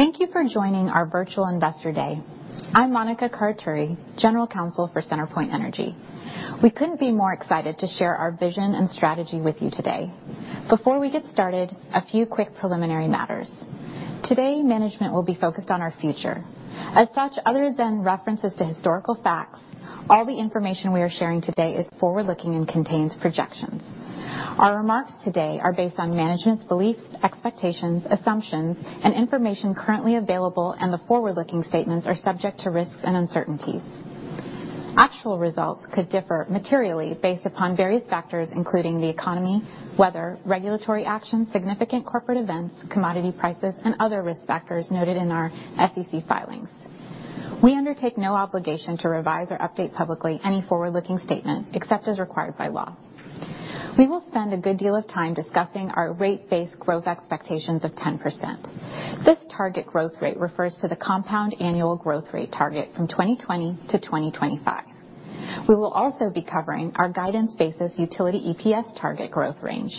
Thank you for joining our virtual Investor Day. I'm Monica Karuturi, General Counsel for CenterPoint Energy. We couldn't be more excited to share our vision and strategy with you today. Before we get started, a few quick preliminary matters. Today, management will be focused on our future. As such, other than references to historical facts, all the information we are sharing today is forward-looking and contains projections. Our remarks today are based on management's beliefs, expectations, assumptions, and information currently available, and the forward-looking statements are subject to risks and uncertainties. Actual results could differ materially based upon various factors, including the economy, weather, regulatory action, significant corporate events, commodity prices, and other risk factors noted in our SEC filings. We undertake no obligation to revise or update publicly any forward-looking statements except as required by law. We will spend a good deal of time discussing our rate base growth expectations of 10%. This target growth rate refers to the compound annual growth rate target from 2020 to 2025. We will also be covering our guidance-basis utility EPS target growth range.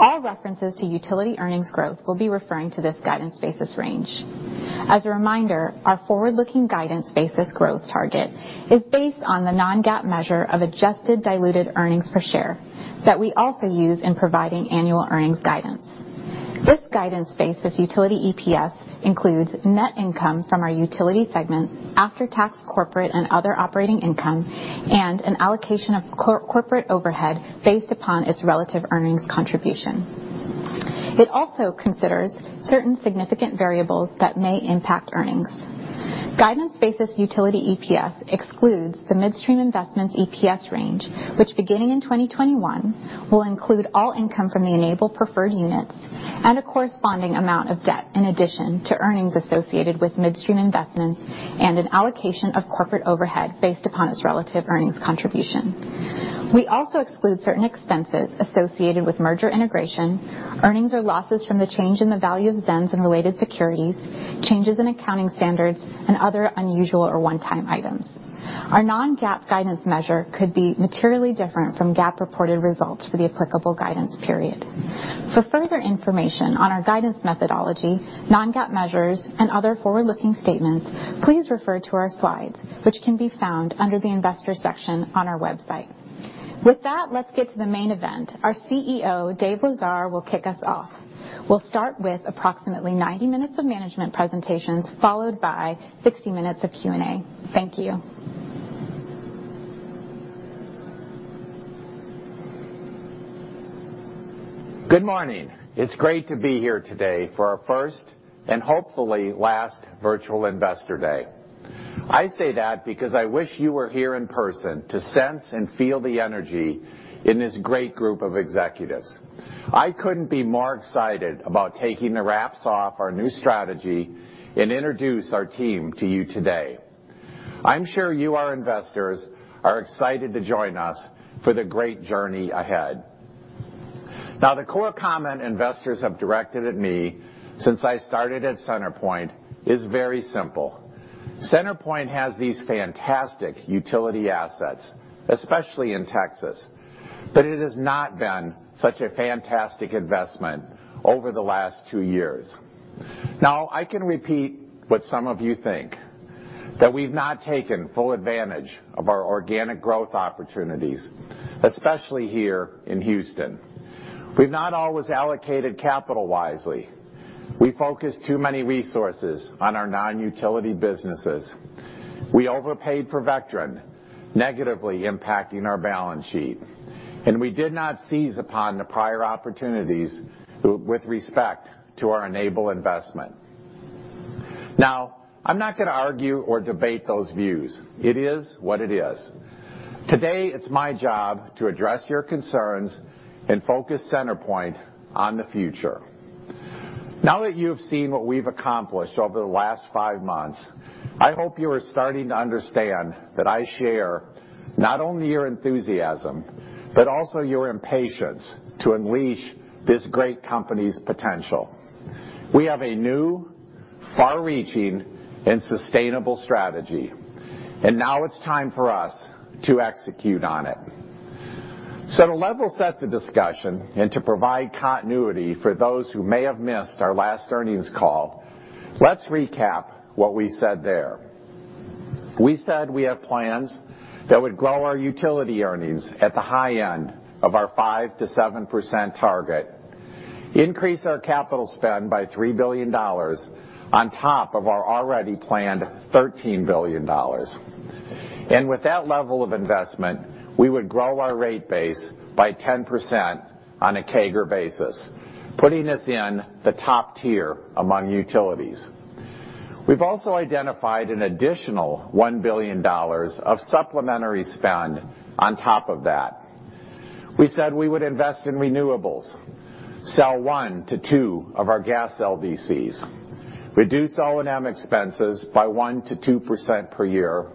All references to utility earnings growth will be referring to this guidance-basis range. As a reminder, our forward-looking guidance-basis growth target is based on the non-GAAP measure of adjusted diluted earnings per share that we also use in providing annual earnings guidance. This guidance-basis utility EPS includes net income from our utility segments after-tax corporate and other operating income, and an allocation of corporate overhead based upon its relative earnings contribution. It also considers certain significant variables that may impact earnings. Guidance-basis utility EPS excludes the midstream investments EPS range, which beginning in 2021, will include all income from the Enable preferred units and a corresponding amount of debt in addition to earnings associated with midstream investments and an allocation of corporate overhead based upon its relative earnings contribution. We also exclude certain expenses associated with merger integration, earnings or losses from the change in the value of ZENS and related securities, changes in accounting standards, and other unusual or one-time items. Our non-GAAP guidance measure could be materially different from GAAP reported results for the applicable guidance period. For further information on our guidance methodology, non-GAAP measures and other forward-looking statements, please refer to our slides, which can be found under the Investors section on our website. With that, let's get to the main event. Our CEO, David Lesar, will kick us off. We'll start with approximately 90 minutes of management presentations, followed by 60 minutes of Q&A. Thank you. Good morning. It's great to be here today for our first and hopefully last virtual Investor Day. I say that because I wish you were here in person to sense and feel the energy in this great group of executives. I couldn't be more excited about taking the wraps off our new strategy and introduce our team to you today. I'm sure you, our investors, are excited to join us for the great journey ahead. Now, the core comment investors have directed at me since I started at CenterPoint is very simple. CenterPoint has these fantastic utility assets, especially in Texas, but it has not been such a fantastic investment over the last two years. Now, I can repeat what some of you think, that we've not taken full advantage of our organic growth opportunities, especially here in Houston. We've not always allocated capital wisely. We focus too many resources on our non-utility businesses. We overpaid for Vectren, negatively impacting our balance sheet, and we did not seize upon the prior opportunities with respect to our Enable investment. I'm not going to argue or debate those views. It is what it is. Today, it's my job to address your concerns and focus CenterPoint on the future. That you have seen what we've accomplished over the last five months, I hope you are starting to understand that I share not only your enthusiasm, but also your impatience to unleash this great company's potential. We have a new far-reaching and sustainable strategy, and now it's time for us to execute on it. To level set the discussion and to provide continuity for those who may have missed our last earnings call, let's recap what we said there. We said we have plans that would grow our utility earnings at the high end of our 5%-7% target, increase our capital spend by $3 billion on top of our already planned $13 billion. With that level of investment, we would grow our rate base by 10% on a CAGR basis, putting us in the top tier among utilities. We've also identified an additional $1 billion of supplementary spend on top of that. We said we would invest in renewables, sell one to two of our gas LDCs, reduce O&M expenses by 1%-2% per year,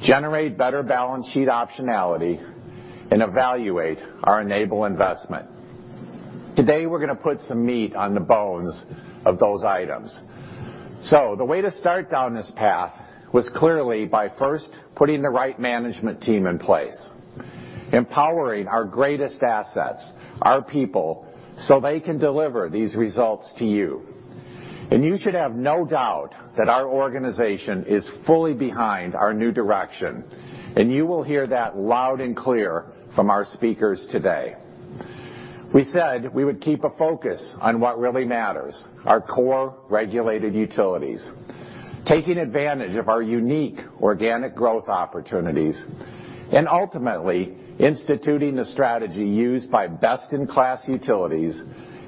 generate better balance sheet optionality, and evaluate our Enable investment. Today, we're going to put some meat on the bones of those items. The way to start down this path was clearly by first putting the right management team in place. Empowering our greatest assets, our people, so they can deliver these results to you. You should have no doubt that our organization is fully behind our new direction, and you will hear that loud and clear from our speakers today. We said we would keep a focus on what really matters, our core regulated utilities, taking advantage of our unique organic growth opportunities, and ultimately instituting a strategy used by best-in-class utilities,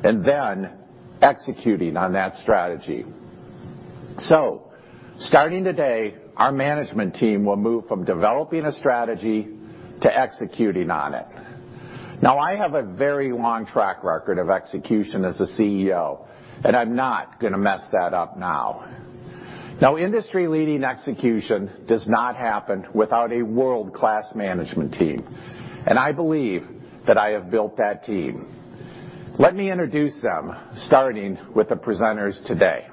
and then executing on that strategy. Starting today, our management team will move from developing a strategy to executing on it. I have a very long track record of execution as a CEO, and I'm not going to mess that up now. Industry-leading execution does not happen without a world-class management team. I believe that I have built that team. Let me introduce them, starting with the presenters today.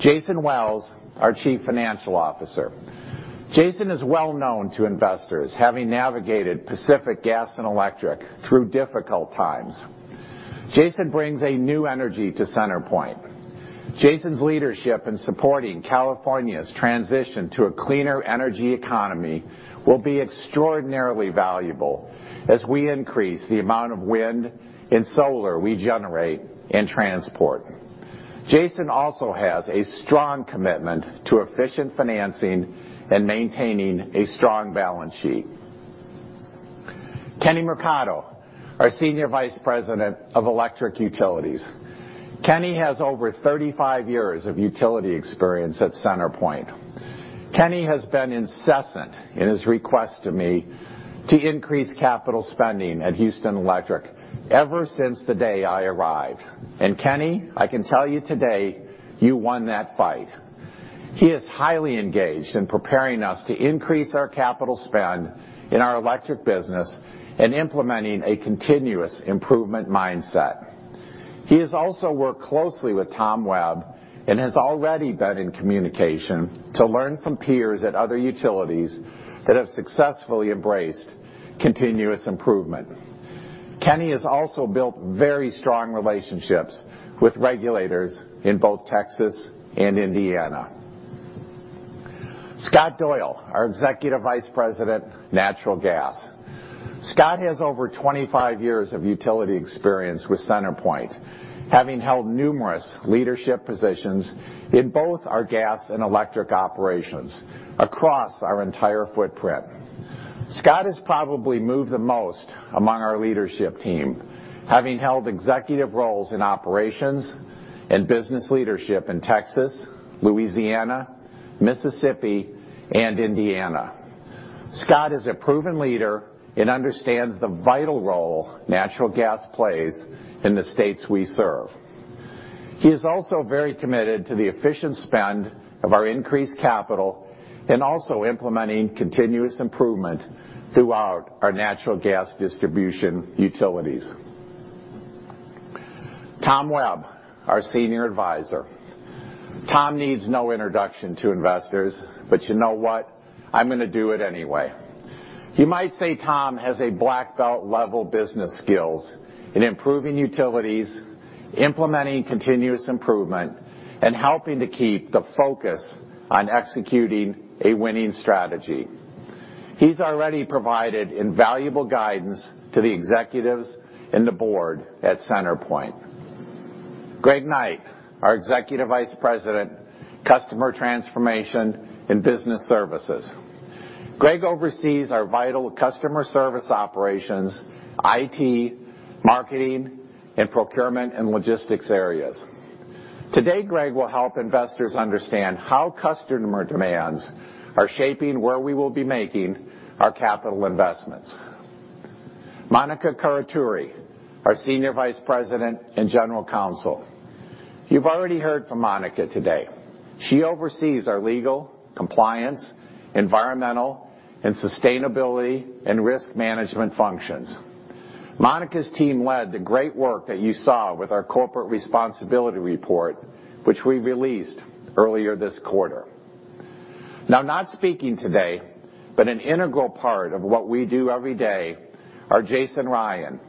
Jason Wells, our Chief Financial Officer. Jason is well known to investors, having navigated Pacific Gas and Electric through difficult times. Jason brings a new energy to CenterPoint. Jason's leadership in supporting California's transition to a cleaner energy economy will be extraordinarily valuable as we increase the amount of wind and solar we generate and transport. Jason also has a strong commitment to efficient financing and maintaining a strong balance sheet. Kenny Mercado, our Senior Vice President of Electric Utilities. Kenny has over 35 years of utility experience at CenterPoint. Kenny has been incessant in his request to me to increase capital spending at Houston Electric ever since the day I arrived. Kenny, I can tell you today, you won that fight. He is highly engaged in preparing us to increase our capital spend in our electric business and implementing a continuous improvement mindset. He has also worked closely with Tom Webb and has already been in communication to learn from peers at other utilities that have successfully embraced continuous improvement. Kenny has also built very strong relationships with regulators in both Texas and Indiana. Scott Doyle, our Executive Vice President, Natural Gas. Scott has over 25 years of utility experience with CenterPoint, having held numerous leadership positions in both our gas and electric operations across our entire footprint. Scott has probably moved the most among our leadership team, having held executive roles in operations and business leadership in Texas, Louisiana, Mississippi, and Indiana. Scott is a proven leader and understands the vital role natural gas plays in the states we serve. He is also very committed to the efficient spend of our increased capital, and also implementing continuous improvement throughout our natural gas distribution utilities. Tom Webb, our Senior Advisor. Tom needs no introduction to investors. You know what? I'm going to do it anyway. You might say Tom has a black belt level business skills in improving utilities, implementing continuous improvement, and helping to keep the focus on executing a winning strategy. He's already provided invaluable guidance to the executives and the board at CenterPoint. Greg Knight, our Executive Vice President, Customer Transformation and Business Services. Greg oversees our vital customer service operations, IT, marketing, and procurement, and logistics areas. Today, Greg will help investors understand how customer demands are shaping where we will be making our capital investments. Monica Karuturi, our Senior Vice President and General Counsel. You've already heard from Monica today. She oversees our legal, compliance, environmental, and sustainability, and risk management functions. Monica's team led the great work that you saw with our corporate responsibility report, which we released earlier this quarter. Not speaking today, but an integral part of what we do every day are Jason Ryan,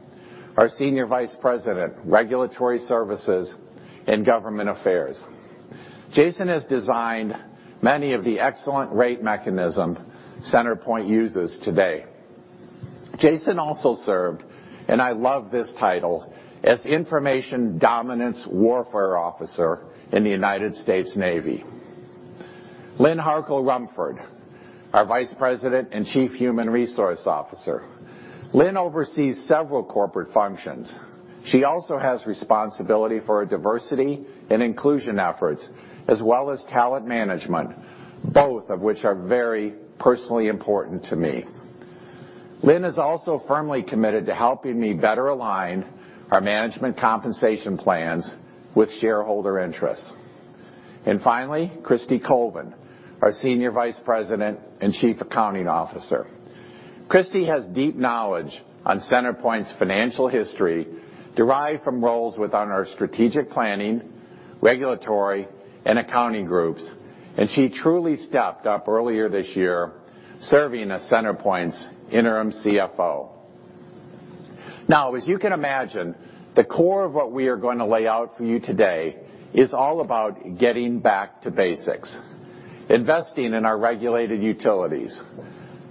our Senior Vice President, Regulatory Services and Government Affairs. Jason has designed many of the excellent rate mechanism CenterPoint uses today. Jason also served, and I love this title, as Information Dominance Warfare Officer in the United States Navy. Lynne Harkel-Rumford, our Vice President and Chief Human Resource Officer. Lynn oversees several corporate functions. She also has responsibility for our diversity and inclusion efforts, as well as talent management, both of which are very personally important to me. Lynn is also firmly committed to helping me better align our management compensation plans with shareholder interests. Finally, Kristie Colvin, our Senior Vice President and Chief Accounting Officer. Kristie has deep knowledge on CenterPoint Energy's financial history, derived from roles within our strategic planning regulatory and accounting groups, and she truly stepped up earlier this year serving as CenterPoint Energy's interim CFO. Now, as you can imagine, the core of what we are going to lay out for you today is all about getting back to basics, investing in our regulated utilities,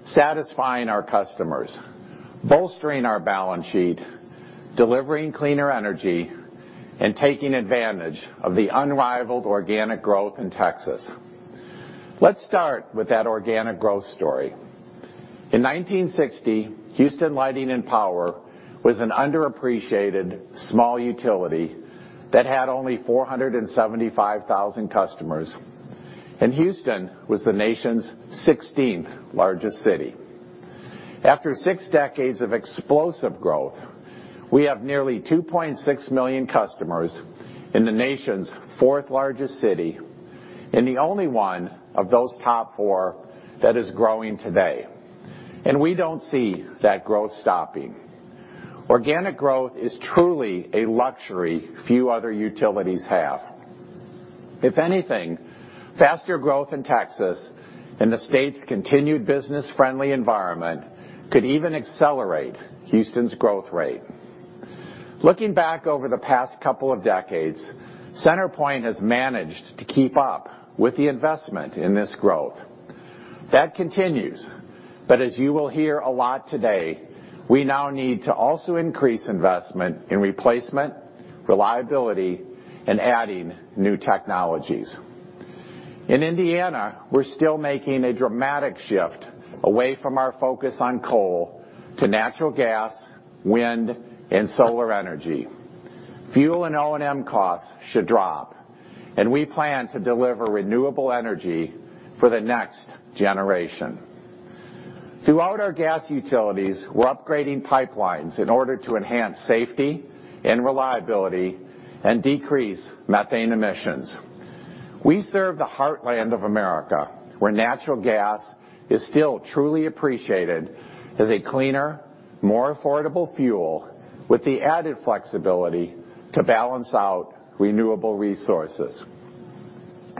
satisfying our customers, bolstering our balance sheet, delivering cleaner energy, and taking advantage of the unrivaled organic growth in Texas. Let's start with that organic growth story. In 1960, Houston Lighting & Power was an underappreciated small utility that had only 475,000 customers, and Houston was the nation's 16th largest city. After six decades of explosive growth, we have nearly 2.6 million customers in the nation's fourth-largest city, and the only one of those top four that is growing today. We don't see that growth stopping. Organic growth is truly a luxury few other utilities have. If anything, faster growth in Texas and the state's continued business-friendly environment could even accelerate Houston's growth rate. Looking back over the past couple of decades, CenterPoint has managed to keep up with the investment in this growth. That continues, but as you will hear a lot today, we now need to also increase investment in replacement, reliability, and adding new technologies. In Indiana, we're still making a dramatic shift away from our focus on coal to natural gas, wind, and solar energy. Fuel and O&M costs should drop, and we plan to deliver renewable energy for the next generation. Throughout our gas utilities, we're upgrading pipelines in order to enhance safety and reliability and decrease methane emissions. We serve the heartland of America, where natural gas is still truly appreciated as a cleaner, more affordable fuel with the added flexibility to balance out renewable resources.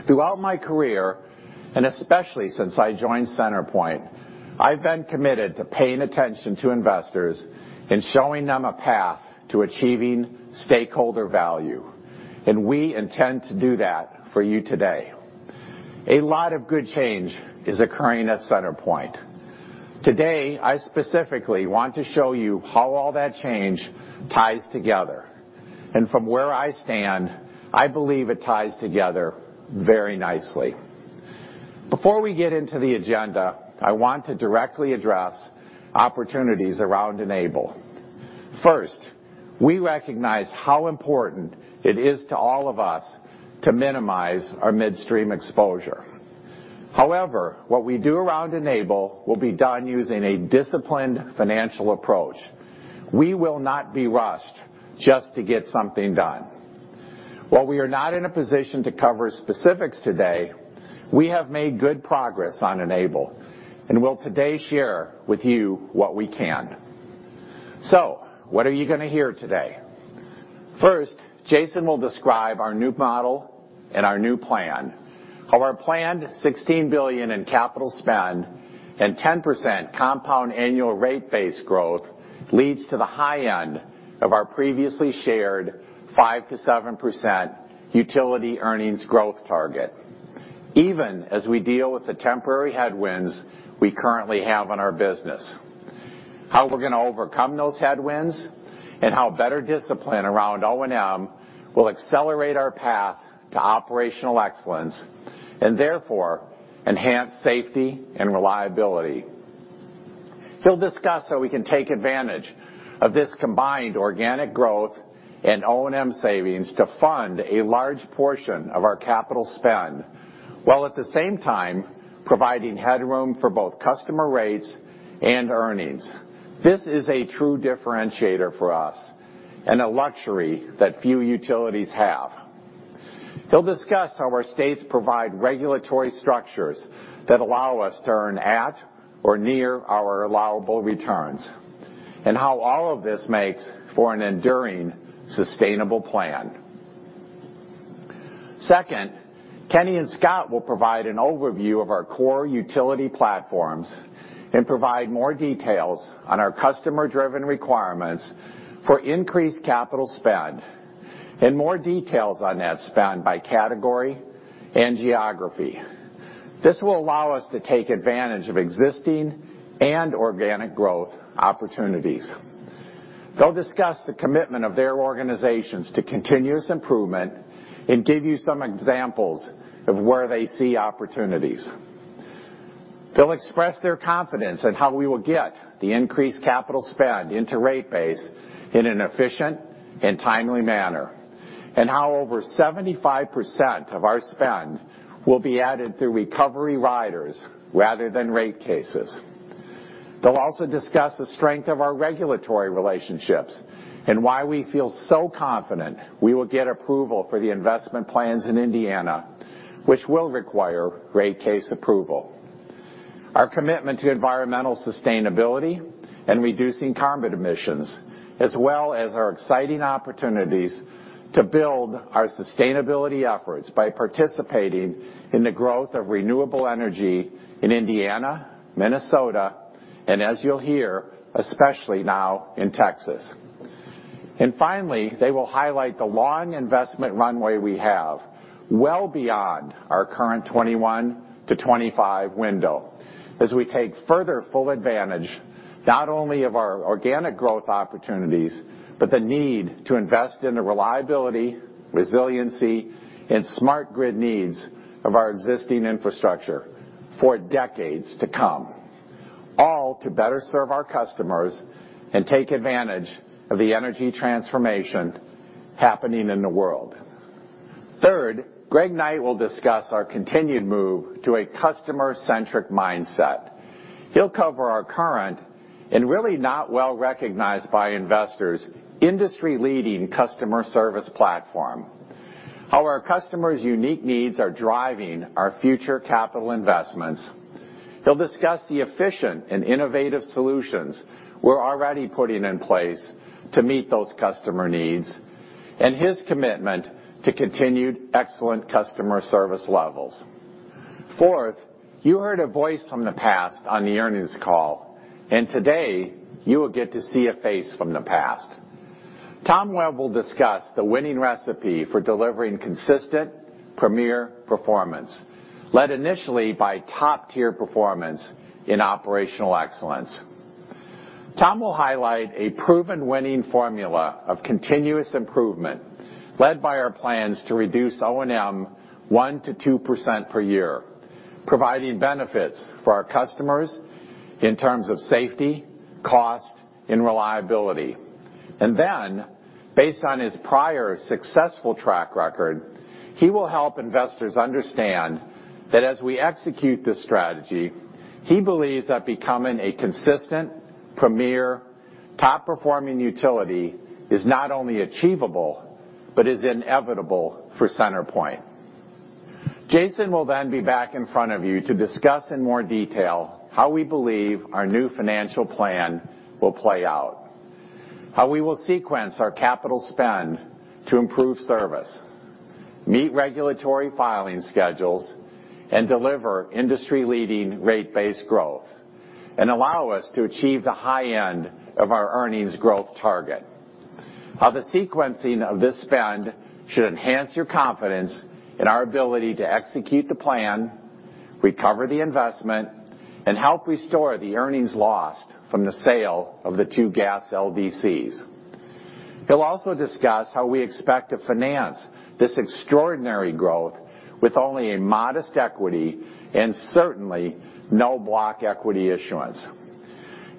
Throughout my career, and especially since I joined CenterPoint, I've been committed to paying attention to investors and showing them a path to achieving stakeholder value. We intend to do that for you today. A lot of good change is occurring at CenterPoint. Today, I specifically want to show you how all that change ties together. From where I stand, I believe it ties together very nicely. Before we get into the agenda, I want to directly address opportunities around Enable. First, we recognize how important it is to all of us to minimize our midstream exposure. However, what we do around Enable will be done using a disciplined financial approach. We will not be rushed just to get something done. While we are not in a position to cover specifics today, we have made good progress on Enable and will today share with you what we can. What are you going to hear today? First, Jason will describe our new model and our new plan, how our planned $16 billion in capital spend and 10% compound annual rate base growth leads to the high end of our previously shared 5%-7% utility earnings growth target, even as we deal with the temporary headwinds we currently have in our business, how we're going to overcome those headwinds, and how better discipline around O&M will accelerate our path to operational excellence and therefore enhance safety and reliability. He'll discuss how we can take advantage of this combined organic growth and O&M savings to fund a large portion of our capital spend, while at the same time providing headroom for both customer rates and earnings. This is a true differentiator for us and a luxury that few utilities have. He'll discuss how our states provide regulatory structures that allow us to earn at or near our allowable returns, and how all of this makes for an enduring, sustainable plan. Second, Kenny and Scott will provide an overview of our core utility platforms and provide more details on our customer-driven requirements for increased capital spend, and more details on that spend by category and geography. This will allow us to take advantage of existing and organic growth opportunities. They'll discuss the commitment of their organizations to continuous improvement and give you some examples of where they see opportunities. They'll express their confidence in how we will get the increased capital spend into rate base in an efficient and timely manner, and how over 75% of our spend will be added through recovery riders rather than rate cases. They'll also discuss the strength of our regulatory relationships and why we feel so confident we will get approval for the investment plans in Indiana, which will require rate case approval. Our commitment to environmental sustainability and reducing carbon emissions, as well as our exciting opportunities to build our sustainability efforts by participating in the growth of renewable energy in Indiana, Minnesota, and as you'll hear, especially now in Texas. Finally, they will highlight the long investment runway we have well beyond our current 2021 to 2025 window, as we take further full advantage not only of our organic growth opportunities, but the need to invest in the reliability, resiliency, and smart grid needs of our existing infrastructure for decades to come, all to better serve our customers and take advantage of the energy transformation happening in the world. Third, Greg Knight will discuss our continued move to a customer-centric mindset. He'll cover our current, and really not well recognized by investors, industry-leading customer service platform, how our customers' unique needs are driving our future capital investments. He'll discuss the efficient and innovative solutions we're already putting in place to meet those customer needs, and his commitment to continued excellent customer service levels. Fourth, you heard a voice from the past on the earnings call, and today, you will get to see a face from the past. Tom Webb will discuss the winning recipe for delivering consistent premier performance led initially by top-tier performance in operational excellence. Tom will highlight a proven winning formula of continuous improvement led by our plans to reduce O&M 1%-2% per year, providing benefits for our customers in terms of safety, cost, and reliability. Based on his prior successful track record, he will help investors understand that as we execute this strategy, he believes that becoming a consistent premier top-performing utility is not only achievable, but is inevitable for CenterPoint Energy. Jason will then be back in front of you to discuss in more detail how we believe our new financial plan will play out, how we will sequence our capital spend to improve service, meet regulatory filing schedules, and deliver industry-leading rate base growth, and allow us to achieve the high end of our earnings growth target. How the sequencing of this spend should enhance your confidence in our ability to execute the plan, recover the investment, and help restore the earnings lost from the sale of the two gas LDCs. He'll also discuss how we expect to finance this extraordinary growth with only a modest equity and certainly no block equity issuance.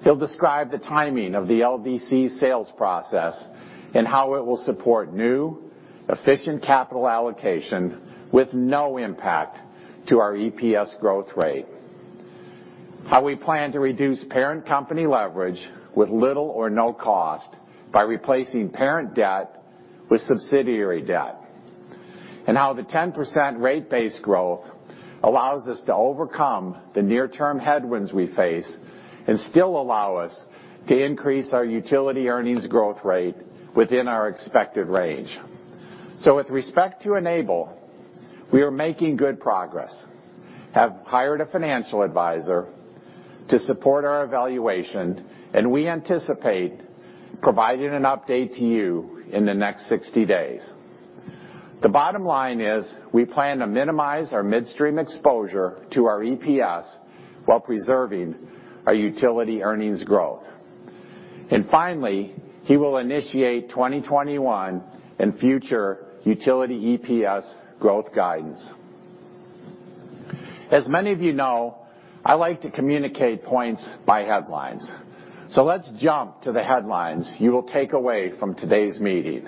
He'll describe the timing of the LDC sales process and how it will support new, efficient capital allocation with no impact to our EPS growth rate. How we plan to reduce parent company leverage with little or no cost by replacing parent debt with subsidiary debt. How the 10% rate base growth allows us to overcome the near-term headwinds we face and still allow us to increase our utility earnings growth rate within our expected range. With respect to Enable, we are making good progress, have hired a financial advisor to support our evaluation, and we anticipate providing an update to you in the next 60 days. The bottom line is we plan to minimize our midstream exposure to our EPS while preserving our utility earnings growth. Finally, he will initiate 2021 and future utility EPS growth guidance. As many of you know, I like to communicate points by headlines. Let's jump to the headlines you will take away from today's meeting.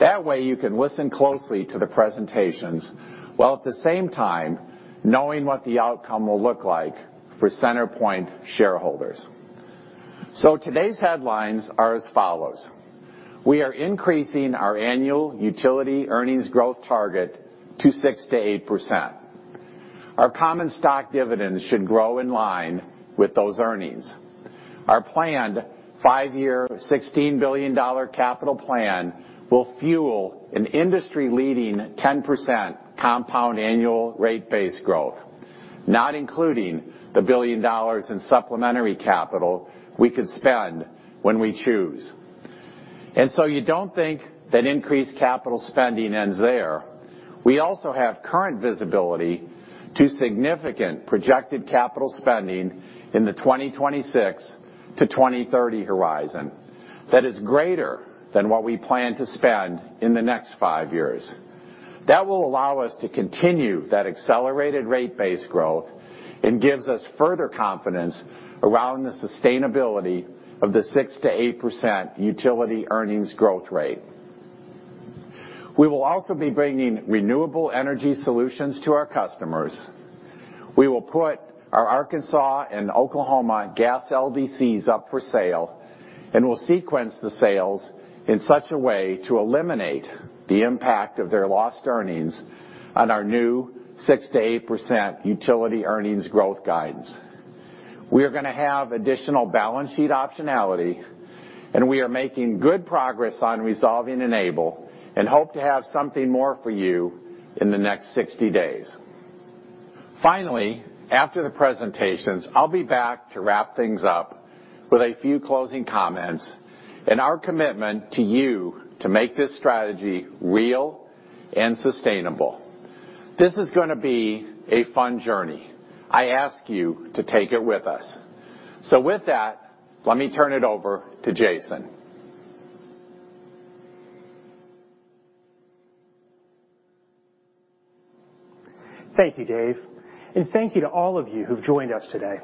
That way, you can listen closely to the presentations, while at the same time knowing what the outcome will look like for CenterPoint shareholders. Today's headlines are as follows. We are increasing our annual utility earnings growth target to 6%-8%. Our common stock dividends should grow in line with those earnings. Our planned 5-year, $16 billion capital plan will fuel an industry-leading 10% compound annual rate base growth, not including the $1 billion in supplementary capital we could spend when we choose. You don't think that increased capital spending ends there, we also have current visibility to significant projected capital spending in the 2026 to 2030 horizon that is greater than what we plan to spend in the next 5 years. That will allow us to continue that accelerated rate base growth and gives us further confidence around the sustainability of the 6%-8% utility earnings growth rate. We will also be bringing renewable energy solutions to our customers. We'll sequence the sales in such a way to eliminate the impact of their lost earnings on our new 6%-8% utility earnings growth guidance. We are going to have additional balance sheet optionality, and we are making good progress on resolving Enable and hope to have something more for you in the next 60 days. Finally, after the presentations, I'll be back to wrap things up with a few closing comments and our commitment to you to make this strategy real and sustainable. This is going to be a fun journey. I ask you to take it with us. With that, let me turn it over to Jason. Thank you, David, and thank you to all of you who've joined us today.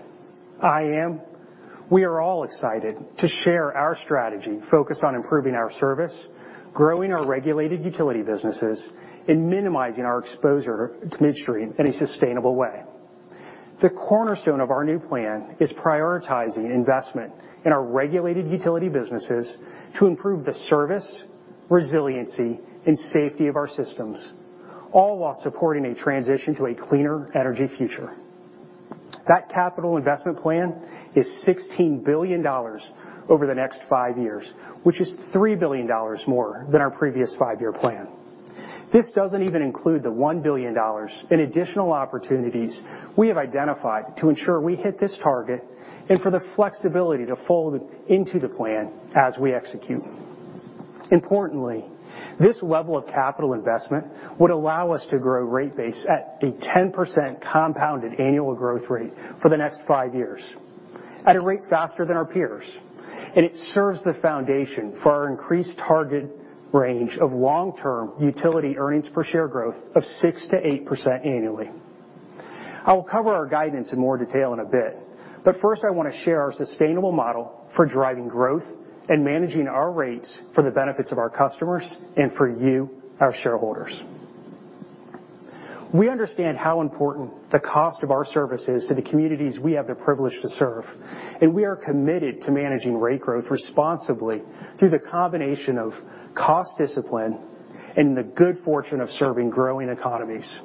We are all excited to share our strategy focused on improving our service, growing our regulated utility businesses, and minimizing our exposure to midstream in a sustainable way. The cornerstone of our new plan is prioritizing investment in our regulated utility businesses to improve the service, resiliency, and safety of our systems, all while supporting a transition to a cleaner energy future. That capital investment plan is $16 billion over the next five years, which is $3 billion more than our previous five-year plan. This doesn't even include the $1 billion in additional opportunities we have identified to ensure we hit this target and for the flexibility to fold into the plan as we execute. Importantly, this level of capital investment would allow us to grow rate base at a 10% compounded annual growth rate for the next five years, at a rate faster than our peers. It serves the foundation for our increased target range of long-term utility earnings per share growth of 6%-8% annually. First, I want to share our sustainable model for driving growth and managing our rates for the benefits of our customers and for you, our shareholders. We understand how important the cost of our service is to the communities we have the privilege to serve. We are committed to managing rate growth responsibly through the combination of cost discipline and the good fortune of serving growing economies.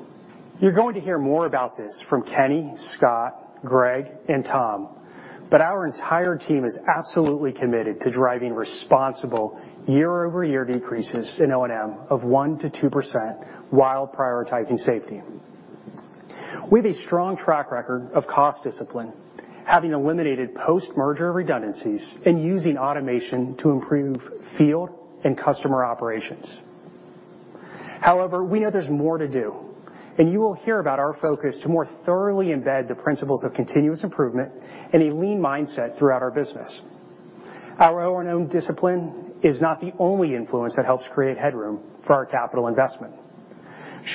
You're going to hear more about this from Kenny, Scott, Greg, and Tom, but our entire team is absolutely committed to driving responsible year-over-year decreases in O&M of 1% to 2% while prioritizing safety. We have a strong track record of cost discipline, having eliminated post-merger redundancies and using automation to improve field and customer operations. However, we know there's more to do, and you will hear about our focus to more thoroughly embed the principles of continuous improvement and a lean mindset throughout our business. Our O&M discipline is not the only influence that helps create headroom for our capital investment.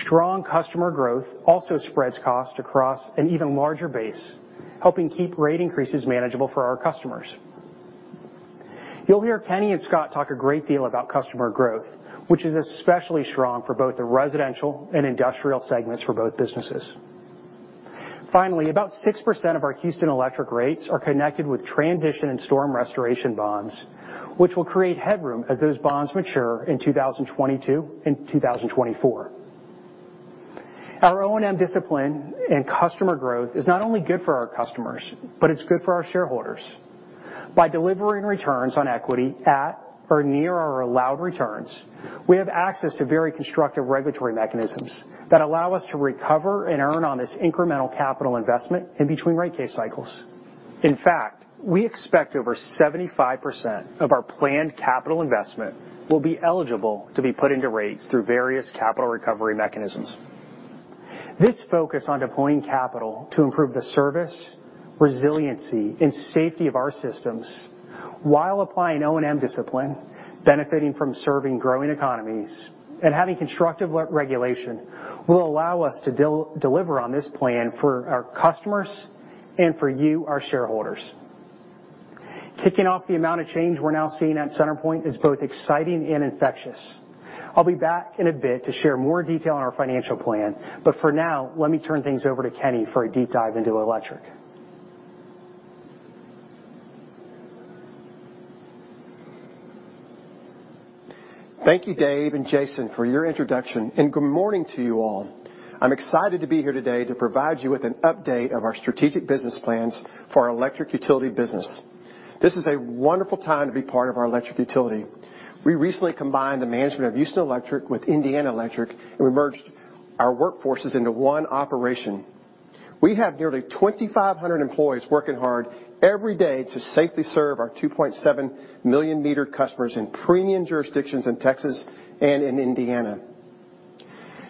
Strong customer growth also spreads cost across an even larger base, helping keep rate increases manageable for our customers. You'll hear Kenny and Scott talk a great deal about customer growth, which is especially strong for both the residential and industrial segments for both businesses. Finally, about 6% of our Houston Electric rates are connected with transition and storm restoration bonds, which will create headroom as those bonds mature in 2022 and 2024. Our O&M discipline and customer growth is not only good for our customers, but it's good for our shareholders. By delivering returns on equity at or near our allowed returns, we have access to very constructive regulatory mechanisms that allow us to recover and earn on this incremental capital investment in between rate case cycles. In fact, we expect over 75% of our planned capital investment will be eligible to be put into rates through various capital recovery mechanisms. This focus on deploying capital to improve the service, resiliency, and safety of our systems while applying O&M discipline, benefiting from serving growing economies, and having constructive regulation will allow us to deliver on this plan for our customers and for you, our shareholders. Kicking off the amount of change we're now seeing at CenterPoint is both exciting and infectious. I'll be back in a bit to share more detail on our financial plan, but for now, let me turn things over to Kenny for a deep dive into Electric. Thank you, Dave and Jason, for your introduction, and good morning to you all. I'm excited to be here today to provide you with an update of our strategic business plans for our electric utility business. This is a wonderful time to be part of our electric utility. We recently combined the management of Houston Electric with Indiana Electric, and we merged our workforces into one operation. We have nearly 2,500 employees working hard every day to safely serve our 2.7 million meter customers in premium jurisdictions in Texas and in Indiana.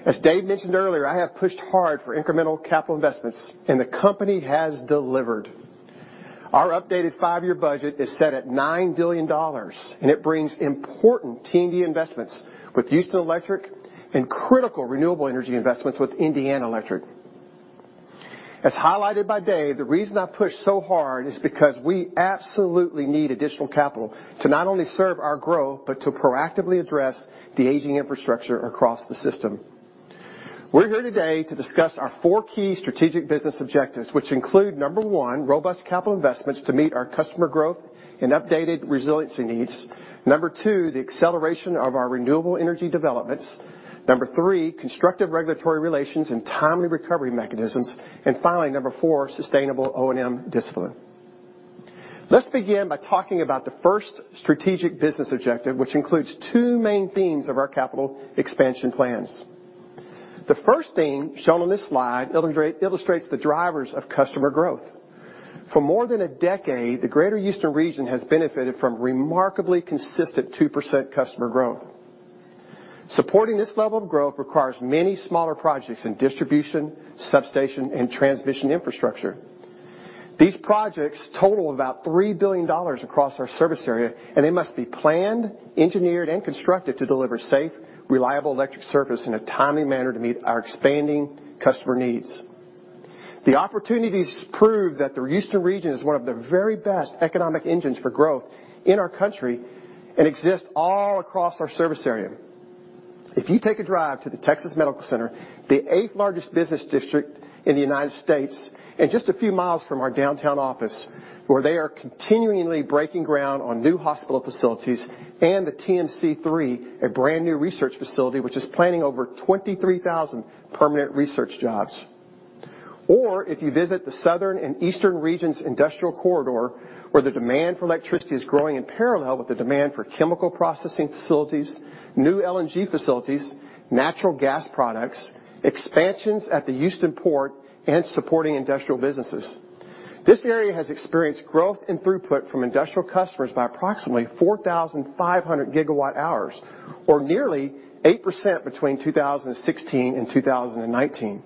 As Dave mentioned earlier, I have pushed hard for incremental capital investments, and the company has delivered. Our updated five-year budget is set at $9 billion, and it brings important T&D investments with Houston Electric and critical renewable energy investments with Indiana Electric. As highlighted by David, the reason I pushed so hard is because we absolutely need additional capital to not only serve our growth, but to proactively address the aging infrastructure across the system. We're here today to discuss our four key strategic business objectives, which include, number one, robust capital investments to meet our customer growth and updated resiliency needs. Number two, the acceleration of our renewable energy developments. Number three, constructive regulatory relations and timely recovery mechanisms. Finally, number four, sustainable O&M discipline. Let's begin by talking about the first strategic business objective, which includes two main themes of our capital expansion plans. The first theme, shown on this slide, illustrates the drivers of customer growth. For more than a decade, the greater Houston region has benefited from remarkably consistent 2% customer growth. Supporting this level of growth requires many smaller projects in distribution, substation, and transmission infrastructure. These projects total about $3 billion across our service area, and they must be planned, engineered, and constructed to deliver safe, reliable electric service in a timely manner to meet our expanding customer needs. The opportunities prove that the Houston region is one of the very best economic engines for growth in our country and exists all across our service area. If you take a drive to the Texas Medical Center, the eighth-largest business district in the U.S., and just a few miles from our downtown office, where they are continually breaking ground on new hospital facilities and the TMC3, a brand-new research facility, which is planning over 23,000 permanent research jobs. Or if you visit the southern and eastern regions' industrial corridor, where the demand for electricity is growing in parallel with the demand for chemical processing facilities, new LNG facilities, natural gas products, expansions at the Houston Port, and supporting industrial businesses. This area has experienced growth in throughput from industrial customers by approximately 4,500 gigawatt hours, or nearly 8% between 2016 and 2019.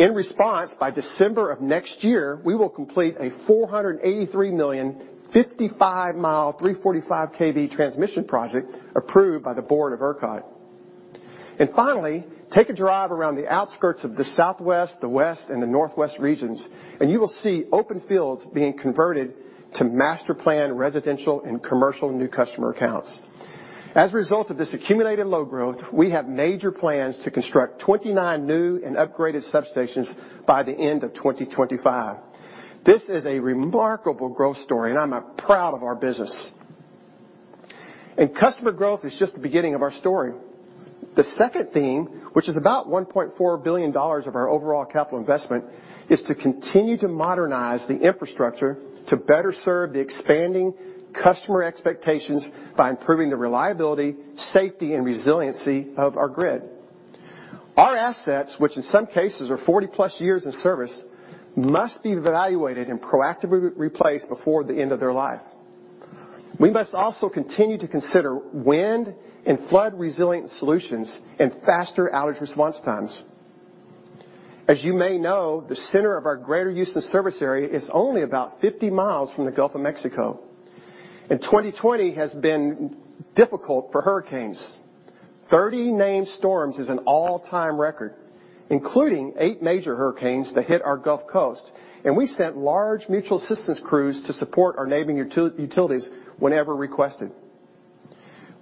In response, by December of next year, we will complete a $483 million, 55-mile, 345-kV transmission project approved by the Board of ERCOT. Finally, take a drive around the outskirts of the southwest, the west, and the northwest regions, and you will see open fields being converted to master plan residential and commercial new customer accounts. As a result of this accumulated load growth, we have major plans to construct 29 new and upgraded substations by the end of 2025. This is a remarkable growth story, and I'm proud of our business. Customer growth is just the beginning of our story. The second theme, which is about $1.4 billion of our overall capital investment, is to continue to modernize the infrastructure to better serve the expanding customer expectations by improving the reliability, safety, and resiliency of our grid. Our assets, which in some cases are 40-plus years in service, must be evaluated and proactively replaced before the end of their life. We must also continue to consider wind and flood-resilient solutions and faster outage response times. As you may know, the center of our greater Houston service area is only about 50 miles from the Gulf of Mexico, and 2020 has been difficult for hurricanes. 30 named storms is an all-time record, including eight major hurricanes that hit our Gulf Coast. We sent large mutual assistance crews to support our neighboring utilities whenever requested.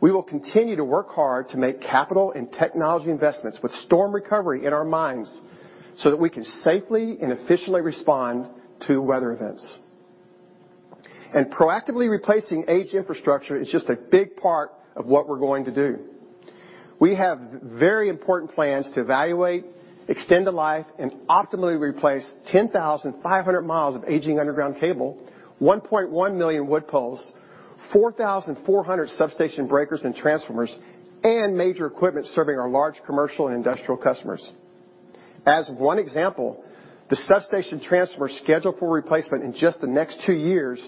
We will continue to work hard to make capital and technology investments with storm recovery in our minds so that we can safely and efficiently respond to weather events. Proactively replacing aged infrastructure is just a big part of what we're going to do. We have very important plans to evaluate, extend the life, and optimally replace 10,500 miles of aging underground cable, 1.1 million wood poles, 4,400 substation breakers and transformers, and major equipment serving our large commercial and industrial customers. As one example, the substation transformers scheduled for replacement in just the next two years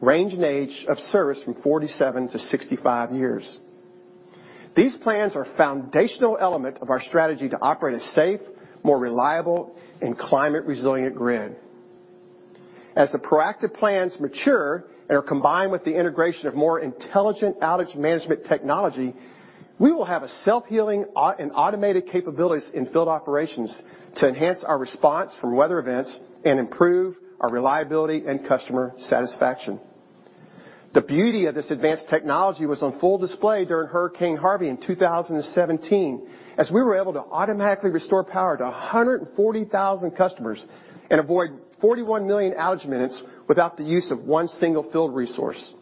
range in age of service from 47 to 65 years. These plans are a foundational element of our strategy to operate a safe, more reliable, and climate-resilient grid. As the proactive plans mature and are combined with the integration of more intelligent outage management technology, we will have a self-healing and automated capabilities in field operations to enhance our response from weather events and improve our reliability and customer satisfaction. The beauty of this advanced technology was on full display during Hurricane Harvey in 2017, as we were able to automatically restore power to 140,000 customers and avoid 41 million outage minutes without the use of one single field resource.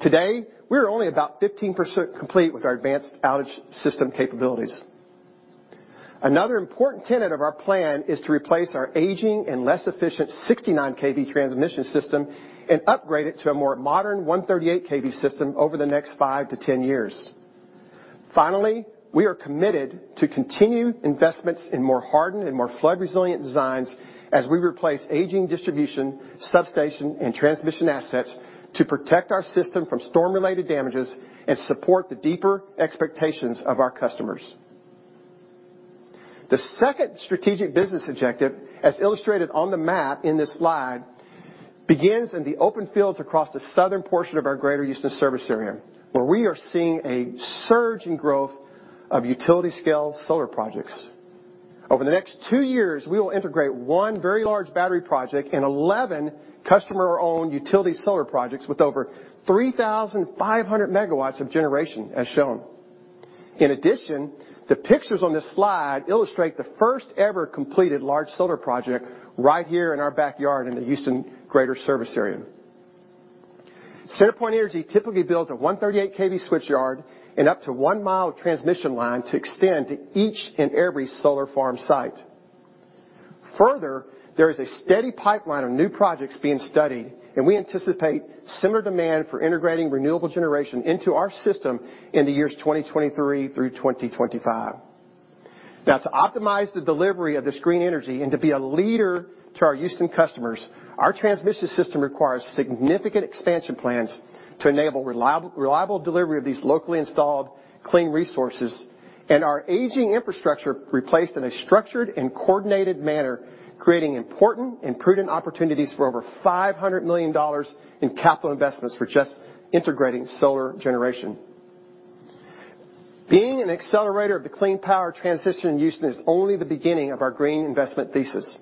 Today, we are only about 15% complete with our advanced outage system capabilities. Another important tenet of our plan is to replace our aging and less efficient 69 kV transmission system and upgrade it to a more modern 138 kV system over the next five to 10 years. Finally, we are committed to continued investments in more hardened and more flood-resilient designs as we replace aging distribution, substation, and transmission assets to protect our system from storm-related damages and support the deeper expectations of our customers. The second strategic business objective, as illustrated on the map in this slide, begins in the open fields across the southern portion of our greater Houston service area, where we are seeing a surge in growth of utility-scale solar projects. Over the next two years, we will integrate one very large battery project and 11 customer-owned utility solar projects with over 3,500 megawatts of generation as shown. The pictures on this slide illustrate the first-ever completed large solar project right here in our backyard in the Houston greater service area. CenterPoint Energy typically builds a 138 kV switch yard and up to one mile of transmission line to extend to each and every solar farm site. There is a steady pipeline of new projects being studied. We anticipate similar demand for integrating renewable generation into our system in the years 2023 through 2025. To optimize the delivery of this green energy and to be a leader to our Houston customers, our transmission system requires significant expansion plans to enable reliable delivery of these locally installed clean resources. Our aging infrastructure replaced in a structured and coordinated manner, creating important and prudent opportunities for over $500 million in capital investments for just integrating solar generation. Being an accelerator of the clean power transition in Houston is only the beginning of our green investment thesis.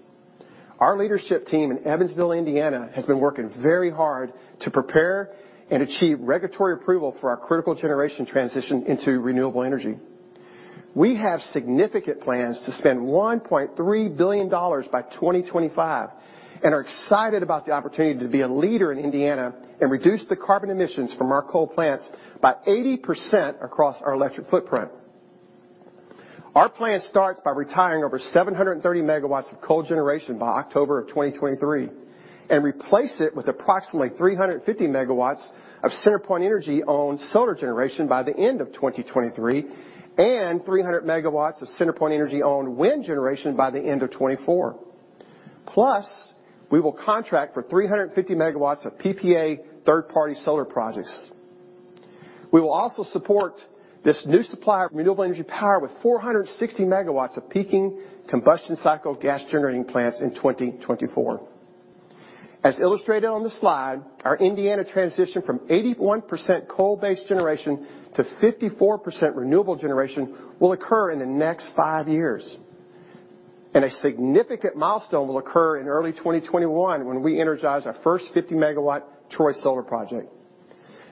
Our leadership team in Evansville, Indiana, has been working very hard to prepare and achieve regulatory approval for our critical generation transition into renewable energy. We have significant plans to spend $1.3 billion by 2025, and are excited about the opportunity to be a leader in Indiana and reduce the carbon emissions from our coal plants by 80% across our electric footprint. Our plan starts by retiring over 730 megawatts of coal generation by October of 2023, and replace it with approximately 350 megawatts of CenterPoint Energy-owned solar generation by the end of 2023, and 300 megawatts of CenterPoint Energy-owned wind generation by the end of 2024. We will contract for 350 megawatts of PPA third-party solar projects. We will also support this new supply of renewable energy power with 460 MW of peaking combustion cycle gas-generating plants in 2024. As illustrated on the slide, our Indiana transition from 81% coal-based generation to 54% renewable generation will occur in the next five years. A significant milestone will occur in early 2021 when we energize our first 50 MW Troy Solar project.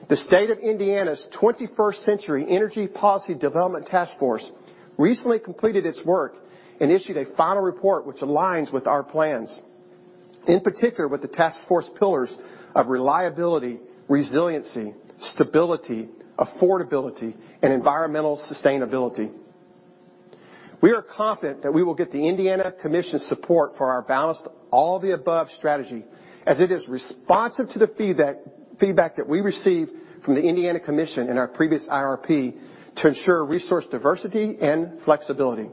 The state of Indiana's 21st Century Energy Policy Development Task Force recently completed its work and issued a final report which aligns with our plans, in particular with the task force pillars of reliability, resiliency, stability, affordability, and environmental sustainability. We are confident that we will get the Indiana Commission's support for our balanced all-of-the-above strategy, as it is responsive to the feedback that we received from the Indiana Commission in our previous IRP to ensure resource diversity and flexibility.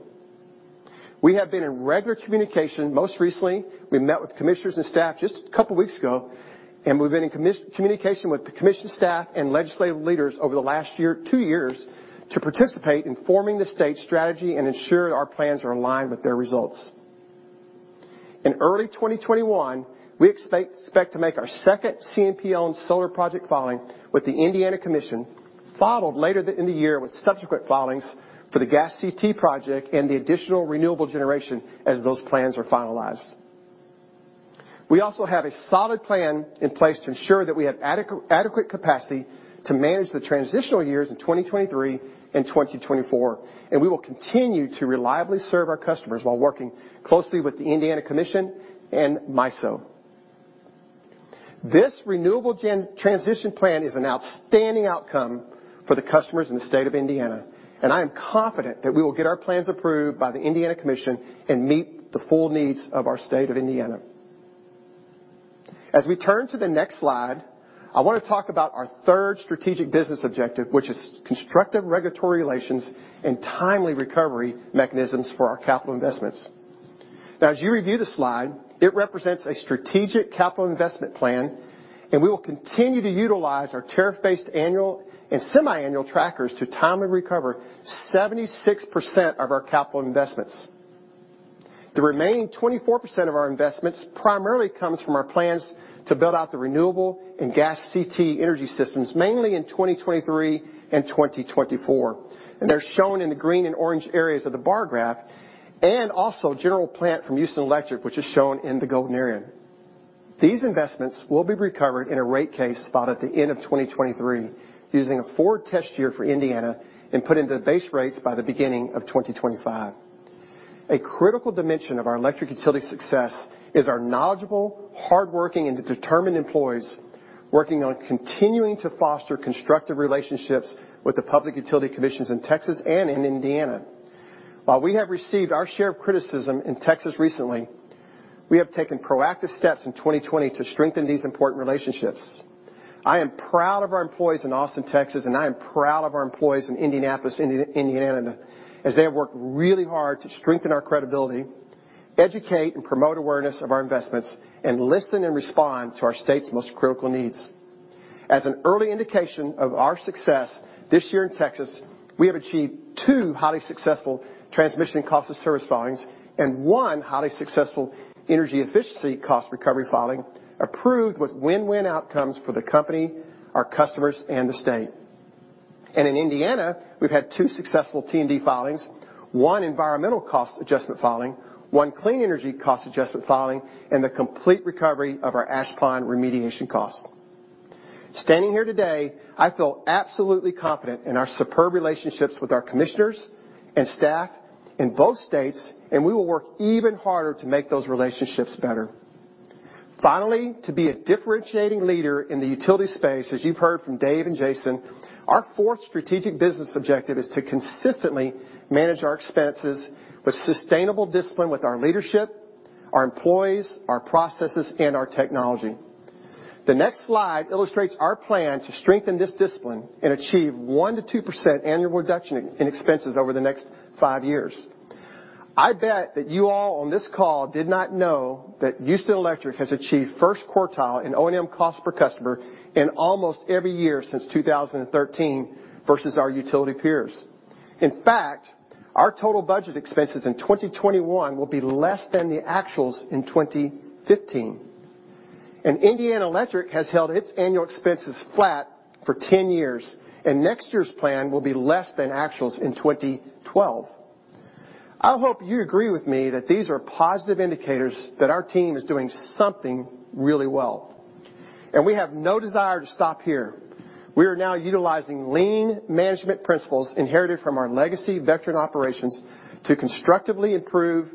We have been in regular communication. Most recently, we met with commissioners and staff just a couple of weeks ago, and we've been in communication with the commission staff and legislative leaders over the last 2 years to participate in forming the state strategy and ensure our plans are aligned with their results. In early 2021, we expect to make our second CNP-owned solar project filing with the Indiana Commission, followed later in the year with subsequent filings for the gas CT project and the additional renewable generation as those plans are finalized. We also have a solid plan in place to ensure that we have adequate capacity to manage the transitional years in 2023 and 2024. We will continue to reliably serve our customers while working closely with the Indiana Commission and MISO. This renewable transition plan is an outstanding outcome for the customers in the state of Indiana. I am confident that we will get our plans approved by the Indiana Commission and meet the full needs of our state of Indiana. As we turn to the next slide, I want to talk about our third strategic business objective, which is constructive regulatory relations and timely recovery mechanisms for our capital investments. As you review the slide, it represents a strategic capital investment plan. We will continue to utilize our tariff-based annual and semiannual trackers to timely recover 76% of our capital investments. The remaining 24% of our investments primarily comes from our plans to build out the renewable and gas CT energy systems, mainly in 2023 and 2024. They're shown in the green and orange areas of the bar graph, and also general plant from Houston Electric, which is shown in the golden area. These investments will be recovered in a rate case filed at the end of 2023 using a forward test year for Indiana and put into the base rates by the beginning of 2025. A critical dimension of our electric utility success is our knowledgeable, hardworking, and determined employees working on continuing to foster constructive relationships with the public utility commissions in Texas and in Indiana. While we have received our share of criticism in Texas recently, we have taken proactive steps in 2020 to strengthen these important relationships. I am proud of our employees in Austin, Texas, and I am proud of our employees in Indianapolis, Indiana, as they have worked really hard to strengthen our credibility, educate and promote awareness of our investments, and listen and respond to our state's most critical needs. As an early indication of our success this year in Texas, we have achieved two highly successful transmission cost of service filings and one highly successful energy efficiency cost recovery filing, approved with win-win outcomes for the company, our customers, and the state. In Indiana, we've had two successful T&D filings, one environmental cost adjustment filing, one clean energy cost adjustment filing, and the complete recovery of our ash pond remediation cost. Standing here today, I feel absolutely confident in our superb relationships with our commissioners and staff in both states, and we will work even harder to make those relationships better. Finally, to be a differentiating leader in the utility space, as you've heard from David and Jason, our fourth strategic business objective is to consistently manage our expenses with sustainable discipline with our leadership, our employees, our processes, and our technology. The next slide illustrates our plan to strengthen this discipline and achieve 1%-2% annual reduction in expenses over the next five years. I bet that you all on this call did not know that Houston Electric has achieved first quartile in O&M cost per customer in almost every year since 2013 versus our utility peers. In fact, our total budget expenses in 2021 will be less than the actuals in 2015. Indiana Electric has held its annual expenses flat for 10 years, and next year's plan will be less than actuals in 2012. I hope you agree with me that these are positive indicators that our team is doing something really well, and we have no desire to stop here. We are now utilizing lean management principles inherited from our legacy Vectren operations to constructively improve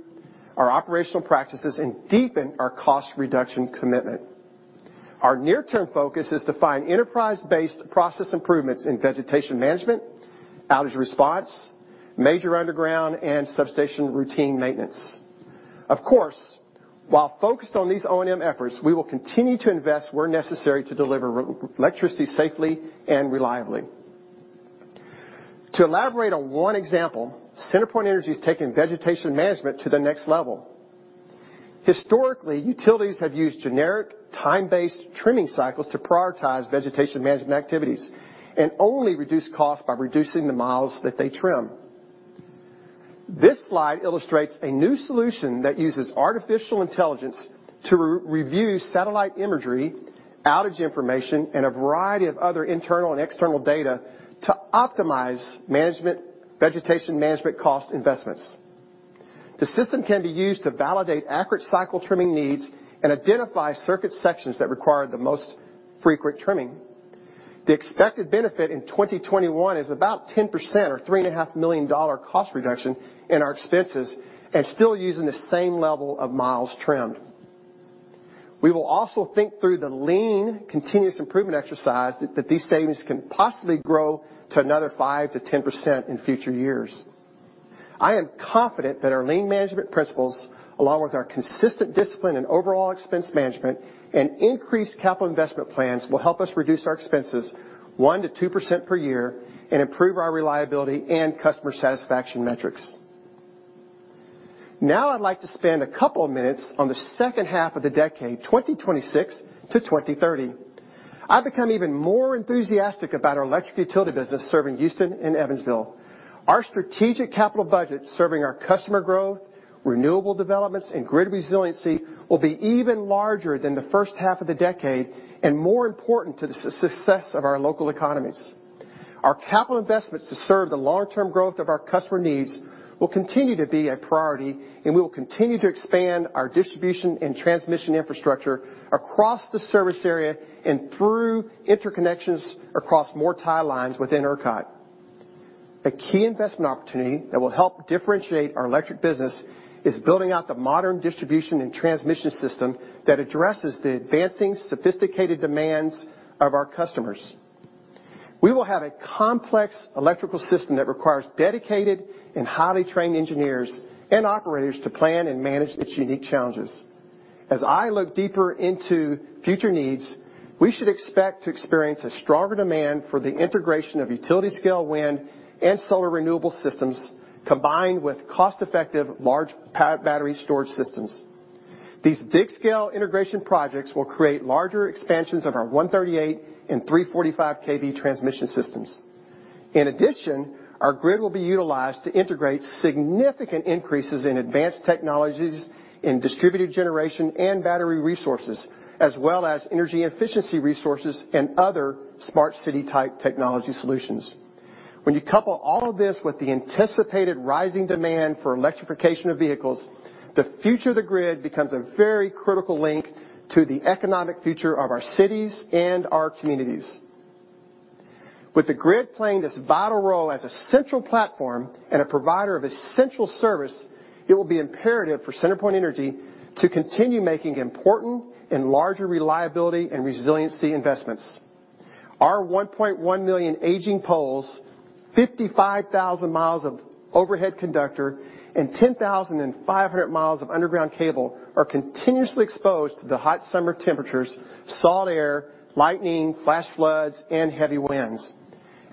our operational practices and deepen our cost reduction commitment. Our near-term focus is to find enterprise-based process improvements in vegetation management, outage response, major underground, and substation routine maintenance. Of course, while focused on these O&M efforts, we will continue to invest where necessary to deliver electricity safely and reliably. To elaborate on one example, CenterPoint Energy is taking vegetation management to the next level. Historically, utilities have used generic time-based trimming cycles to prioritize vegetation management activities and only reduce costs by reducing the miles that they trim. This slide illustrates a new solution that uses artificial intelligence to review satellite imagery, outage information, and a variety of other internal and external data to optimize vegetation management cost investments. The system can be used to validate accurate cycle trimming needs and identify circuit sections that require the most frequent trimming. The expected benefit in 2021 is about 10% or $3.5 million cost reduction in our expenses and still using the same level of miles trimmed. We will also think through the lean continuous improvement exercise that these savings can possibly grow to another 5%-10% in future years. I am confident that our lean management principles, along with our consistent discipline in overall expense management and increased capital investment plans, will help us reduce our expenses 1%-2% per year and improve our reliability and customer satisfaction metrics. Now, I'd like to spend a couple of minutes on the second half of the decade, 2026 to 2030. I've become even more enthusiastic about our electric utility business serving Houston and Evansville. Our strategic capital budget serving our customer growth, renewable developments, and grid resiliency will be even larger than the first half of the decade and more important to the success of our local economies. Our capital investments to serve the long-term growth of our customer needs will continue to be a priority, and we will continue to expand our distribution and transmission infrastructure across the service area and through interconnections across more tie lines within ERCOT. A key investment opportunity that will help differentiate our electric business is building out the modern distribution and transmission system that addresses the advancing sophisticated demands of our customers. We will have a complex electrical system that requires dedicated and highly trained engineers and operators to plan and manage its unique challenges. As I look deeper into future needs, we should expect to experience a stronger demand for the integration of utility-scale wind and solar renewable systems, combined with cost-effective large battery storage systems. These big-scale integration projects will create larger expansions of our 138 and 345 kV transmission systems. In addition, our grid will be utilized to integrate significant increases in advanced technologies in distributed generation and battery resources, as well as energy efficiency resources and other smart city-type technology solutions. When you couple all of this with the anticipated rising demand for electrification of vehicles, the future of the grid becomes a very critical link to the economic future of our cities and our communities. With the grid playing this vital role as a central platform and a provider of essential service, it will be imperative for CenterPoint Energy to continue making important and larger reliability and resiliency investments. Our 1.1 million aging poles, 55,000 miles of overhead conductor, and 10,500 miles of underground cable are continuously exposed to the hot summer temperatures, salt air, lightning, flash floods, and heavy winds.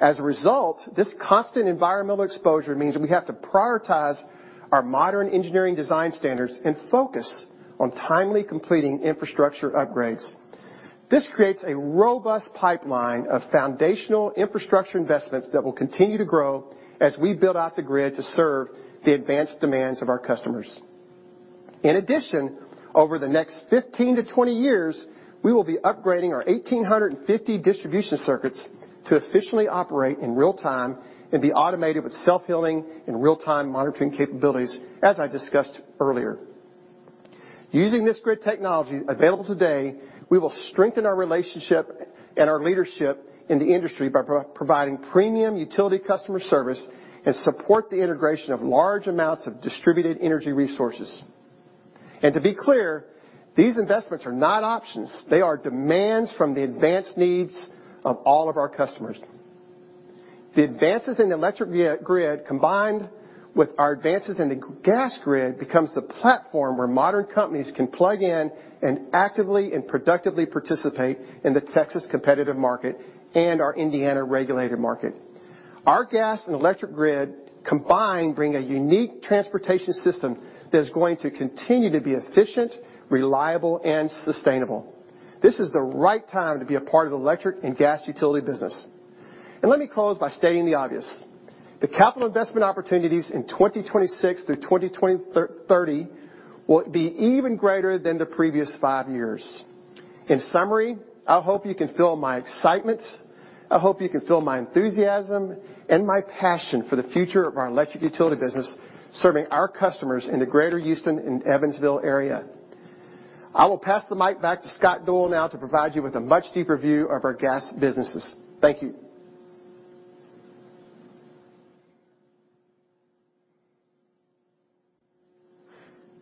As a result, this constant environmental exposure means we have to prioritize our modern engineering design standards and focus on timely completing infrastructure upgrades. This creates a robust pipeline of foundational infrastructure investments that will continue to grow as we build out the grid to serve the advanced demands of our customers. In addition, over the next 15-20 years, we will be upgrading our 1,850 distribution circuits to efficiently operate in real time and be automated with self-healing and real-time monitoring capabilities, as I discussed earlier. Using this grid technology available today, we will strengthen our relationship and our leadership in the industry by providing premium utility customer service and support the integration of large amounts of distributed energy resources. To be clear, these investments are not options. They are demands from the advanced needs of all of our customers. The advances in the electric grid, combined with our advances in the gas grid, becomes the platform where modern companies can plug in and actively and productively participate in the Texas competitive market and our Indiana regulated market. Our gas and electric grid combined bring a unique transportation system that is going to continue to be efficient, reliable and sustainable. This is the right time to be a part of the electric and gas utility business. Let me close by stating the obvious. The capital investment opportunities in 2026-2030 will be even greater than the previous five years. In summary, I hope you can feel my excitement, I hope you can feel my enthusiasm and my passion for the future of our electric utility business, serving our customers in the greater Houston and Evansville area. I will pass the mic back to Scott Doyle now to provide you with a much deeper view of our gas businesses. Thank you.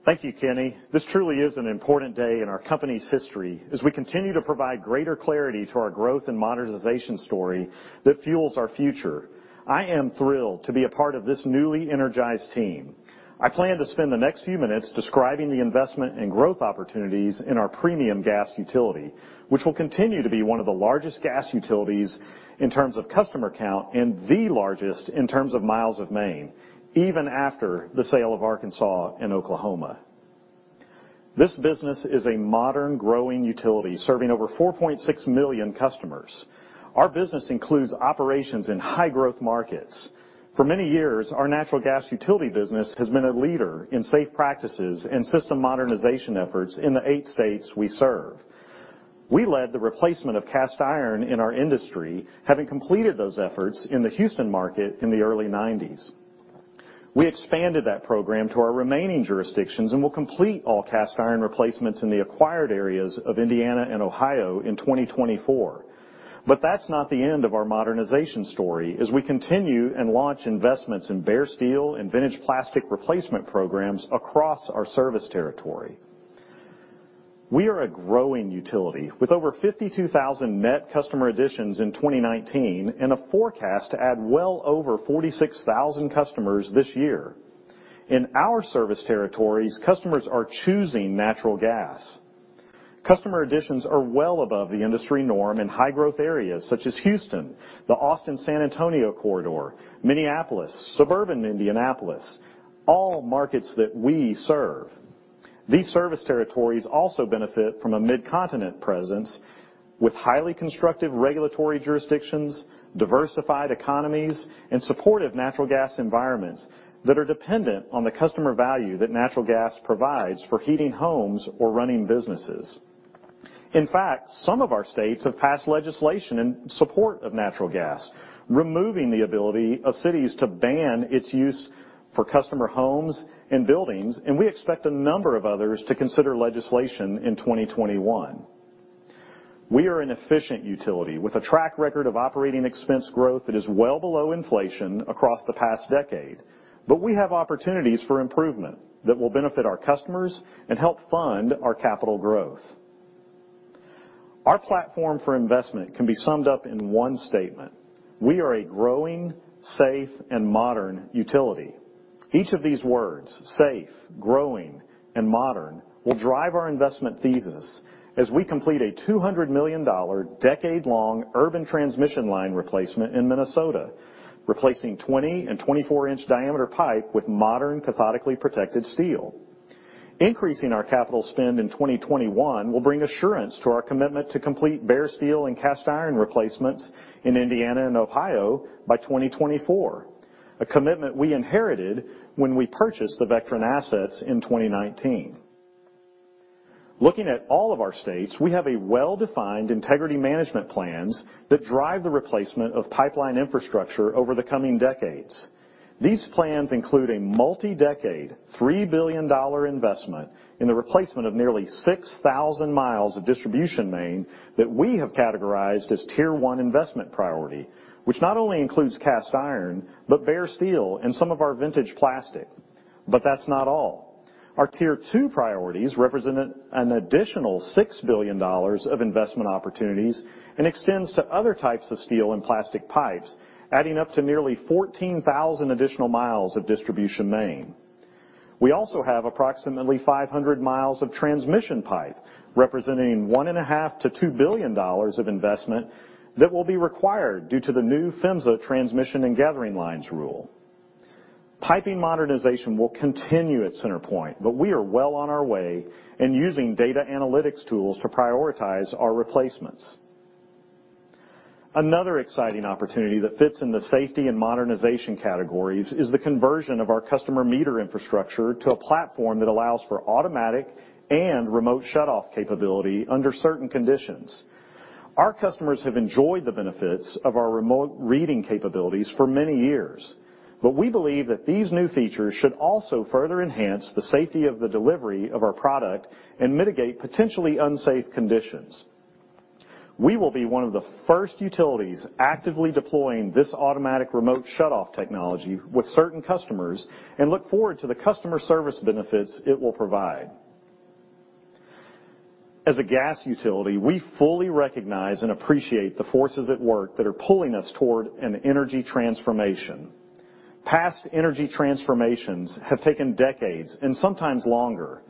Thank you, Kenny. This truly is an important day in our company's history, as we continue to provide greater clarity to our growth and modernization story that fuels our future. I am thrilled to be a part of this newly energized team. I plan to spend the next few minutes describing the investment and growth opportunities in our premium gas utility, which will continue to be one of the largest gas utilities in terms of customer count and the largest in terms of miles of main, even after the sale of Arkansas and Oklahoma. This business is a modern, growing utility, serving over 4.6 million customers. Our business includes operations in high-growth markets. For many years, our natural gas utility business has been a leader in safe practices and system modernization efforts in the eight states we serve. We led the replacement of cast iron in our industry, having completed those efforts in the Houston market in the early 1990s. We expanded that program to our remaining jurisdictions and will complete all cast iron replacements in the acquired areas of Indiana and Ohio in 2024. That's not the end of our modernization story, as we continue and launch investments in bare steel and vintage plastic replacement programs across our service territory. We are a growing utility, with over 52,000 net customer additions in 2019, and a forecast to add well over 46,000 customers this year. In our service territories, customers are choosing natural gas. Customer additions are well above the industry norm in high-growth areas such as Houston, the Austin-San Antonio corridor, Minneapolis, suburban Indianapolis, all markets that we serve. These service territories also benefit from a mid-continent presence with highly constructive regulatory jurisdictions, diversified economies, and supportive natural gas environments that are dependent on the customer value that natural gas provides for heating homes or running businesses. In fact, some of our states have passed legislation in support of natural gas, removing the ability of cities to ban its use for customer homes and buildings, and we expect a number of others to consider legislation in 2021. We have opportunities for improvement that will benefit our customers and help fund our capital growth. Our platform for investment can be summed up in one statement: we are a growing, safe and modern utility. Each of these words, safe, growing, and modern, will drive our investment thesis as we complete a $200 million, decade-long urban transmission line replacement in Minnesota, replacing 20 and 24-inch diameter pipe with modern cathodically protected steel. Increasing our capital spend in 2021 will bring assurance to our commitment to complete bare-steel and cast iron replacements in Indiana and Ohio by 2024, a commitment we inherited when we purchased the Vectren assets in 2019. Looking at all of our states, we have a well-defined integrity management plans that drive the replacement of pipeline infrastructure over the coming decades. These plans include a multi-decade, $3 billion investment in the replacement of nearly 6,000 miles of distribution main that we have categorized as Tier 1 investment priority, which not only includes cast iron, but bare steel and some of our vintage plastic. That's not all. Our Tier 2 priorities represent an additional $6 billion of investment opportunities and extends to other types of steel and plastic pipes, adding up to nearly 14,000 additional miles of distribution main. We also have approximately 500 miles of transmission pipe, representing $1.5 billion-$2 billion of investment that will be required due to the new PHMSA transmission and gathering lines rule. Piping modernization will continue at CenterPoint. We are well on our way in using data analytics tools to prioritize our replacements. Another exciting opportunity that fits in the safety and modernization categories is the conversion of our customer meter infrastructure to a platform that allows for automatic and remote shutoff capability under certain conditions. Our customers have enjoyed the benefits of our remote reading capabilities for many years, but we believe that these new features should also further enhance the safety of the delivery of our product and mitigate potentially unsafe conditions. We will be one of the first utilities actively deploying this automatic remote shutoff technology with certain customers and look forward to the customer service benefits it will provide. As a gas utility, we fully recognize and appreciate the forces at work that are pulling us toward an energy transformation. Past energy transformations have taken decades and sometimes longer.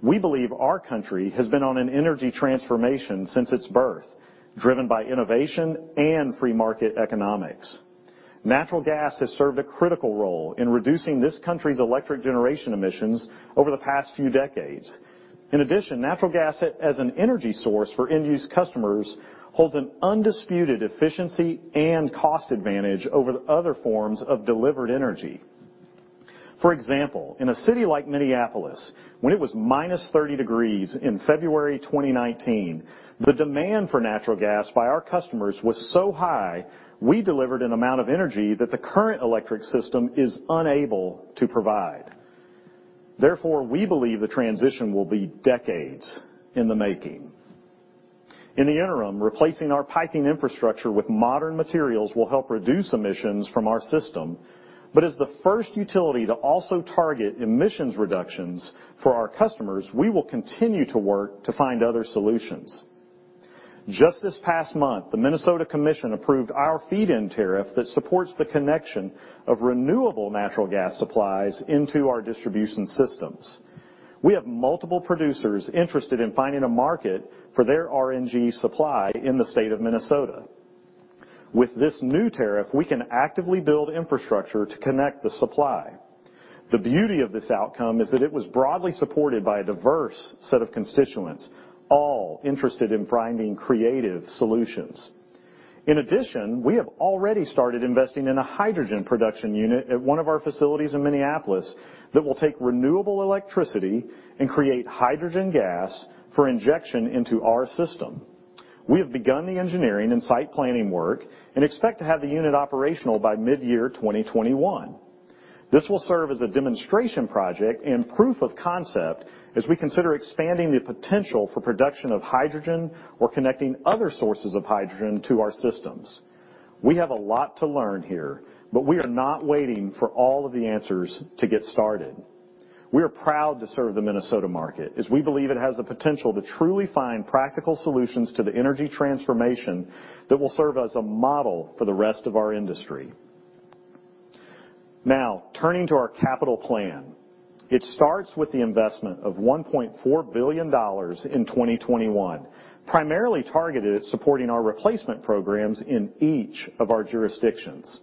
We believe our country has been on an energy transformation since its birth, driven by innovation and free market economics. Natural gas has served a critical role in reducing this country's electric generation emissions over the past few decades. In addition, natural gas as an energy source for end-use customers holds an undisputed efficiency and cost advantage over the other forms of delivered energy. For example, in a city like Minneapolis, when it was minus 30 degrees in February 2019, the demand for natural gas by our customers was so high we delivered an amount of energy that the current electric system is unable to provide. Therefore, we believe the transition will be decades in the making. In the interim, replacing our piping infrastructure with modern materials will help reduce emissions from our system, but as the first utility to also target emissions reductions for our customers, we will continue to work to find other solutions. Just this past month, the Minnesota Commission approved our feed-in tariff that supports the connection of renewable natural gas supplies into our distribution systems. We have multiple producers interested in finding a market for their RNG supply in the state of Minnesota. With this new tariff, we can actively build infrastructure to connect the supply. The beauty of this outcome is that it was broadly supported by a diverse set of constituents, all interested in finding creative solutions. In addition, we have already started investing in a hydrogen production unit at one of our facilities in Minneapolis that will take renewable electricity and create hydrogen gas for injection into our system. We have begun the engineering and site planning work and expect to have the unit operational by mid-year 2021. This will serve as a demonstration project and proof of concept as we consider expanding the potential for production of hydrogen or connecting other sources of hydrogen to our systems. We have a lot to learn here, but we are not waiting for all of the answers to get started. We are proud to serve the Minnesota market as we believe it has the potential to truly find practical solutions to the energy transformation that will serve as a model for the rest of our industry. Turning to our capital plan. It starts with the investment of $1.4 billion in 2021, primarily targeted at supporting our replacement programs in each of our jurisdictions.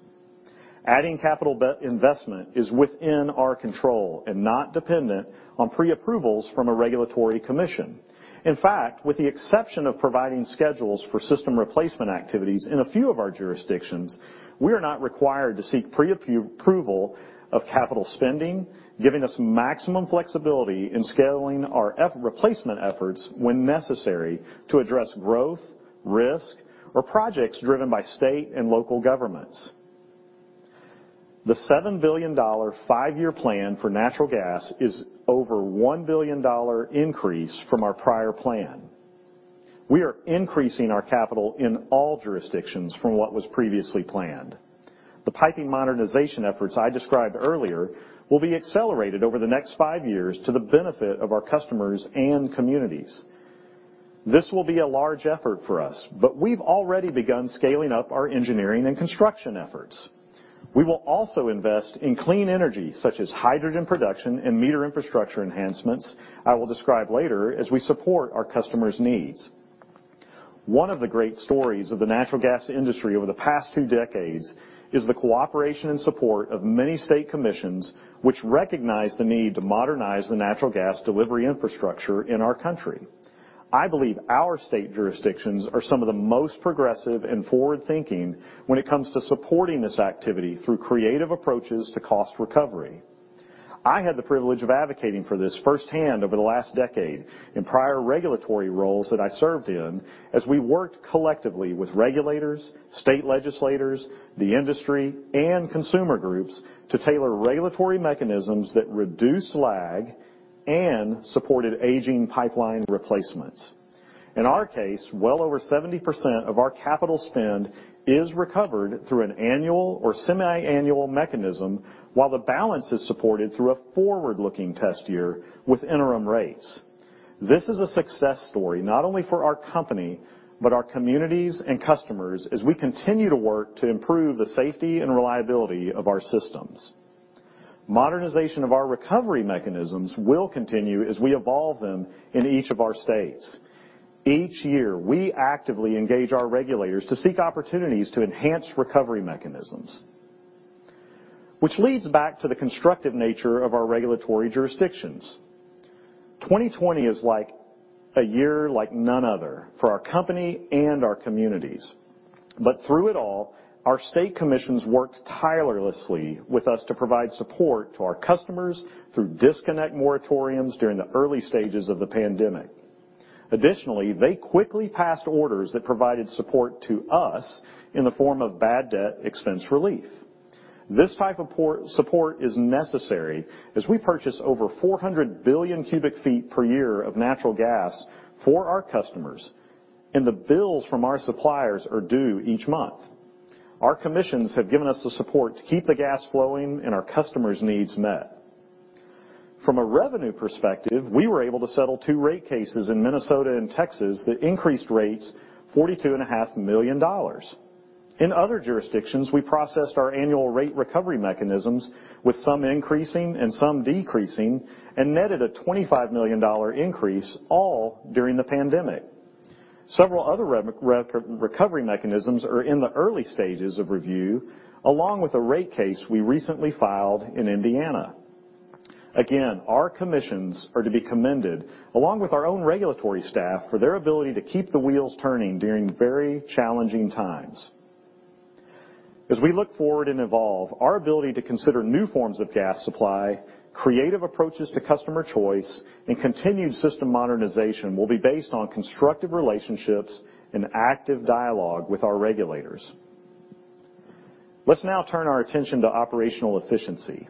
Adding capital investment is within our control and not dependent on pre-approvals from a regulatory commission. In fact, with the exception of providing schedules for system replacement activities in a few of our jurisdictions, we are not required to seek prior approval of capital spending, giving us maximum flexibility in scaling our replacement efforts when necessary to address growth, risk, or projects driven by state and local governments. The $7 billion five-year plan for natural gas is over $1 billion increase from our prior plan. We are increasing our capital in all jurisdictions from what was previously planned. The piping modernization efforts I described earlier will be accelerated over the next five years to the benefit of our customers and communities. This will be a large effort for us, but we've already begun scaling up our engineering and construction efforts. We will also invest in clean energy such as hydrogen production and meter infrastructure enhancements I will describe later as we support our customers' needs. One of the great stories of the natural gas industry over the past two decades is the cooperation and support of many state commissions which recognize the need to modernize the natural gas delivery infrastructure in our country. I believe our state jurisdictions are some of the most progressive and forward-thinking when it comes to supporting this activity through creative approaches to cost recovery. I had the privilege of advocating for this firsthand over the last decade in prior regulatory roles that I served in as we worked collectively with regulators, state legislators, the industry, and consumer groups to tailor regulatory mechanisms that reduce lag and supported aging pipeline replacements. In our case, well over 70% of our capital spend is recovered through an annual or semiannual mechanism while the balance is supported through a forward-looking test year with interim rates. This is a success story not only for our company, but our communities and customers as we continue to work to improve the safety and reliability of our systems. Modernization of our recovery mechanisms will continue as we evolve them in each of our states. Each year, we actively engage our regulators to seek opportunities to enhance recovery mechanisms, which leads back to the constructive nature of our regulatory jurisdictions. 2020 is a year like none other for our company and our communities. Through it all, our state commissions worked tirelessly with us to provide support to our customers through disconnect moratoriums during the early stages of the pandemic. Additionally, they quickly passed orders that provided support to us in the form of bad debt expense relief. This type of support is necessary as we purchase over 400 billion cubic feet per year of natural gas for our customers, and the bills from our suppliers are due each month. Our commissions have given us the support to keep the gas flowing and our customers' needs met. From a revenue perspective, we were able to settle two rate cases in Minnesota and Texas that increased rates $42.5 million. In other jurisdictions, we processed our annual rate recovery mechanisms, with some increasing and some decreasing, and netted a $25 million increase, all during the pandemic. Several other recovery mechanisms are in the early stages of review, along with a rate case we recently filed in Indiana. Again, our commissions are to be commended, along with our own regulatory staff, for their ability to keep the wheels turning during very challenging times. As we look forward and evolve, our ability to consider new forms of gas supply, creative approaches to customer choice, and continued system modernization will be based on constructive relationships and active dialogue with our regulators. Let's now turn our attention to operational efficiency.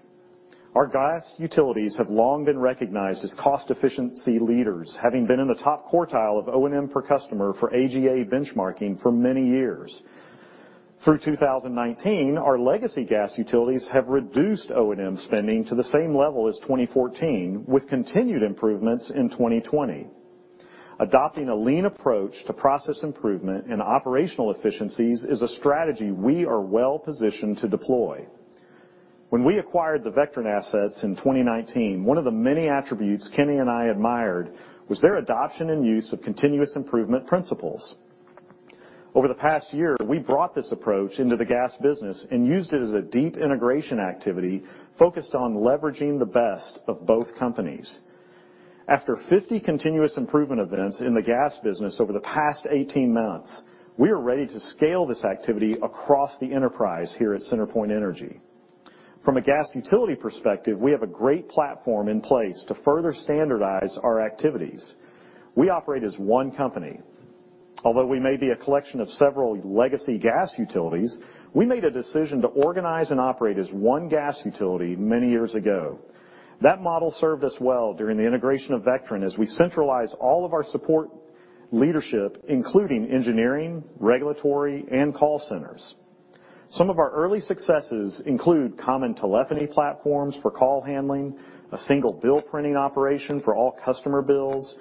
Our gas utilities have long been recognized as cost efficiency leaders, having been in the top quartile of O&M per customer for AGA benchmarking for many years. Through 2019, our legacy gas utilities have reduced O&M spending to the same level as 2014, with continued improvements in 2020. Adopting a lean approach to process improvement and operational efficiencies is a strategy we are well-positioned to deploy. When we acquired the Vectren assets in 2019, one of the many attributes Kenny and I admired was their adoption and use of continuous improvement principles. Over the past year, we brought this approach into the gas business and used it as a deep integration activity focused on leveraging the best of both companies. After 50 continuous improvement events in the gas business over the past 18 months, we are ready to scale this activity across the enterprise here at CenterPoint Energy. From a gas utility perspective, we have a great platform in place to further standardize our activities. We operate as one company. Although we may be a collection of several legacy gas utilities, we made a decision to organize and operate as one gas utility many years ago. That model served us well during the integration of Vectren as we centralized all of our support leadership, including engineering, regulatory, and call centers. Some of our early successes include common telephony platforms for call handling, a single bill printing operation for all customer bills,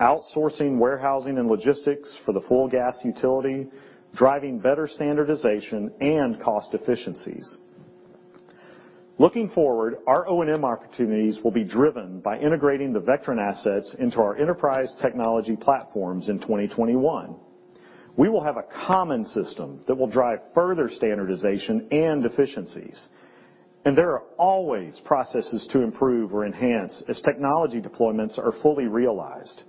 outsourcing warehousing and logistics for the full gas utility, driving better standardization and cost efficiencies. Looking forward, our O&M opportunities will be driven by integrating the Vectren assets into our enterprise technology platforms in 2021. We will have a common system that will drive further standardization and efficiencies, and there are always processes to improve or enhance as technology deployments are fully realized.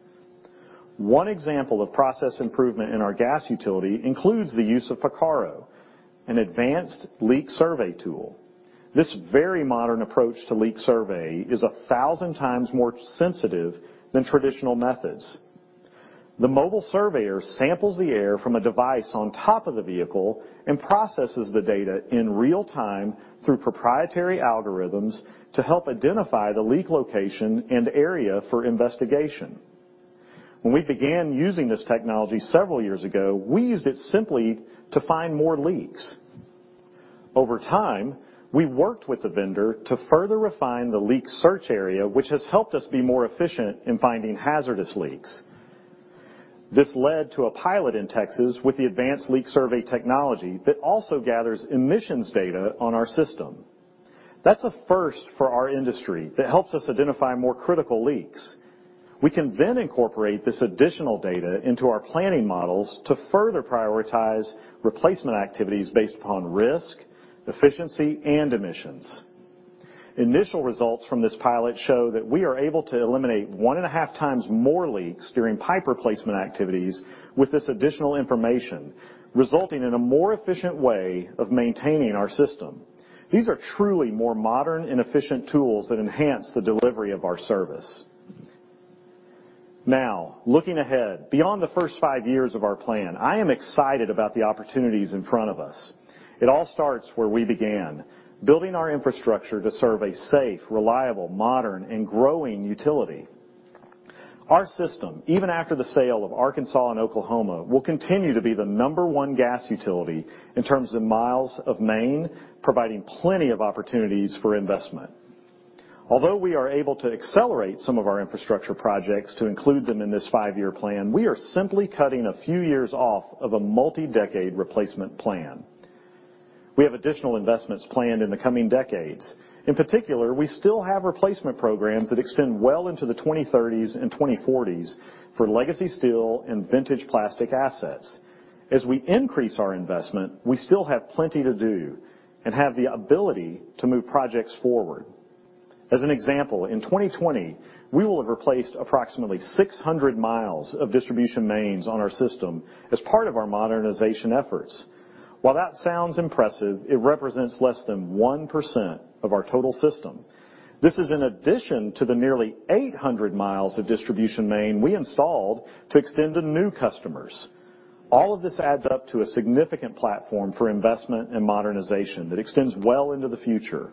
One example of process improvement in our gas utility includes the use of Picarro, an advanced leak survey tool. This very modern approach to leak survey is 1,000 times more sensitive than traditional methods. The mobile surveyor samples the air from a device on top of the vehicle and processes the data in real time through proprietary algorithms to help identify the leak location and area for investigation. When we began using this technology several years ago, we used it simply to find more leaks. Over time, we worked with the vendor to further refine the leak search area, which has helped us be more efficient in finding hazardous leaks. This led to a pilot in Texas with the advanced leak survey technology that also gathers emissions data on our system. That's a first for our industry that helps us identify more critical leaks. We can then incorporate this additional data into our planning models to further prioritize replacement activities based upon risk, efficiency, and emissions. Initial results from this pilot show that we are able to eliminate one and a half times more leaks during pipe replacement activities with this additional information, resulting in a more efficient way of maintaining our system. These are truly more modern and efficient tools that enhance the delivery of our service. Looking ahead, beyond the first five years of our plan, I am excited about the opportunities in front of us. It all starts where we began, building our infrastructure to serve a safe, reliable, modern, and growing utility. Our system, even after the sale of Arkansas and Oklahoma, will continue to be the number 1 gas utility in terms of miles of main, providing plenty of opportunities for investment. Although we are able to accelerate some of our infrastructure projects to include them in this five-year plan, we are simply cutting a few years off of a multi-decade replacement plan. We have additional investments planned in the coming decades. In particular, we still have replacement programs that extend well into the 2030s and 2040s for legacy steel and vintage plastic assets. As we increase our investment, we still have plenty to do and have the ability to move projects forward. As an example, in 2020, we will have replaced approximately 600 miles of distribution mains on our system as part of our modernization efforts. While that sounds impressive, it represents less than 1% of our total system. This is in addition to the nearly 800 miles of distribution main we installed to extend to new customers. All of this adds up to a significant platform for investment and modernization that extends well into the future.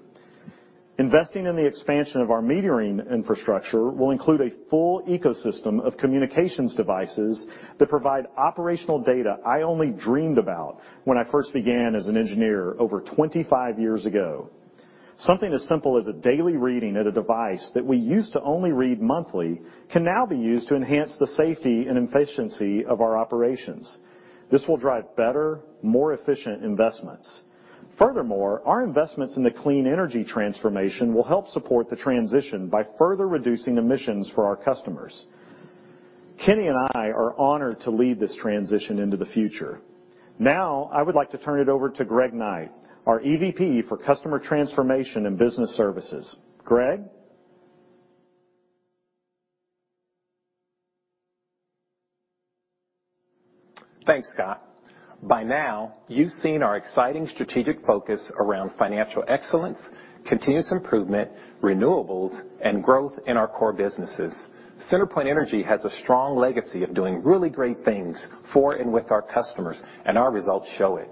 Investing in the expansion of our metering infrastructure will include a full ecosystem of communications devices that provide operational data I only dreamed about when I first began as an engineer over 25 years ago. Something as simple as a daily reading at a device that we used to only read monthly can now be used to enhance the safety and efficiency of our operations. This will drive better, more efficient investments. Furthermore, our investments in the clean energy transformation will help support the transition by further reducing emissions for our customers. Kenny and I are honored to lead this transition into the future. Now, I would like to turn it over to Greg Knight, our EVP for Customer Transformation and Business Services. Greg? Thanks, Scott. By now, you've seen our exciting strategic focus around financial excellence, continuous improvement, renewables, and growth in our core businesses. CenterPoint Energy has a strong legacy of doing really great things for and with our customers, and our results show it.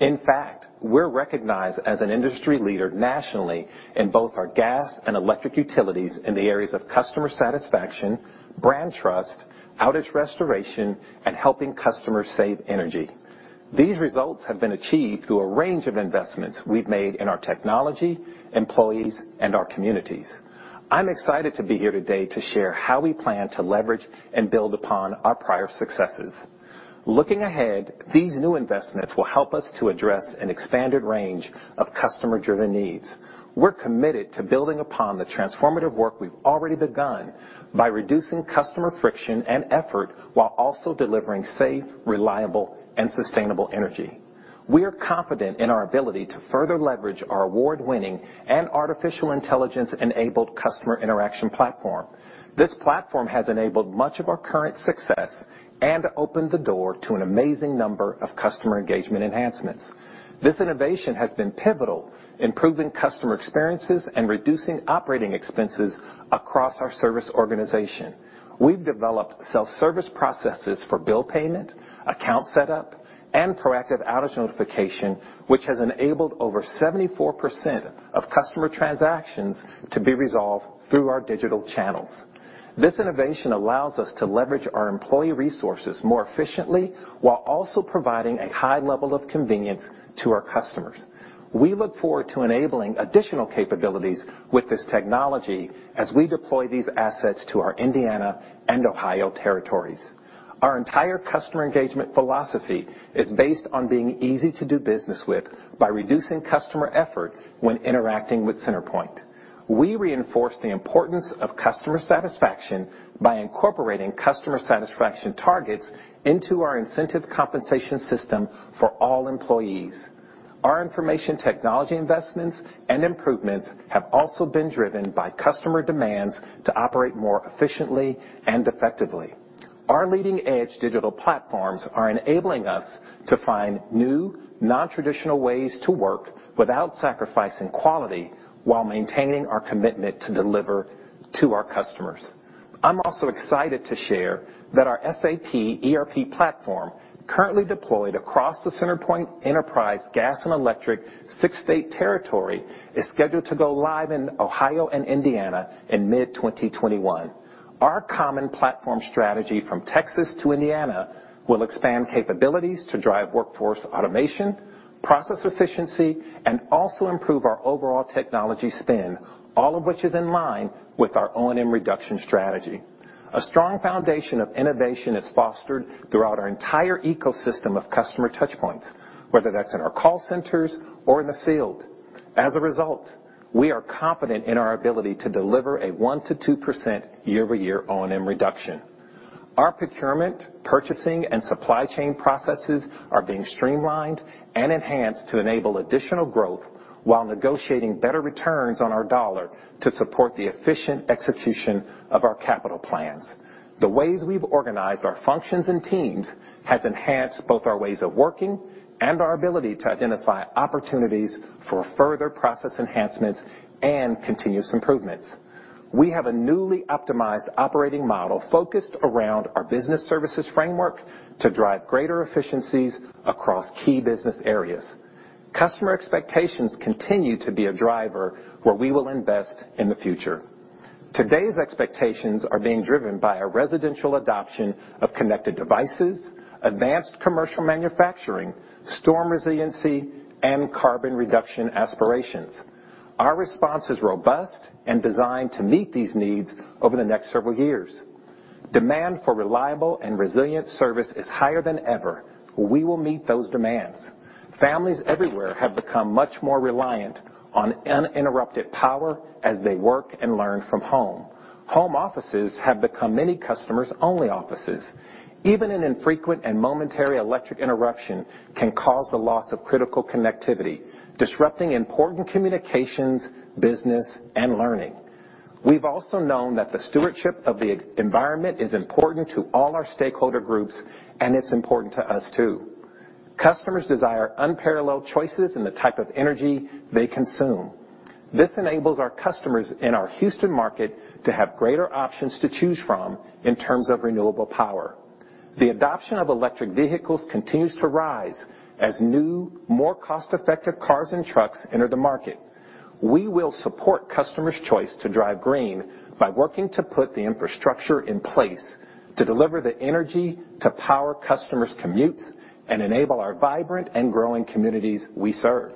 In fact, we're recognized as an industry leader nationally in both our gas and electric utilities in the areas of customer satisfaction, brand trust, outage restoration, and helping customers save energy. These results have been achieved through a range of investments we've made in our technology, employees, and our communities. I'm excited to be here today to share how we plan to leverage and build upon our prior successes. Looking ahead, these new investments will help us to address an expanded range of customer-driven needs. We're committed to building upon the transformative work we've already begun by reducing customer friction and effort while also delivering safe, reliable, and sustainable energy. We are confident in our ability to further leverage our award-winning and artificial intelligence-enabled customer interaction platform. This platform has enabled much of our current success and opened the door to an amazing number of customer engagement enhancements. This innovation has been pivotal, improving customer experiences and reducing operating expenses across our service organization. We've developed self-service processes for bill payment, account setup, and proactive outage notification, which has enabled over 74% of customer transactions to be resolved through our digital channels. This innovation allows us to leverage our employee resources more efficiently while also providing a high level of convenience to our customers. We look forward to enabling additional capabilities with this technology as we deploy these assets to our Indiana and Ohio territories. Our entire customer engagement philosophy is based on being easy to do business with by reducing customer effort when interacting with CenterPoint. We reinforce the importance of customer satisfaction by incorporating customer satisfaction targets into our incentive compensation system for all employees. Our information technology investments and improvements have also been driven by customer demands to operate more efficiently and effectively. Our leading-edge digital platforms are enabling us to find new, non-traditional ways to work without sacrificing quality while maintaining our commitment to deliver to our customers. I'm also excited to share that our SAP ERP platform, currently deployed across the CenterPoint enterprise gas and electric six-state territory, is scheduled to go live in Ohio and Indiana in mid-2021. Our common platform strategy from Texas to Indiana will expand capabilities to drive workforce automation, process efficiency, and also improve our overall technology spend, all of which is in line with our O&M reduction strategy. A strong foundation of innovation is fostered throughout our entire ecosystem of customer touchpoints, whether that's in our call centers or in the field. As a result, we are confident in our ability to deliver a 1%-2% year-over-year O&M reduction. Our procurement, purchasing, and supply chain processes are being streamlined and enhanced to enable additional growth while negotiating better returns on our dollar to support the efficient execution of our capital plans. The ways we've organized our functions and teams has enhanced both our ways of working and our ability to identify opportunities for further process enhancements and continuous improvements. We have a newly optimized operating model focused around our business services framework to drive greater efficiencies across key business areas. Customer expectations continue to be a driver where we will invest in the future. Today's expectations are being driven by a residential adoption of connected devices, advanced commercial manufacturing, storm resiliency, and carbon reduction aspirations. Our response is robust and designed to meet these needs over the next several years. Demand for reliable and resilient service is higher than ever. We will meet those demands. Families everywhere have become much more reliant on uninterrupted power as they work and learn from home. Home offices have become many customers' only offices. Even an infrequent and momentary electric interruption can cause the loss of critical connectivity, disrupting important communications, business, and learning. We've also known that the stewardship of the environment is important to all our stakeholder groups, and it's important to us too. Customers desire unparalleled choices in the type of energy they consume. This enables our customers in our Houston market to have greater options to choose from in terms of renewable power. The adoption of electric vehicles continues to rise as new, more cost-effective cars and trucks enter the market. We will support customers' choice to drive green by working to put the infrastructure in place to deliver the energy to power customers' commutes and enable our vibrant and growing communities we serve.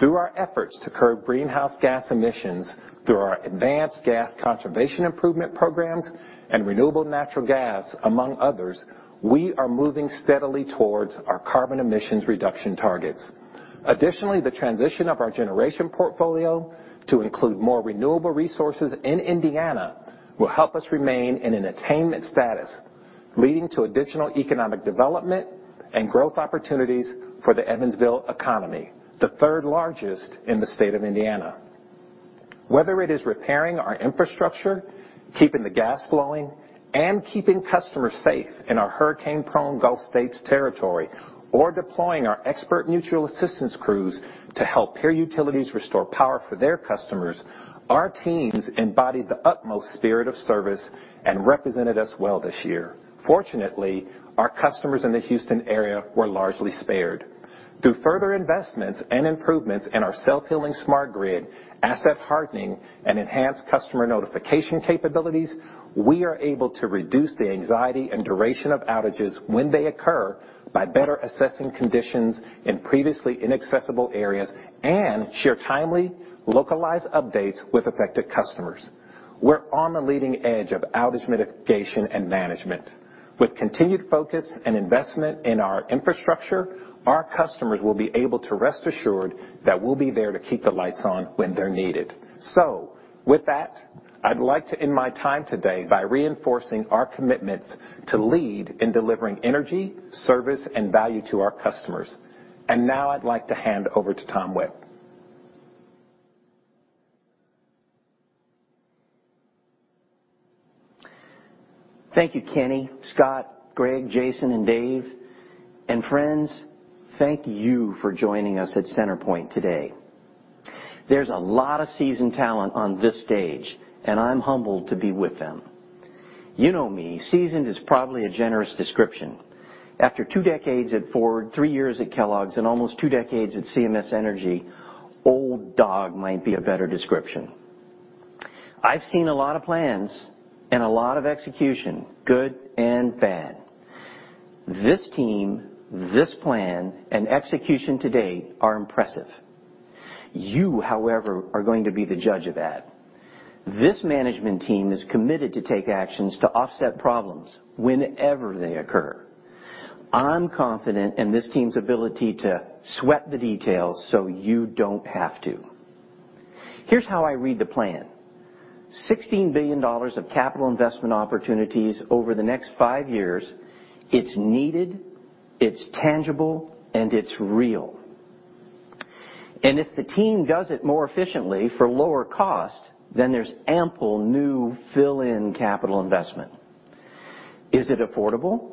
Through our efforts to curb greenhouse gas emissions through our advanced gas conservation improvement programs and renewable natural gas, among others, we are moving steadily towards our carbon emissions reduction targets. Additionally, the transition of our generation portfolio to include more renewable resources in Indiana will help us remain in an attainment status, leading to additional economic development and growth opportunities for the Evansville economy, the third largest in the state of Indiana. Whether it is repairing our infrastructure, keeping the gas flowing, and keeping customers safe in our hurricane-prone Gulf States territory, or deploying our expert mutual assistance crews to help peer utilities restore power for their customers, our teams embodied the utmost spirit of service and represented us well this year. Fortunately, our customers in the Houston area were largely spared. Through further investments and improvements in our self-healing smart grid, asset hardening, and enhanced customer notification capabilities, we are able to reduce the anxiety and duration of outages when they occur by better assessing conditions in previously inaccessible areas and share timely, localized updates with affected customers. We're on the leading edge of outage mitigation and management. With continued focus and investment in our infrastructure, our customers will be able to rest assured that we'll be there to keep the lights on when they're needed. With that, I'd like to end my time today by reinforcing our commitments to lead in delivering energy, service, and value to our customers. Now I'd like to hand over to Thomas Webb. Thank you, Kenny, Scott, Greg, Jason, and Dave. And friends, thank you for joining us at CenterPoint today. There's a lot of seasoned talent on this stage, and I'm humbled to be with them. You know me. Seasoned is probably a generous description. After 2 decades at Ford, 3 years at Kellogg's, and almost 2 decades at CMS Energy, old dog might be a better description. I've seen a lot of plans and a lot of execution, good and bad. This team, this plan, and execution to date are impressive. You, however, are going to be the judge of that. This management team is committed to take actions to offset problems whenever they occur. I'm confident in this team's ability to sweat the details so you don't have to. Here's how I read the plan. $16 billion of capital investment opportunities over the next 5 years. It's needed, it's tangible, and it's real. If the team does it more efficiently for lower cost, then there's ample new fill-in capital investment. Is it affordable?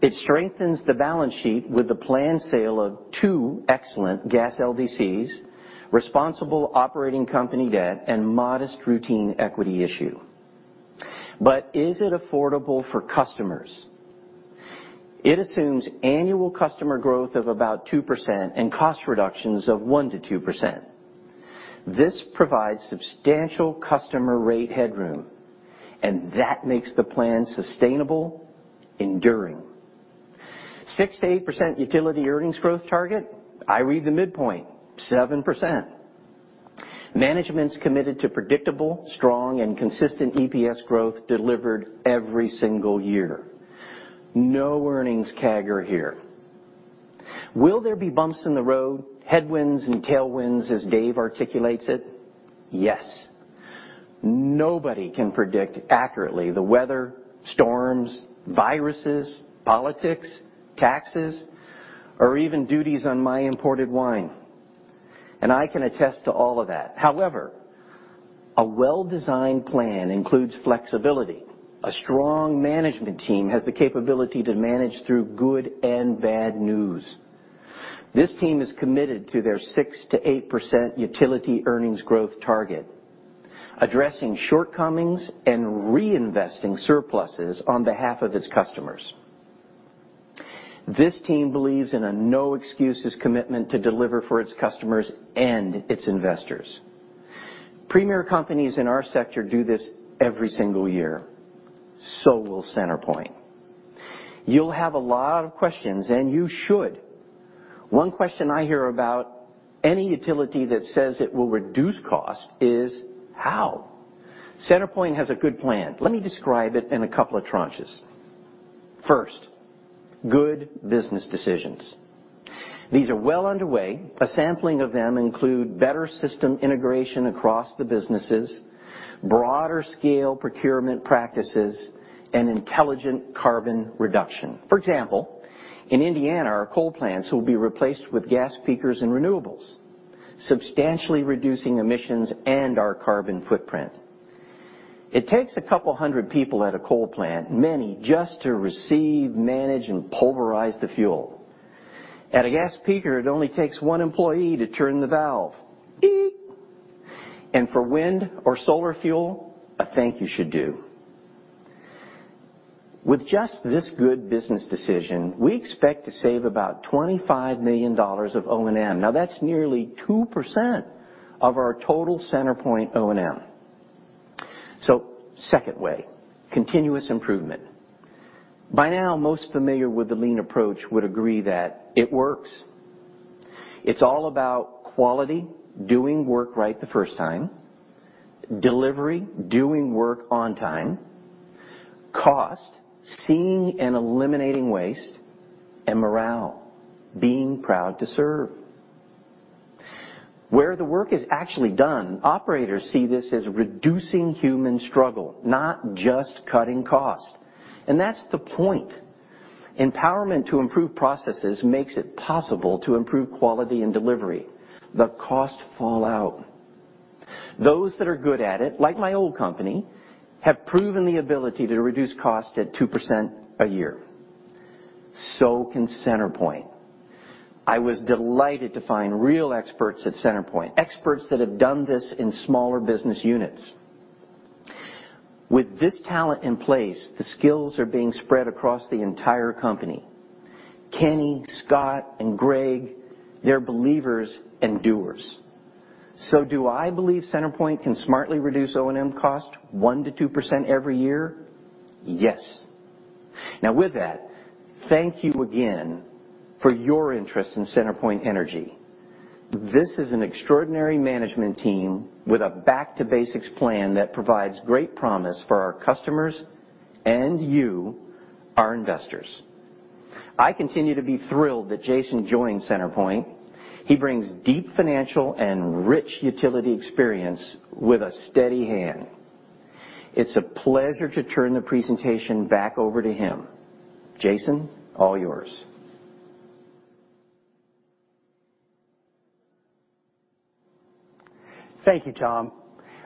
It strengthens the balance sheet with the planned sale of two excellent gas LDCs, responsible operating company debt, and modest routine equity issue. Is it affordable for customers? It assumes annual customer growth of about 2% and cost reductions of 1%-2%. This provides substantial customer rate headroom. That makes the plan sustainable, enduring. 6%-8% utility earnings growth target? I read the midpoint, 7%. Management's committed to predictable, strong, and consistent EPS growth delivered every single year. No earnings CAGR here. Will there be bumps in the road, headwinds and tailwinds, as Dave articulates it? Yes. Nobody can predict accurately the weather, storms, viruses, politics, taxes, or even duties on my imported wine. I can attest to all of that. However, a well-designed plan includes flexibility. A strong management team has the capability to manage through good and bad news. This team is committed to their 6%-8% utility earnings growth target, addressing shortcomings and reinvesting surpluses on behalf of its customers. This team believes in a no-excuses commitment to deliver for its customers and its investors. Premier companies in our sector do this every single year. Will CenterPoint. You'll have a lot of questions, and you should. One question I hear about any utility that says it will reduce cost is how. CenterPoint has a good plan. Let me describe it in a couple of tranches. First, good business decisions. These are well underway. A sampling of them include better system integration across the businesses, broader scale procurement practices, and intelligent carbon reduction. For example, in Indiana, our coal plants will be replaced with gas peakers and renewables, substantially reducing emissions and our carbon footprint. It takes a couple hundred people at a coal plant, many just to receive, manage, and pulverize the fuel. At a gas peaker, it only takes one employee to turn the valve. For wind or solar fuel, a thank you should do. With just this good business decision, we expect to save about $25 million of O&M. That's nearly 2% of our total CenterPoint O&M. Second way, continuous improvement. By now, most familiar with the lean approach would agree that it works. It's all about quality, doing work right the first time, delivery, doing work on time, cost, seeing and eliminating waste, and morale, being proud to serve. Where the work is actually done, operators see this as reducing human struggle, not just cutting cost. That's the point. Empowerment to improve processes makes it possible to improve quality and delivery. The cost fallout. Those that are good at it, like my old company, have proven the ability to reduce cost at 2% a year. Can CenterPoint. I was delighted to find real experts at CenterPoint, experts that have done this in smaller business units. With this talent in place, the skills are being spread across the entire company. Kenny, Scott, and Greg, they're believers and doers. Do I believe CenterPoint can smartly reduce O&M cost 1%-2% every year? Yes. Now with that, thank you again for your interest in CenterPoint Energy. This is an extraordinary management team with a back-to-basics plan that provides great promise for our customers and you, our investors. I continue to be thrilled that Jason joined CenterPoint. He brings deep financial and rich utility experience with a steady hand. It's a pleasure to turn the presentation back over to him. Jason, all yours. Thank you, Tom.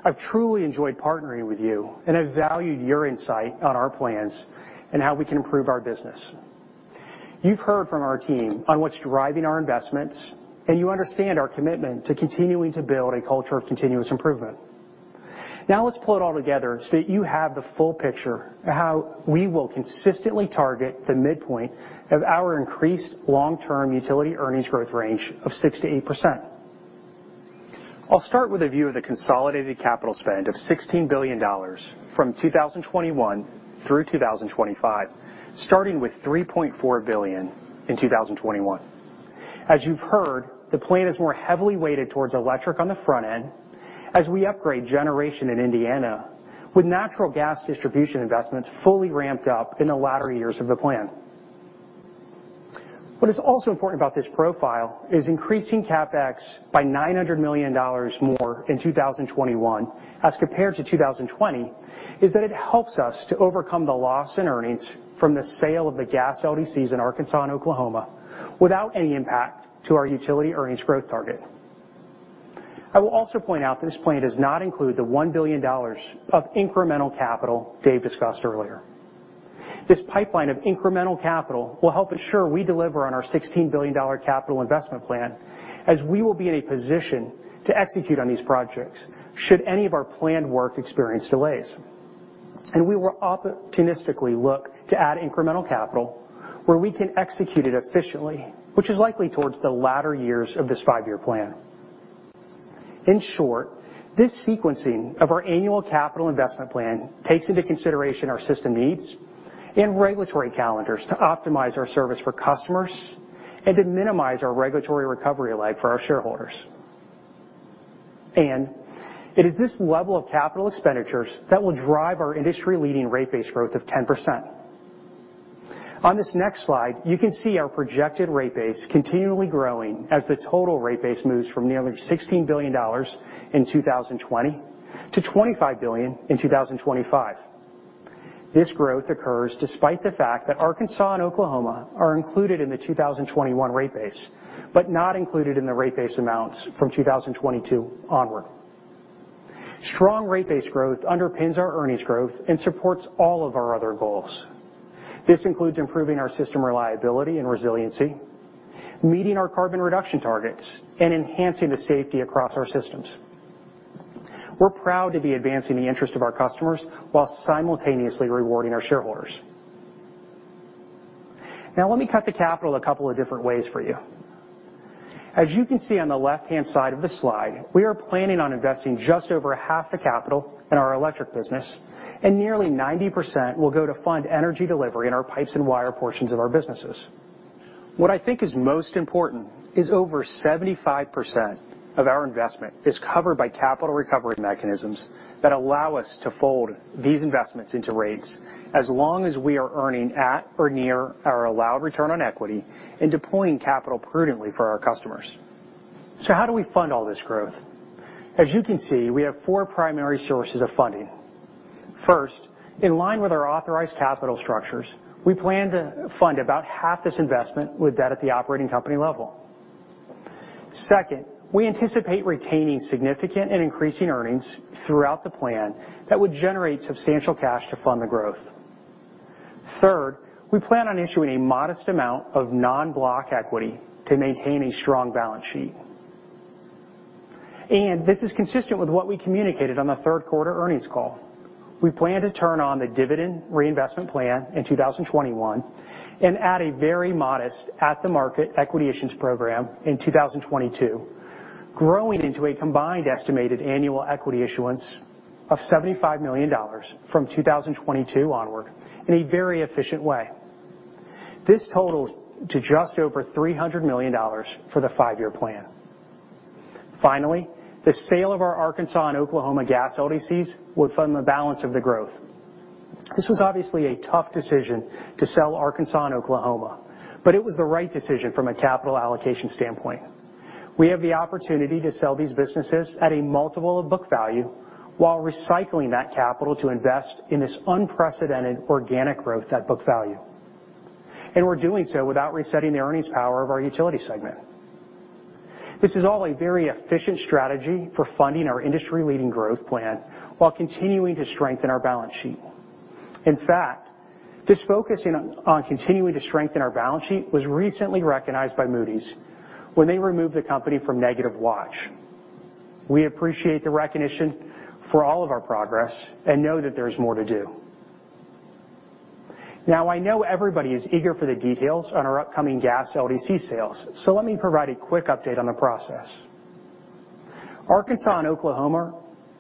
I've truly enjoyed partnering with you, and I've valued your insight on our plans and how we can improve our business. You've heard from our team on what's driving our investments, and you understand our commitment to continuing to build a culture of continuous improvement. Now let's pull it all together so that you have the full picture of how we will consistently target the midpoint of our increased long-term utility earnings growth range of 6%-8%. I'll start with a view of the consolidated capital spend of $16 billion from 2021 through 2025, starting with $3.4 billion in 2021. As you've heard, the plan is more heavily weighted towards electric on the front end as we upgrade generation in Indiana with natural gas distribution investments fully ramped up in the latter years of the plan. What is also important about this profile is increasing CapEx by $900 million more in 2021 as compared to 2020, is that it helps us to overcome the loss in earnings from the sale of the gas LDCs in Arkansas and Oklahoma without any impact to our utility earnings growth target. I will also point out that this plan does not include the $1 billion of incremental capital David discussed earlier. This pipeline of incremental capital will help ensure we deliver on our $16 billion capital investment plan as we will be in a position to execute on these projects should any of our planned work experience delays. We will opportunistically look to add incremental capital where we can execute it efficiently, which is likely towards the latter years of this five-year plan. In short, this sequencing of our annual capital investment plan takes into consideration our system needs and regulatory calendars to optimize our service for customers and to minimize our regulatory recovery lag for our shareholders. It is this level of capital expenditures that will drive our industry-leading rate base growth of 10%. On this next slide, you can see our projected rate base continually growing as the total rate base moves from nearly $16 billion in 2020 to $25 billion in 2025. This growth occurs despite the fact that Arkansas and Oklahoma are included in the 2021 rate base, but not included in the rate base amounts from 2022 onward. Strong rate base growth underpins our earnings growth and supports all of our other goals. This includes improving our system reliability and resiliency, meeting our carbon reduction targets, and enhancing the safety across our systems. We're proud to be advancing the interest of our customers while simultaneously rewarding our shareholders. Let me cut the capital a couple of different ways for you. As you can see on the left-hand side of the slide, we are planning on investing just over half the capital in our electric business, and nearly 90% will go to fund energy delivery in our pipes and wire portions of our businesses. What I think is most important is over 75% of our investment is covered by capital recovery mechanisms that allow us to fold these investments into rates as long as we are earning at or near our allowed return on equity and deploying capital prudently for our customers. How do we fund all this growth? As you can see, we have four primary sources of funding. First, in line with our authorized capital structures, we plan to fund about half this investment with debt at the operating company level. Second, we anticipate retaining significant and increasing earnings throughout the plan that would generate substantial cash to fund the growth. Third, we plan on issuing a modest amount of non-block equity to maintain a strong balance sheet. This is consistent with what we communicated on the third-quarter earnings call. We plan to turn on the dividend reinvestment plan in 2021 and add a very modest at-the-market equity issuance program in 2022, growing into a combined estimated annual equity issuance of $75 million from 2022 onward in a very efficient way. This totals to just over $300 million for the five-year plan. Finally, the sale of our Arkansas and Oklahoma gas LDCs would fund the balance of the growth. This was obviously a tough decision to sell Arkansas and Oklahoma, but it was the right decision from a capital allocation standpoint. We have the opportunity to sell these businesses at a multiple of book value while recycling that capital to invest in this unprecedented organic growth at book value. We're doing so without resetting the earnings power of our utility segment. This is all a very efficient strategy for funding our industry-leading growth plan while continuing to strengthen our balance sheet. In fact, this focusing on continuing to strengthen our balance sheet was recently recognized by Moody's when they removed the company from negative watch. We appreciate the recognition for all of our progress and know that there's more to do. I know everybody is eager for the details on our upcoming gas LDC sales, let me provide a quick update on the process. Arkansas and Oklahoma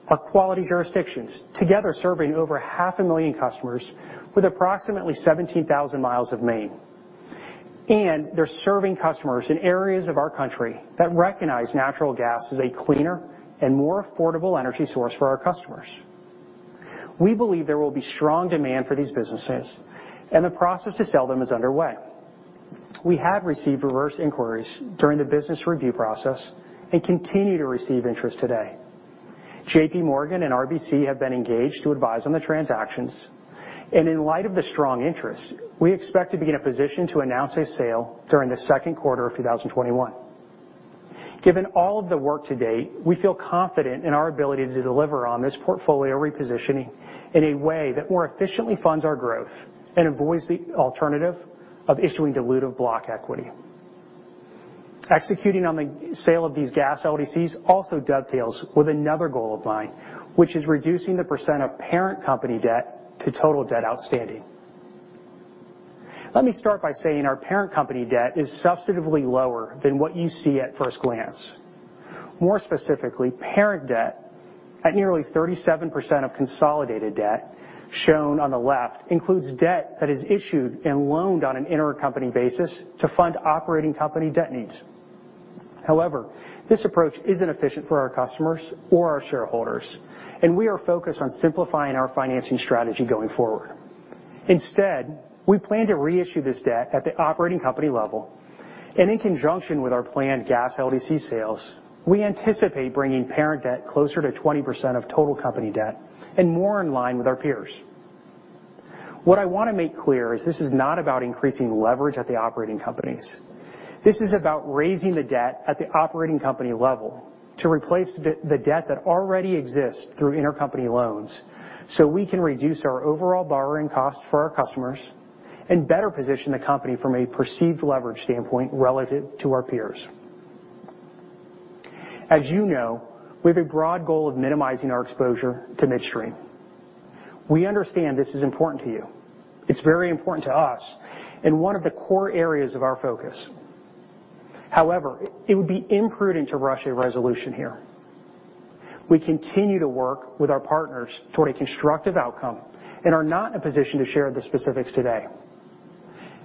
are quality jurisdictions, together serving over half a million customers with approximately 17,000 miles of main. They're serving customers in areas of our country that recognize natural gas as a cleaner and more affordable energy source for our customers. We believe there will be strong demand for these businesses, and the process to sell them is underway. We have received reverse inquiries during the business review process and continue to receive interest today. JPMorgan and RBC have been engaged to advise on the transactions, and in light of the strong interest, we expect to be in a position to announce a sale during the second quarter of 2021. Given all of the work to date, we feel confident in our ability to deliver on this portfolio repositioning in a way that more efficiently funds our growth and avoids the alternative of issuing dilutive block equity. Executing on the sale of these gas LDCs also dovetails with another goal of mine, which is reducing the percent of parent company debt to total debt outstanding. Let me start by saying our parent company debt is substantively lower than what you see at first glance. More specifically, parent debt at nearly 37% of consolidated debt, shown on the left, includes debt that is issued and loaned on an intercompany basis to fund operating company debt needs. However, this approach isn't efficient for our customers or our shareholders, and we are focused on simplifying our financing strategy going forward. Instead, we plan to reissue this debt at the operating company level, and in conjunction with our planned gas LDC sales, we anticipate bringing parent debt closer to 20% of total company debt and more in line with our peers. What I want to make clear is this is not about increasing leverage at the operating companies. This is about raising the debt at the operating company level to replace the debt that already exists through intercompany loans so we can reduce our overall borrowing cost for our customers and better position the company from a perceived leverage standpoint relative to our peers. As you know, we have a broad goal of minimizing our exposure to midstream. We understand this is important to you. It's very important to us and one of the core areas of our focus. It would be imprudent to rush a resolution here. We continue to work with our partners toward a constructive outcome and are not in a position to share the specifics today.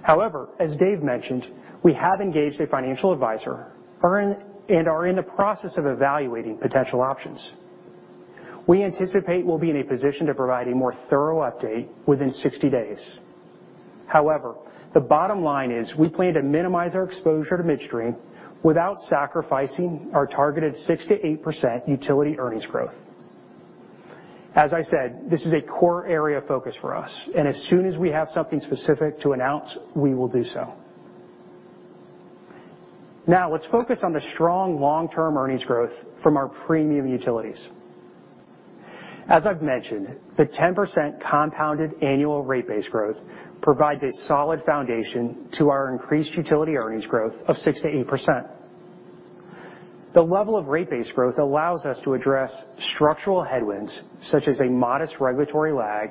As Dave mentioned, we have engaged a financial advisor and are in the process of evaluating potential options. We anticipate we'll be in a position to provide a more thorough update within 60 days. The bottom line is we plan to minimize our exposure to midstream without sacrificing our targeted 6%-8% utility earnings growth. As I said, this is a core area of focus for us, and as soon as we have something specific to announce, we will do so. Let's focus on the strong long-term earnings growth from our premium utilities. As I've mentioned, the 10% compounded annual rate base growth provides a solid foundation to our increased utility earnings growth of 6%-8%. The level of rate base growth allows us to address structural headwinds, such as a modest regulatory lag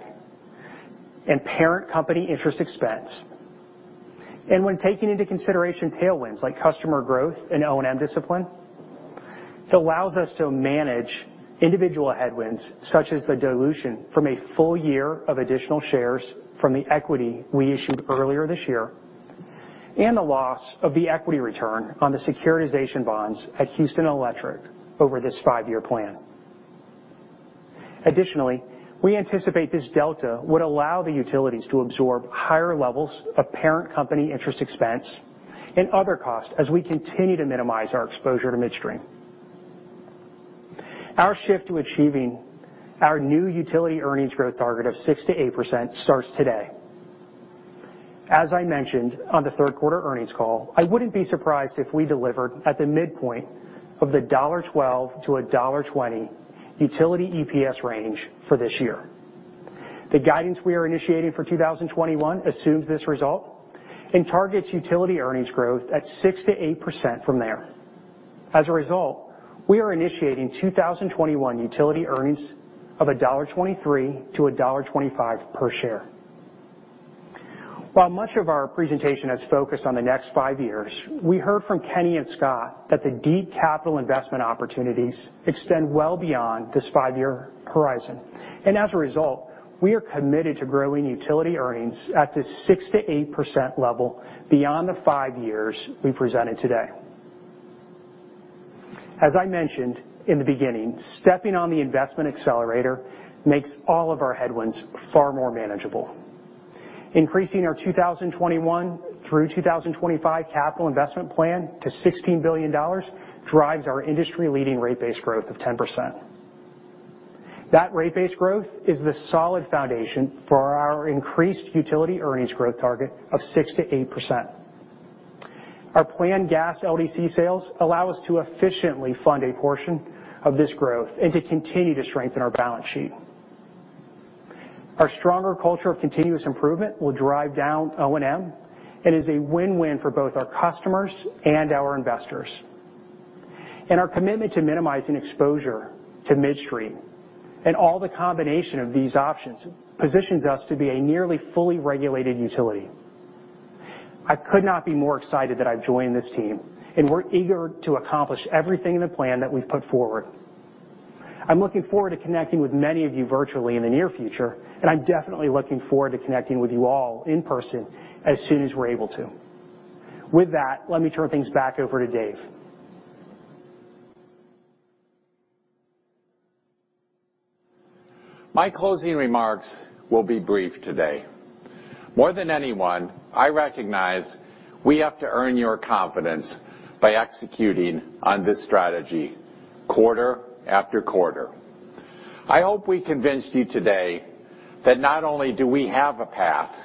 and parent company interest expense. When taking into consideration tailwinds, like customer growth and O&M discipline, it allows us to manage individual headwinds, such as the dilution from a full year of additional shares from the equity we issued earlier this year and the loss of the equity return on the securitization bonds at Houston Electric over this five-year plan. We anticipate this delta would allow the utilities to absorb higher levels of parent company interest expense and other costs as we continue to minimize our exposure to midstream. Our shift to achieving our new utility earnings growth target of 6%-8% starts today. I mentioned on the third-quarter earnings call, I wouldn't be surprised if we delivered at the midpoint of the $1.12-$1.20 utility EPS range for this year. The guidance we are initiating for 2021 assumes this result and targets utility earnings growth at 6%-8% from there. We are initiating 2021 utility earnings of $1.23-$1.25 per share. While much of our presentation has focused on the next five years, we heard from Kenny and Scott that the deep capital investment opportunities extend well beyond this five-year horizon, as a result, we are committed to growing utility earnings at this 6%-8% level beyond the five years we presented today. As I mentioned in the beginning, stepping on the investment accelerator makes all of our headwinds far more manageable. Increasing our 2021 through 2025 capital investment plan to $16 billion drives our industry-leading rate base growth of 10%. That rate base growth is the solid foundation for our increased utility earnings growth target of 6%-8%. Our planned gas LDC sales allow us to efficiently fund a portion of this growth and to continue to strengthen our balance sheet. Our stronger culture of continuous improvement will drive down O&M and is a win-win for both our customers and our investors. Our commitment to minimizing exposure to midstream and all the combination of these options positions us to be a nearly fully regulated utility. I could not be more excited that I've joined this team, and we're eager to accomplish everything in the plan that we've put forward. I'm looking forward to connecting with many of you virtually in the near future, and I'm definitely looking forward to connecting with you all in person as soon as we're able to. With that, let me turn things back over to Dave. My closing remarks will be brief today. More than anyone, I recognize we have to earn your confidence by executing on this strategy quarter after quarter. I hope we convinced you today that not only do we have a path,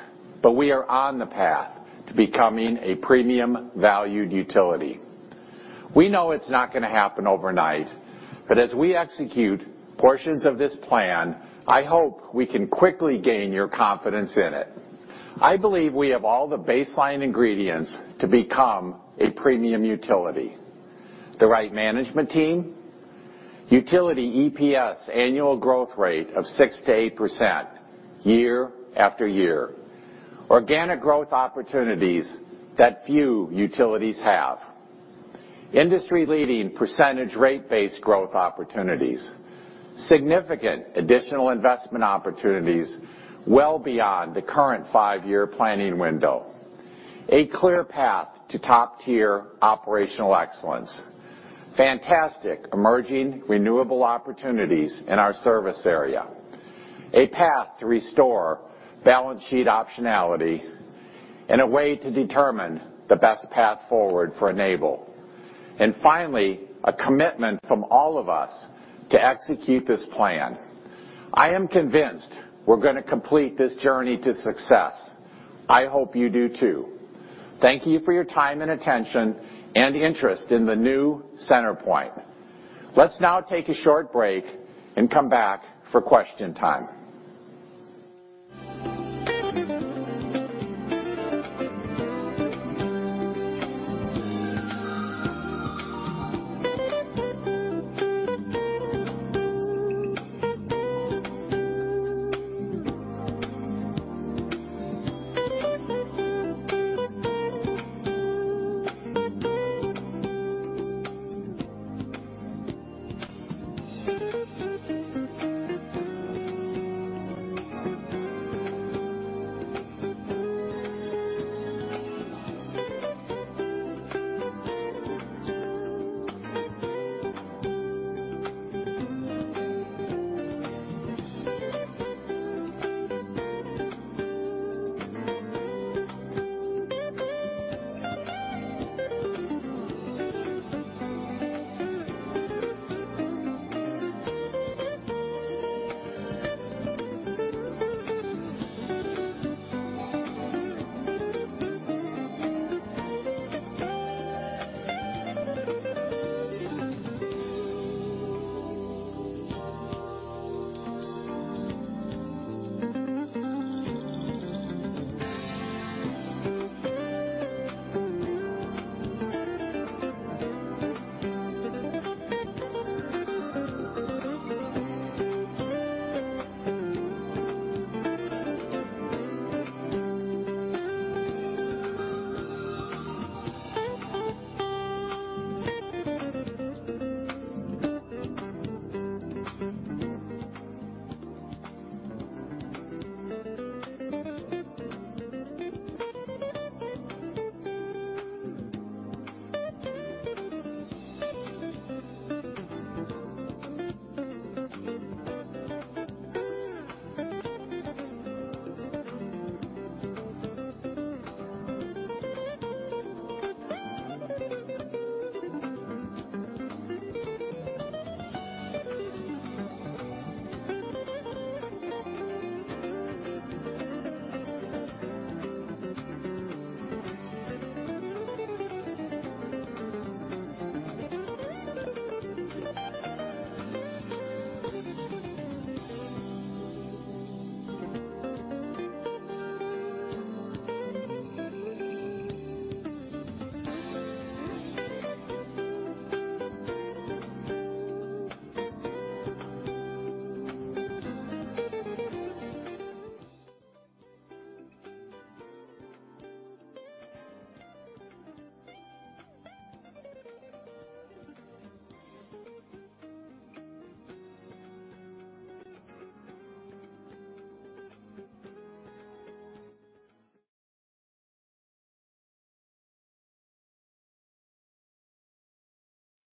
but we are on the path to becoming a premium-valued utility. We know it's not going to happen overnight, but as we execute portions of this plan, I hope we can quickly gain your confidence in it. I believe we have all the baseline ingredients to become a premium utility. The right management team, utility EPS annual growth rate of 6%-8% year after year, organic growth opportunities that few utilities have, industry-leading percentage rate base growth opportunities, significant additional investment opportunities well beyond the current five-year planning window, a clear path to top-tier operational excellence, fantastic emerging renewable opportunities in our service area, a path to restore balance sheet optionality, and a way to determine the best path forward for Enable, and finally, a commitment from all of us to execute this plan. I am convinced we're going to complete this journey to success. I hope you do, too. Thank you for your time and attention and interest in the new CenterPoint. Let's now take a short break and come back for question time.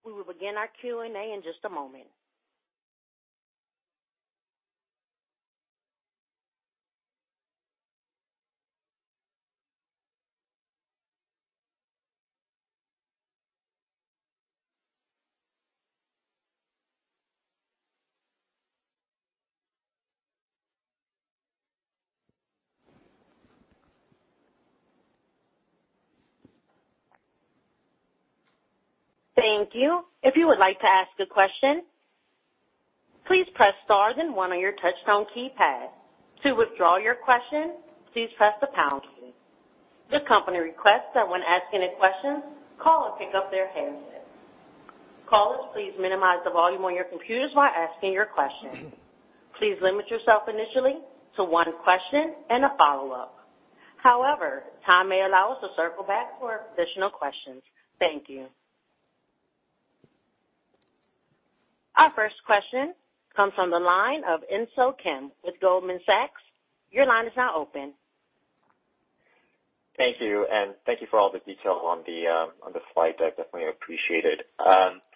We will begin our Q&A in just a moment. Thank you. If you would like to ask a question, please press star then one on your touch-tone keypad. To withdraw your question, please press the pound key. The company requests that when asking a question, call and pick up their handset. Callers, please minimize the volume on your computers while asking your question. Please limit yourself initially to one question and a follow-up. Time may allow us to circle back for additional questions. Thank you. Our first question comes from the line of Insoo Kim with Goldman Sachs. Your line is now open. Thank you, and thank you for all the detail on the fleet. I definitely appreciate it.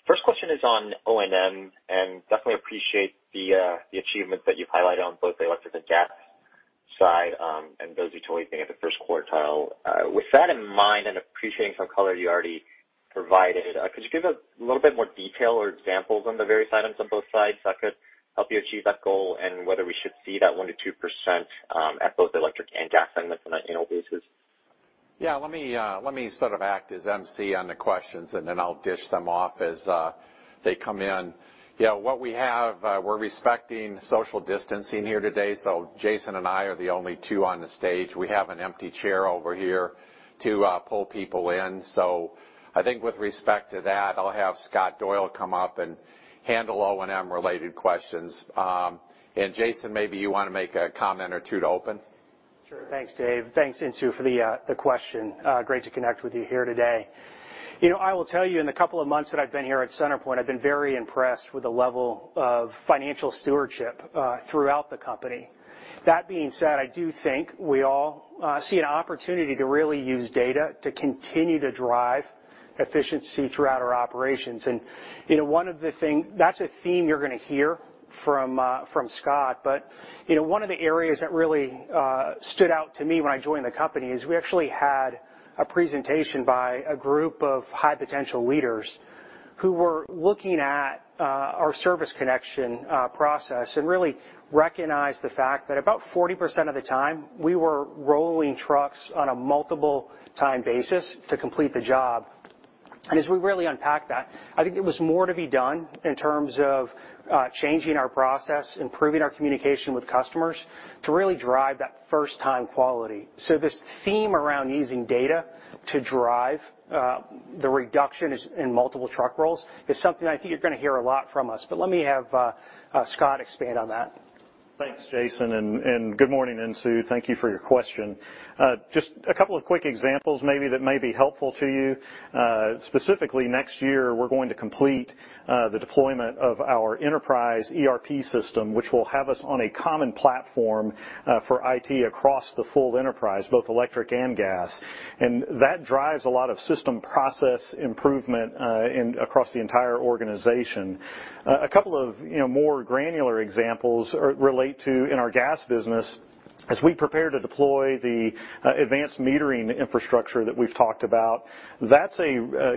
First question is on O&M, and definitely appreciate the achievements that you've highlighted on both the electric and gas side, and those you told me at the first quartile. With that in mind and appreciating some color you already provided, could you give a little bit more detail or examples on the various items on both sides that could help you achieve that goal, and whether we should see that 1%-2% at both the electric and gas segments on an annual basis? Yeah, let me sort of act as emcee on the questions, and then I'll dish them off as they come in. We're respecting social distancing here today, so Jason and I are the only two on the stage. We have an empty chair over here to pull people in. I think with respect to that, I'll have Scott Doyle come up and handle O&M-related questions. Jason, maybe you want to make a comment or two to open? Sure. Thanks, Dave. Thanks Insoo for the question. Great to connect with you here today. I will tell you, in the couple of months that I've been here at CenterPoint, I've been very impressed with the level of financial stewardship throughout the company. That being said, I do think we all see an opportunity to really use data to continue to drive efficiency throughout our operations. That's a theme you're going to hear from Scott. One of the areas that really stood out to me when I joined the company is we actually had a presentation by a group of high-potential leaders who were looking at our service connection process and really recognized the fact that about 40% of the time we were rolling trucks on a multiple-time basis to complete the job. As we really unpacked that, I think there was more to be done in terms of changing our process, improving our communication with customers to really drive that first-time quality. This theme around using data to drive the reduction in multiple truck rolls is something I think you're going to hear a lot from us. Let me have Scott expand on that. Thanks, Jason, and good morning, Insoo. Thank you for your question. Just a couple of quick examples maybe that may be helpful to you. Specifically, next year, we're going to complete the deployment of our enterprise ERP system, which will have us on a common platform for IT across the full enterprise, both electric and gas. That drives a lot of system process improvement across the entire organization. A couple of more granular examples relate to in our gas business, as we prepare to deploy the advanced metering infrastructure that we've talked about. That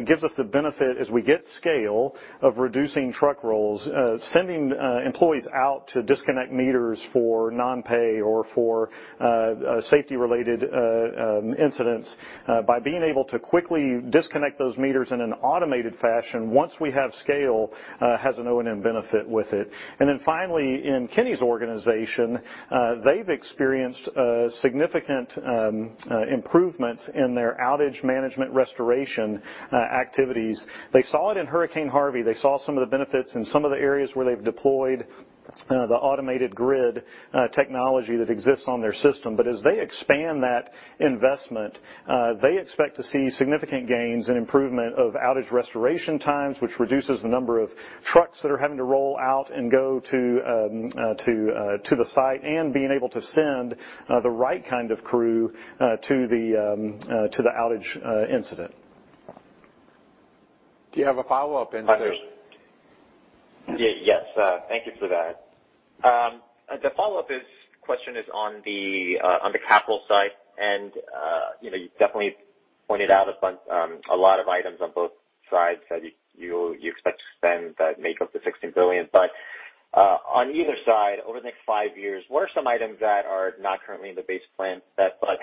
gives us the benefit as we get scale of reducing truck rolls, sending employees out to disconnect meters for non-pay or for safety-related incidents by being able to quickly disconnect those meters in an automated fashion once we have scale, has an O&M benefit with it. Finally, in Kenny's organization, they've experienced significant improvements in their outage management restoration activities. They saw it in Hurricane Harvey. They saw some of the benefits in some of the areas where they've deployed the automated grid technology that exists on their system. As they expand that investment, they expect to see significant gains in improvement of outage restoration times, which reduces the number of trucks that are having to roll out and go to the site and being able to send the right kind of crew to the outage incident. Do you have a follow-up, Insoo? Yes. Thank you for that. The follow-up question is on the capital side. You definitely pointed out a lot of items on both sides that you expect to spend that make up the $16 billion. On either side, over the next five years, what are some items that are not currently in the base plan set, but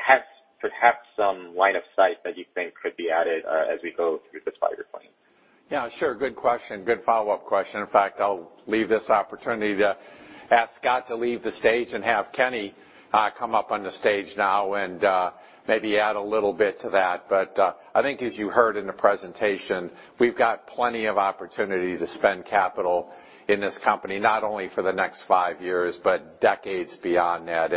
perhaps some line of sight that you think could be added as we go through this part of your plan? Yeah, sure. Good question. Good follow-up question. In fact, I'll leave this opportunity to ask Scott to leave the stage and have Kenny come up on the stage now and maybe add a little bit to that. I think as you heard in the presentation, we've got plenty of opportunity to spend capital in this company, not only for the next five years, but decades beyond that.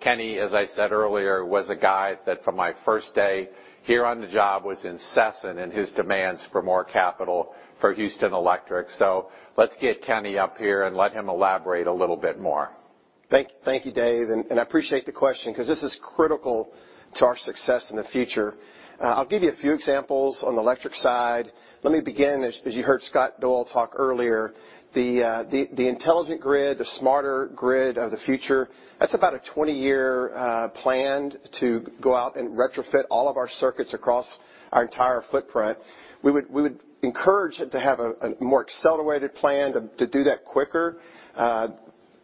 Kenny, as I said earlier, was a guy that from my first day here on the job, was incessant in his demands for more capital for Houston Electric. Let's get Kenny up here and let him elaborate a little bit more. Thank you, David. I appreciate the question because this is critical to our success in the future. I'll give you a few examples on the electric side. Let me begin, as you heard Scott Doyle talk earlier, the intelligent grid, the smarter grid of the future, that's about a 20-year plan to go out and retrofit all of our circuits across our entire footprint. We would encourage it to have a more accelerated plan to do that quicker.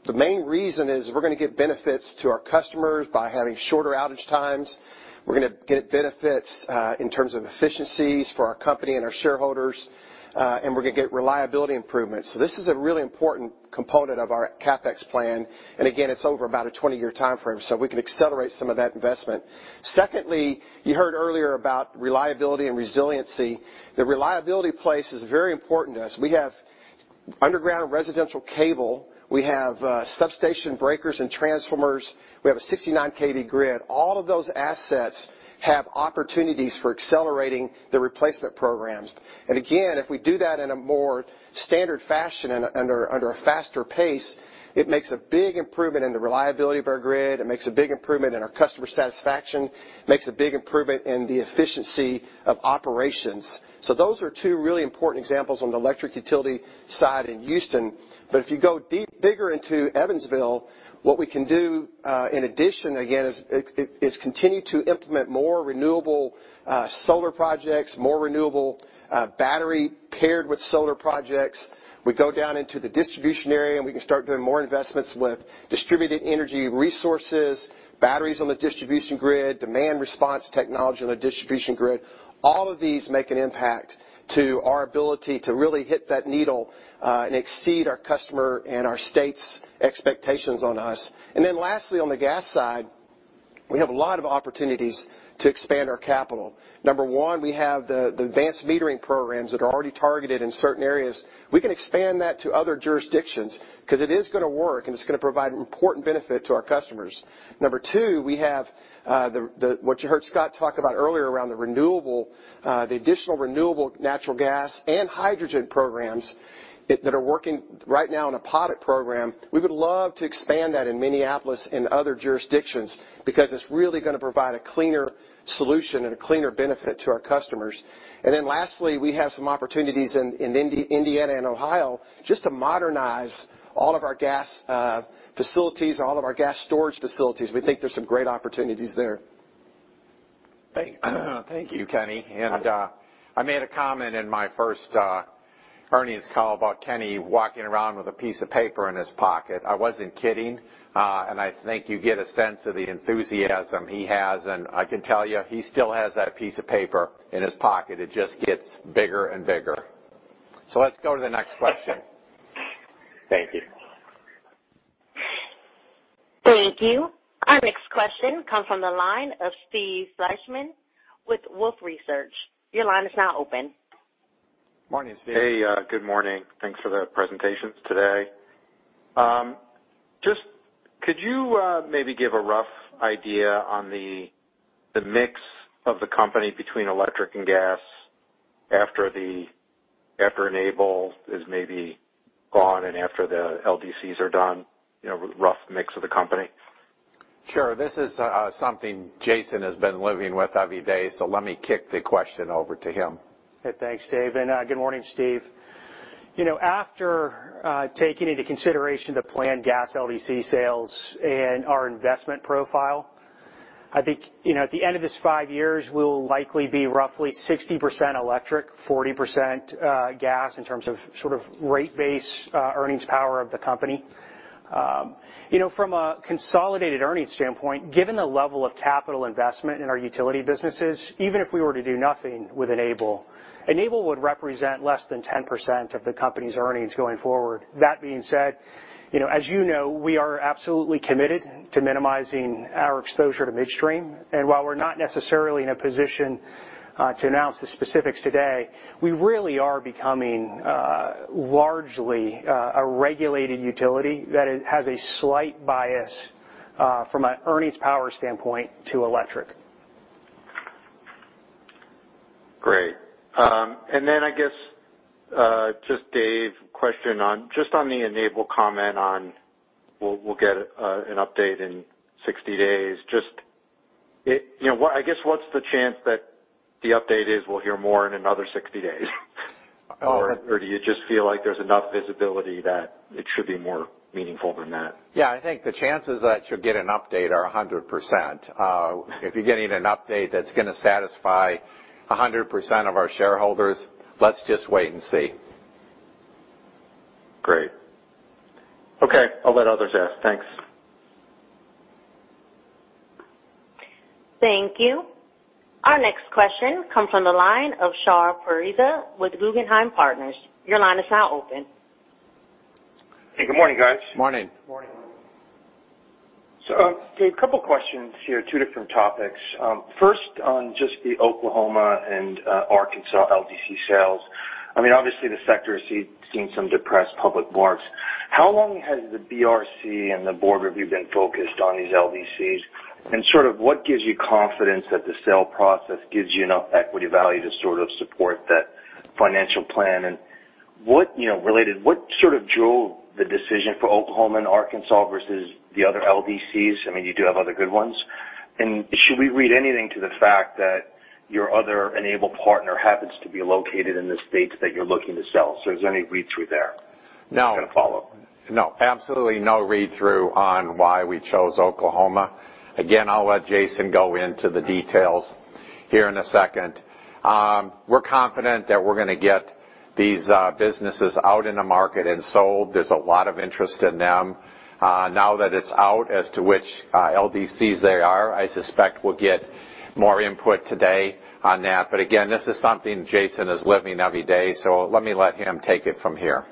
The main reason is we're going to get benefits to our customers by having shorter outage times. We're going to get benefits in terms of efficiencies for our company and our shareholders. We're going to get reliability improvements. This is a really important component of our CapEx plan. Again, it's over about a 20-year timeframe, we can accelerate some of that investment. You heard earlier about reliability and resiliency. The reliability place is very important to us. We have underground residential cable, we have substation breakers and transformers, we have a 69 kV grid. All of those assets have opportunities for accelerating the replacement programs. Again, if we do that in a more standard fashion and under a faster pace, it makes a big improvement in the reliability of our grid. It makes a big improvement in our customer satisfaction. It makes a big improvement in the efficiency of operations. Those are two really important examples on the electric utility side in Houston. If you go bigger into Evansville, what we can do, in addition, again, is continue to implement more renewable solar projects, more renewable battery paired with solar projects. We go down into the distribution area, and we can start doing more investments with distributed energy resources, batteries on the distribution grid, demand response technology on the distribution grid. All of these make an impact to our ability to really hit that needle and exceed our customer and our state's expectations on us. Lastly, on the gas side, we have a lot of opportunities to expand our capital. Number 1, we have the advanced metering programs that are already targeted in certain areas. We can expand that to other jurisdictions because it is going to work, and it's going to provide important benefit to our customers. Number 2, we have what you heard Scott talk about earlier around the additional renewable natural gas and hydrogen programs that are working right now in a pilot program. We would love to expand that in Minneapolis and other jurisdictions because it's really going to provide a cleaner solution and a cleaner benefit to our customers. Lastly, we have some opportunities in Indiana and Ohio just to modernize all of our gas facilities and all of our gas storage facilities. We think there's some great opportunities there. Thank you, Kenny. I made a comment in my first earnings call about Kenny walking around with a piece of paper in his pocket. I wasn't kidding. I think you get a sense of the enthusiasm he has, and I can tell you, he still has that piece of paper in his pocket. It just gets bigger and bigger. Let's go to the next question. Thank you. Thank you. Our next question comes from the line of Steve Fleishman with Wolfe Research. Your line is now open. Morning, Steve. Hey, good morning. Thanks for the presentations today. Could you maybe give a rough idea on the mix of the company between electric and gas after Enable is maybe gone and after the LDCs are done, rough mix of the company? Sure. This is something Jason has been living with every day. Let me kick the question over to him. Thanks, David, and good morning, Steve Fleishman. After taking into consideration the planned gas LDC sales and our investment profile, I think, at the end of this five years, we'll likely be roughly 60% electric, 40% gas in terms of rate base earnings power of the company. From a consolidated earnings standpoint, given the level of capital investment in our utility businesses, even if we were to do nothing with Enable would represent less than 10% of the company's earnings going forward. That being said, as you know, we are absolutely committed to minimizing our exposure to midstream. While we're not necessarily in a position to announce the specifics today, we really are becoming largely a regulated utility that has a slight bias from an earnings power standpoint to electric. Great. I guess, just Dave, question just on the Enable comment on we'll get an update in 60 days. I guess what's the chance that the update is we'll hear more in another 60 days? Do you just feel like there's enough visibility that it should be more meaningful than that? Yeah, I think the chances that you'll get an update are 100%. If you're getting an update that's going to satisfy 100% of our shareholders, let's just wait and see. Great. Okay, I'll let others ask. Thanks. Thank you. Our next question comes from the line of Shahriar Pourreza with Guggenheim Partners. Your line is now open. Hey, good morning, guys. Morning. Morning. Dave, couple of questions here, two different topics. First on just the Oklahoma and Arkansas LDC sales. Obviously the sector is seeing some depressed public marks. How long has the BREC and the board review been focused on these LDCs? What gives you confidence that the sale process gives you enough equity value to support that financial plan? What drove the decision for Oklahoma and Arkansas versus the other LDCs? You do have other good ones. Should we read anything to the fact that your other Enable partner happens to be located in the states that you're looking to sell? Is there any read-through there? No. I've got a follow-up. No. Absolutely no read-through on why we chose Oklahoma. Again, I'll let Jason go into the details here in a second. We're confident that we're going to get these businesses out in the market and sold. There's a lot of interest in them. Now that it's out as to which LDCs they are, I suspect we'll get more input today on that. Again, this is something Jason is living every day, so let me let him take it from here.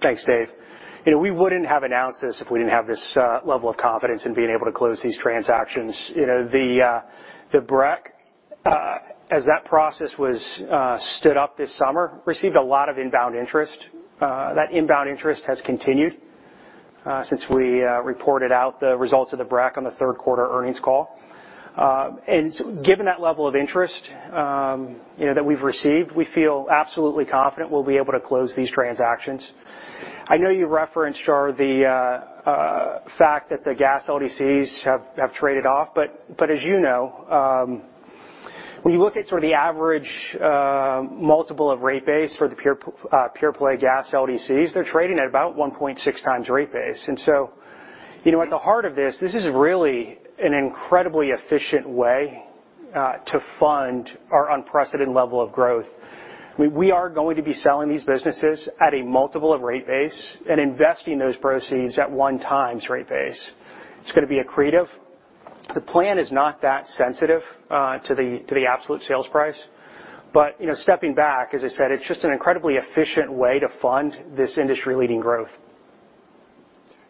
Thanks, Dave. We wouldn't have announced this if we didn't have this level of confidence in being able to close these transactions. The BREC, as that process was stood up this summer, received a lot of inbound interest. That inbound interest has continued since we reported out the results of the BRAC on the third quarter earnings call. Given that level of interest that we've received, we feel absolutely confident we'll be able to close these transactions. I know you referenced, Shar, the fact that the gas LDCs have traded off. As you know, when you look at the average multiple of rate base for the pure play gas LDCs, they're trading at about 1.6 times rate base. So at the heart of this is really an incredibly efficient way to fund our unprecedented level of growth. We are going to be selling these businesses at a multiple of rate base and investing those proceeds at one times rate base. It's going to be accretive. The plan is not that sensitive to the absolute sales price. Stepping back, as I said, it's just an incredibly efficient way to fund this industry-leading growth.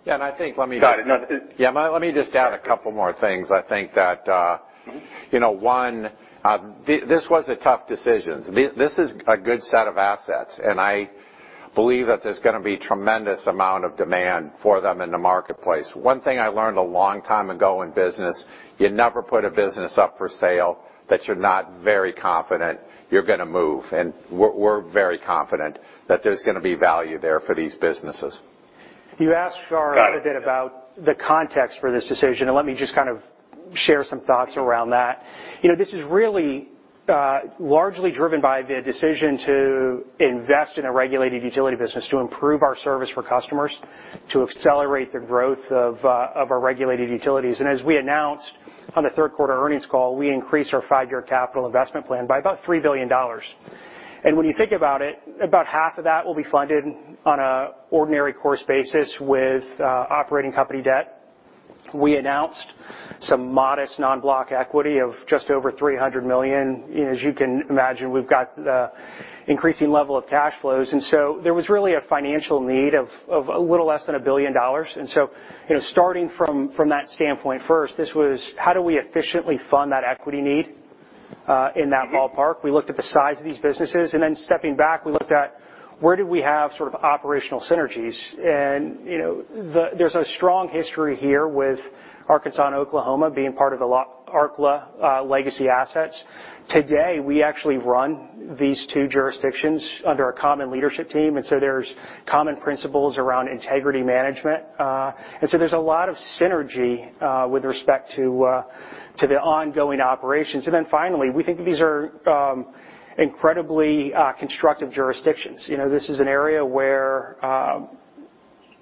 Yeah, I think. Got it. Yeah. Let me just add a couple more things. I think that one, this was a tough decision. This is a good set of assets, and I believe that there's going to be tremendous amount of demand for them in the marketplace. One thing I learned a long time ago in business, you never put a business up for sale that you're not very confident you're going to move. We're very confident that there's going to be value there for these businesses. You asked, Shar. Got it. A bit about the context for this decision. Let me just kind of share some thoughts around that. This is really largely driven by the decision to invest in a regulated utility business to improve our service for customers, to accelerate the growth of our regulated utilities. As we announced on the third quarter earnings call, we increased our five-year capital investment plan by about $3 billion. When you think about it, about half of that will be funded on an ordinary course basis with operating company debt. We announced some modest non-block equity of just over $300 million. As you can imagine, we've got increasing level of cash flows. There was really a financial need of a little less than $1 billion. Starting from that standpoint first, this was how do we efficiently fund that equity need in that ballpark. We looked at the size of these businesses. Then stepping back, we looked at where do we have sort of operational synergies. There's a strong history here with Arkansas and Oklahoma being part of the Arkla legacy assets. Today, we actually run these two jurisdictions under a common leadership team. There's common principles around integrity management. There's a lot of synergy with respect to the ongoing operations. Then finally, we think that these are incredibly constructive jurisdictions. This is an area where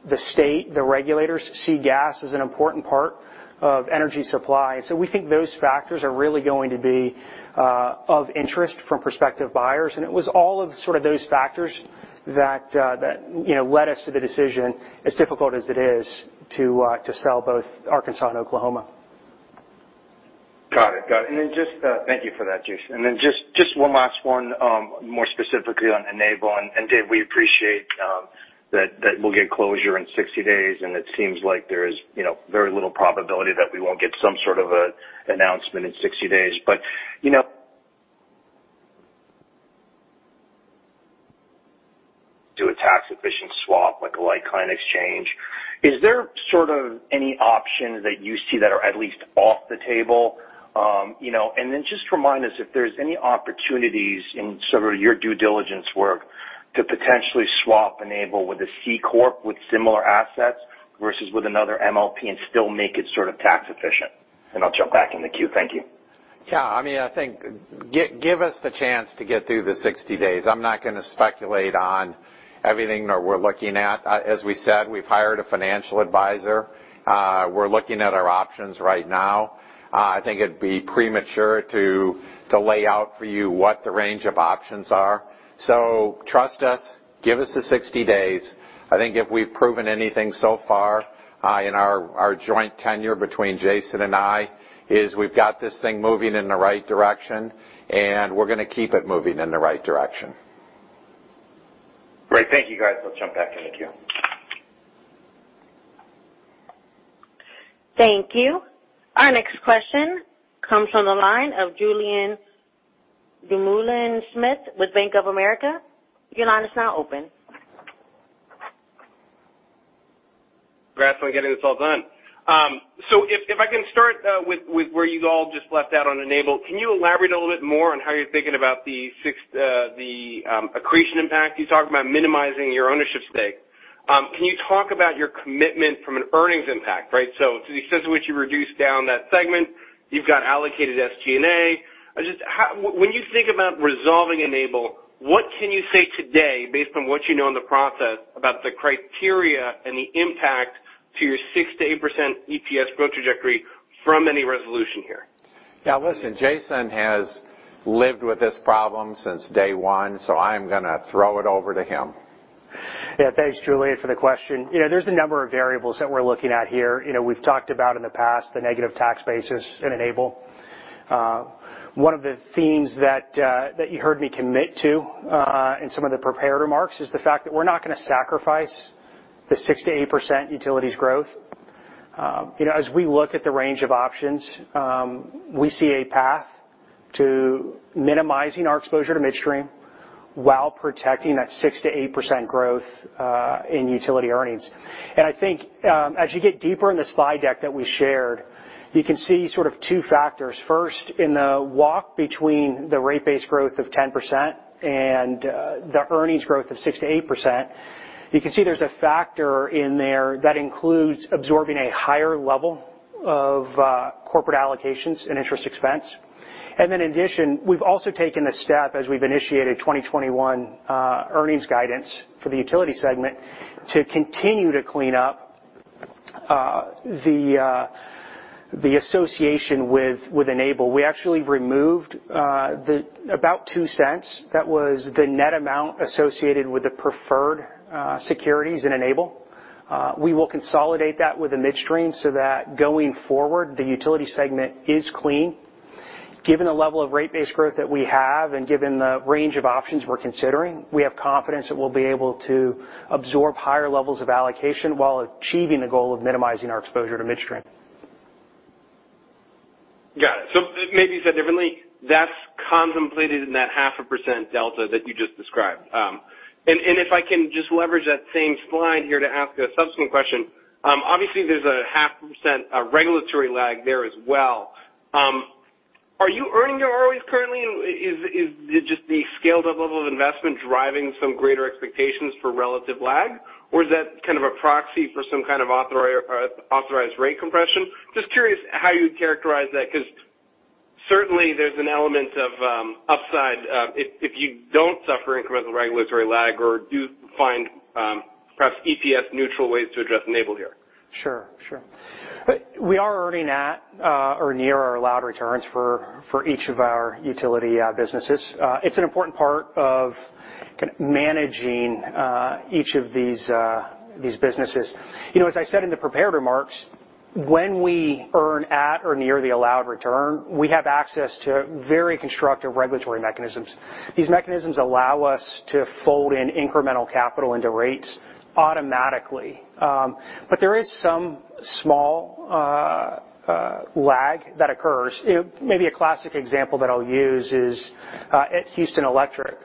the state, the regulators see gas as an important part of energy supply. We think those factors are really going to be of interest from prospective buyers. It was all of those factors that led us to the decision, as difficult as it is, to sell both Arkansas and Oklahoma. Got it. Thank you for that, Jason. Just one last one more specifically on Enable, Dave, we appreciate that we'll get closure in 60 days, and it seems like there is very little probability that we won't get some sort of an announcement in 60 days. Do a tax-efficient swap, like a like-kind exchange. Is there any option that you see that are at least off the table? Just remind us if there's any opportunities in some of your due diligence work to potentially swap Enable with a C corp with similar assets versus with another MLP and still make it sort of tax efficient. I'll jump back in the queue. Thank you. Yeah. I think, give us the chance to get through the 60 days. I'm not going to speculate on everything that we're looking at. As we said, we've hired a financial advisor. We're looking at our options right now. I think it'd be premature to lay out for you what the range of options are. Trust us. Give us the 60 days. I think if we've proven anything so far in our joint tenure between Jason and I, is we've got this thing moving in the right direction, and we're going to keep it moving in the right direction. Great. Thank you, guys. Let's jump back in the queue. Thank you. Our next question comes from the line of Julien Dumoulin-Smith with Bank of America. Your line is now open. Congrats on getting this all done. If I can start with where you all just left out on Enable. Can you elaborate a little bit more on how you're thinking about the accretion impact? You talked about minimizing your ownership stake. Can you talk about your commitment from an earnings impact, right? To the extent to which you reduce down that segment, you've got allocated SG&A. When you think about resolving Enable, what can you say today, based on what you know in the process, about the criteria and the impact to your 6%-8% EPS growth trajectory from any resolution here? Yeah. Listen, Jason has lived with this problem since day one, so I am going to throw it over to him. Thanks, Julien, for the question. There's a number of variables that we're looking at here. We've talked about in the past the negative tax basis in Enable. One of the themes that you heard me commit to in some of the prepared remarks is the fact that we're not going to sacrifice the 6%-8% utilities growth. As we look at the range of options, we see a path to minimizing our exposure to midstream while protecting that 6%-8% growth in utility earnings. I think as you get deeper in the slide deck that we shared, you can see sort of two factors. First, in the walk between the rate base growth of 10% and the earnings growth of 6%-8%, you can see there's a factor in there that includes absorbing a higher level of corporate allocations and interest expense. In addition, we've also taken a step as we've initiated 2021 earnings guidance for the utility segment to continue to clean up the association with Enable. We actually removed about $0.02. That was the net amount associated with the preferred securities in Enable. We will consolidate that with the midstream so that going forward, the utility segment is clean. Given the level of rate base growth that we have and given the range of options we're considering, we have confidence that we'll be able to absorb higher levels of allocation while achieving the goal of minimizing our exposure to midstream. Got it. Maybe said differently, that's contemplated in that 0.5% delta that you just described. If I can just leverage that same slide here to ask a subsequent question. Obviously, there's a 0.5% regulatory lag there as well. Are you earning your ROEs currently? Is just the scaled up level of investment driving some greater expectations for relative lag? Is that kind of a proxy for some kind of authorized rate compression? Just curious how you would characterize that, because certainly there's an element of upside if you don't suffer incremental regulatory lag or do find perhaps EPS neutral ways to address Enable here. Sure. We are earning at or near our allowed returns for each of our utility businesses. It's an important part of managing each of these businesses. As I said in the prepared remarks, when we earn at or near the allowed return, we have access to very constructive regulatory mechanisms. These mechanisms allow us to fold in incremental capital into rates automatically. There is some small lag that occurs. Maybe a classic example that I'll use is at Houston Electric.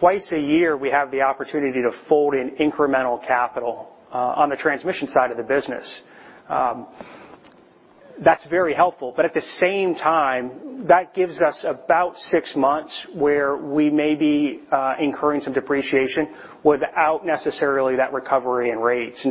Twice a year, we have the opportunity to fold in incremental capital on the transmission side of the business. That's very helpful. At the same time, that gives us about six months where we may be incurring some depreciation without necessarily that recovery in rates.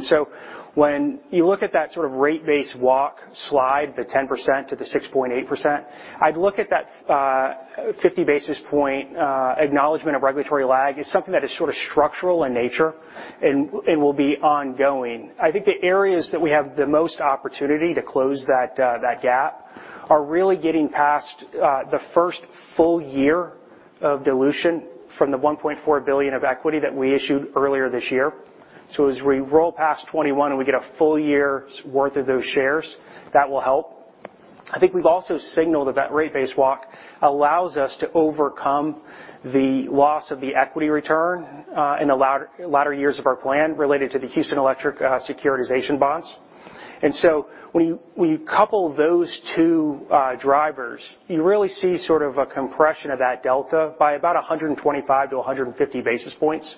When you look at that sort of rate base walk slide, the 10% to the 6.8%, I'd look at that 50 basis point acknowledgment of regulatory lag as something that is sort of structural in nature and will be ongoing. I think the areas that we have the most opportunity to close that gap are really getting past the first full year of dilution from the $1.4 billion of equity that we issued earlier this year. As we roll past 2021 and we get a full year's worth of those shares, that will help. I think we've also signaled that that rate base walk allows us to overcome the loss of the equity return in the latter years of our plan related to the Houston Electric securitization bonds. When you couple those two drivers, you really see sort of a compression of that delta by about 125 to 150 basis points,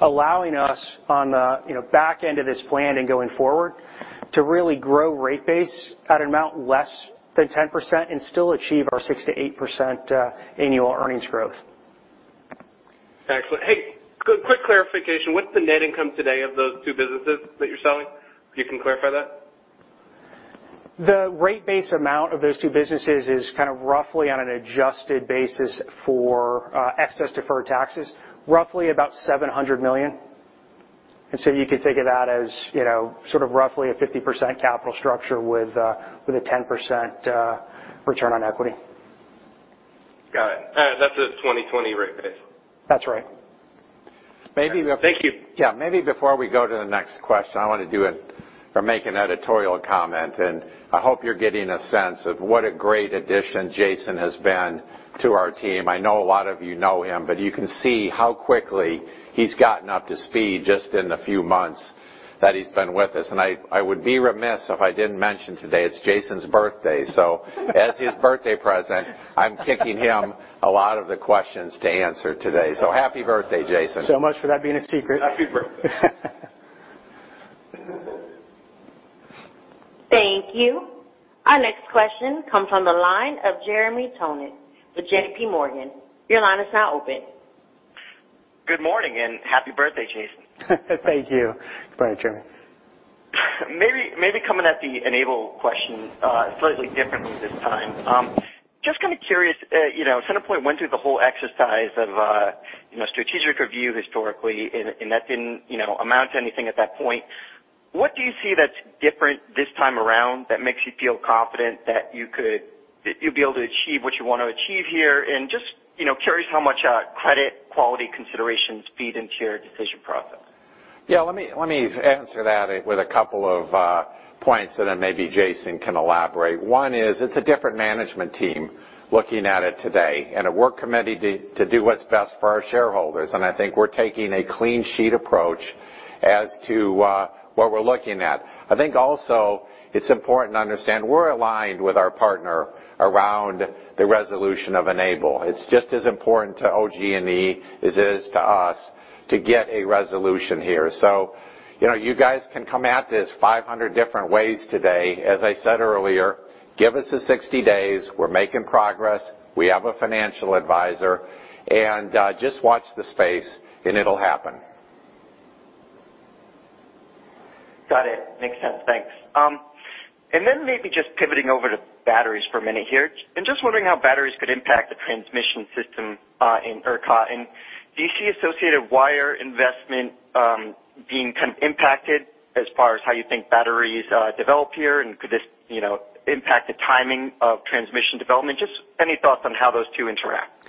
allowing us on the back end of this plan and going forward To really grow rate base at an amount less than 10% and still achieve our 6%-8% annual earnings growth. Excellent. Hey, quick clarification. What's the net income today of those two businesses that you're selling? You can clarify that? The rate base amount of those two businesses is kind of roughly on an adjusted basis for excess deferred taxes, roughly about $700 million. You could think of that as sort of roughly a 50% capital structure with a 10% return on equity. Got it. That's a 2020 rate base. That's right. Thank you. Yeah. Maybe before we go to the next question, I want to do it or make an editorial comment. I hope you're getting a sense of what a great addition Jason has been to our team. I know a lot of you know him. You can see how quickly he's gotten up to speed just in the few months that he's been with us. I would be remiss if I didn't mention today, it's Jason's birthday. As his birthday present, I'm kicking him a lot of the questions to answer today. Happy birthday, Jason. Much for that being a secret. Happy birthday. Thank you. Our next question comes from the line of Jeremy Tonet with JP Morgan. Your line is now open. Good morning, and happy birthday, Jason. Thank you. Good morning, Jeremy. Maybe coming at the Enable question slightly differently this time. Just kind of curious, CenterPoint went through the whole exercise of strategic review historically, that didn't amount to anything at that point. What do you see that's different this time around that makes you feel confident that you'll be able to achieve what you want to achieve here? Just curious how much credit quality considerations feed into your decision process. Yeah, let me answer that with a couple of points, and then maybe Jason can elaborate. One is it's a different management team looking at it today, and we're committed to do what's best for our shareholders. I think we're taking a clean sheet approach as to what we're looking at. I think also it's important to understand we're aligned with our partner around the resolution of Enable. It's just as important to OG&E as it is to us to get a resolution here. You guys can come at this 500 different ways today. As I said earlier, give us the 60 days. We're making progress. We have a financial advisor, and just watch the space, and it'll happen. Got it. Makes sense. Thanks. Maybe just pivoting over to batteries for a minute here. Just wondering how batteries could impact the transmission system in ERCOT. Do you see associated wire investment being kind of impacted as far as how you think batteries develop here? Could this impact the timing of transmission development? Just any thoughts on how those two interact.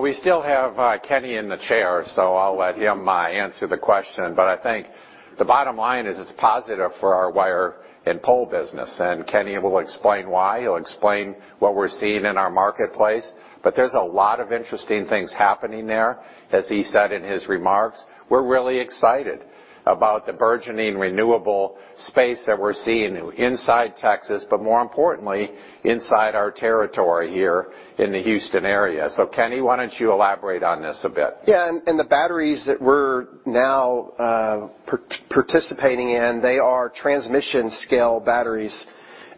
We still have Kenny in the chair, so I'll let him answer the question, but I think the bottom line is it's positive for our wire and pole business, and Kenny will explain why. He'll explain what we're seeing in our marketplace. There's a lot of interesting things happening there. As he said in his remarks, we're really excited about the burgeoning renewable space that we're seeing inside Texas, but more importantly inside our territory here in the Houston area. Kenny, why don't you elaborate on this a bit? Yeah. The batteries that we're now participating in, they are transmission-scale batteries.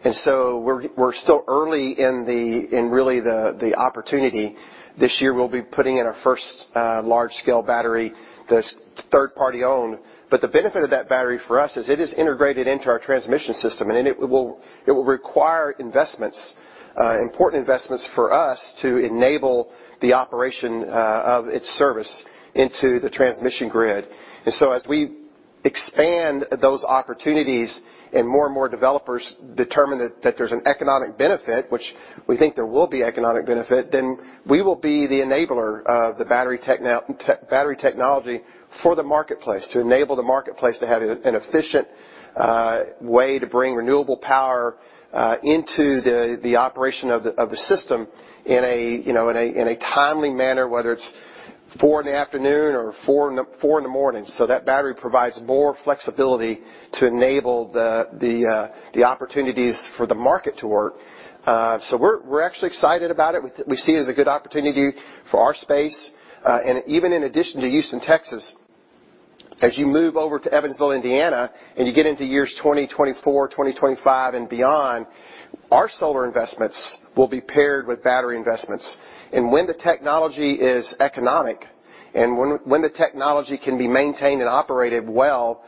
We're still early in really the opportunity. This year we'll be putting in our first large-scale battery that's third-party owned. The benefit of that battery for us is it is integrated into our transmission system, and it will require investments, important investments for us to enable the operation of its service into the transmission grid. As we expand those opportunities and more and more developers determine that there's an economic benefit, which we think there will be economic benefit, then we will be the enabler of the battery technology for the marketplace to enable the marketplace to have an efficient way to bring renewable power into the operation of the system in a timely manner, whether it's 4:00 in the afternoon or 4:00 in the morning. That battery provides more flexibility to enable the opportunities for the market to work. We're actually excited about it. We see it as a good opportunity for our space. Even in addition to Houston, Texas, as you move over to Evansville, Indiana, and you get into years 2024, 2025, and beyond, our solar investments will be paired with battery investments. When the technology is economic and when the technology can be maintained and operated well,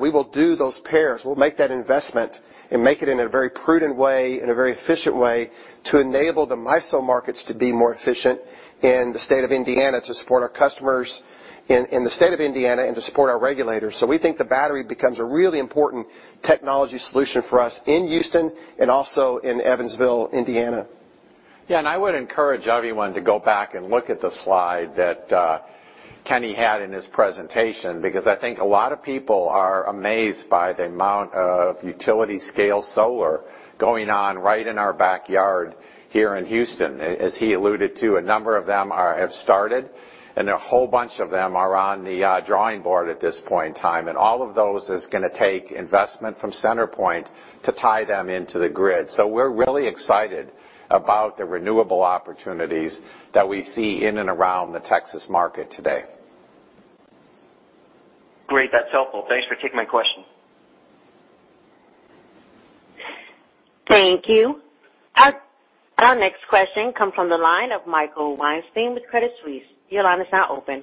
we will do those pairs. We'll make that investment and make it in a very prudent way and a very efficient way to enable the MISO markets to be more efficient in the state of Indiana to support our customers in the state of Indiana and to support our regulators. We think the battery becomes a really important technology solution for us in Houston and also in Evansville, Indiana. I would encourage everyone to go back and look at the slide that Kenny had in his presentation because I think a lot of people are amazed by the amount of utility-scale solar going on right in our backyard here in Houston. As he alluded to, a number of them have started, and a whole bunch of them are on the drawing board at this point in time. All of those is going to take investment from CenterPoint to tie them into the grid. We're really excited about the renewable opportunities that we see in and around the Texas market today. Great. That's helpful. Thanks for taking my question. Thank you. Our next question comes from the line of Michael Weinstein with Credit Suisse. Your line is now open.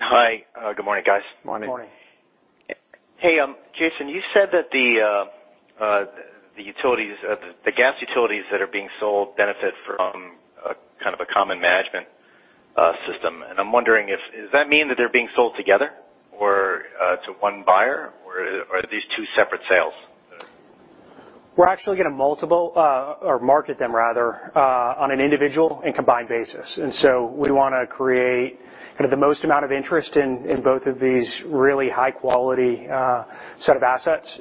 Hi. Good morning, guys. Morning. Morning. Hey, Jason, you said that the gas utilities that are being sold benefit from a kind of a common management system. I'm wondering, does that mean that they're being sold together or to one buyer? Are these two separate sales? We're actually going to multiple or market them rather, on an individual and combined basis. We want to create the most amount of interest in both of these really high-quality set of assets.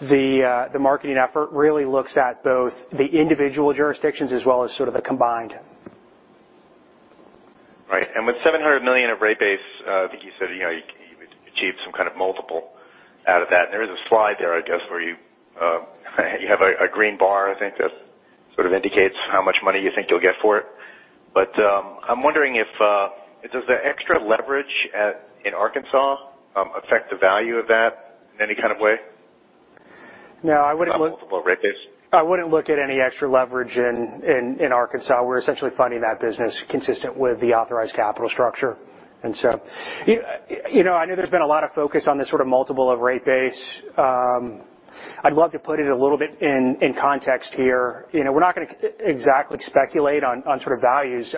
The marketing effort really looks at both the individual jurisdictions as well as sort of the combined. Right. With $700 million of rate base, I think you said, you've achieved some kind of multiple out of that. There is a slide there, I guess, where you have a green bar, I think that sort of indicates how much money you think you'll get for it. I'm wondering if, does the extra leverage in Arkansas affect the value of that in any kind of way? No, I wouldn't. Multiple rate base. I wouldn't look at any extra leverage in Arkansas. We're essentially funding that business consistent with the authorized capital structure. I know there's been a lot of focus on this sort of multiple of rate base. I'd love to put it a little bit in context here. We're not going to exactly speculate on sort of values.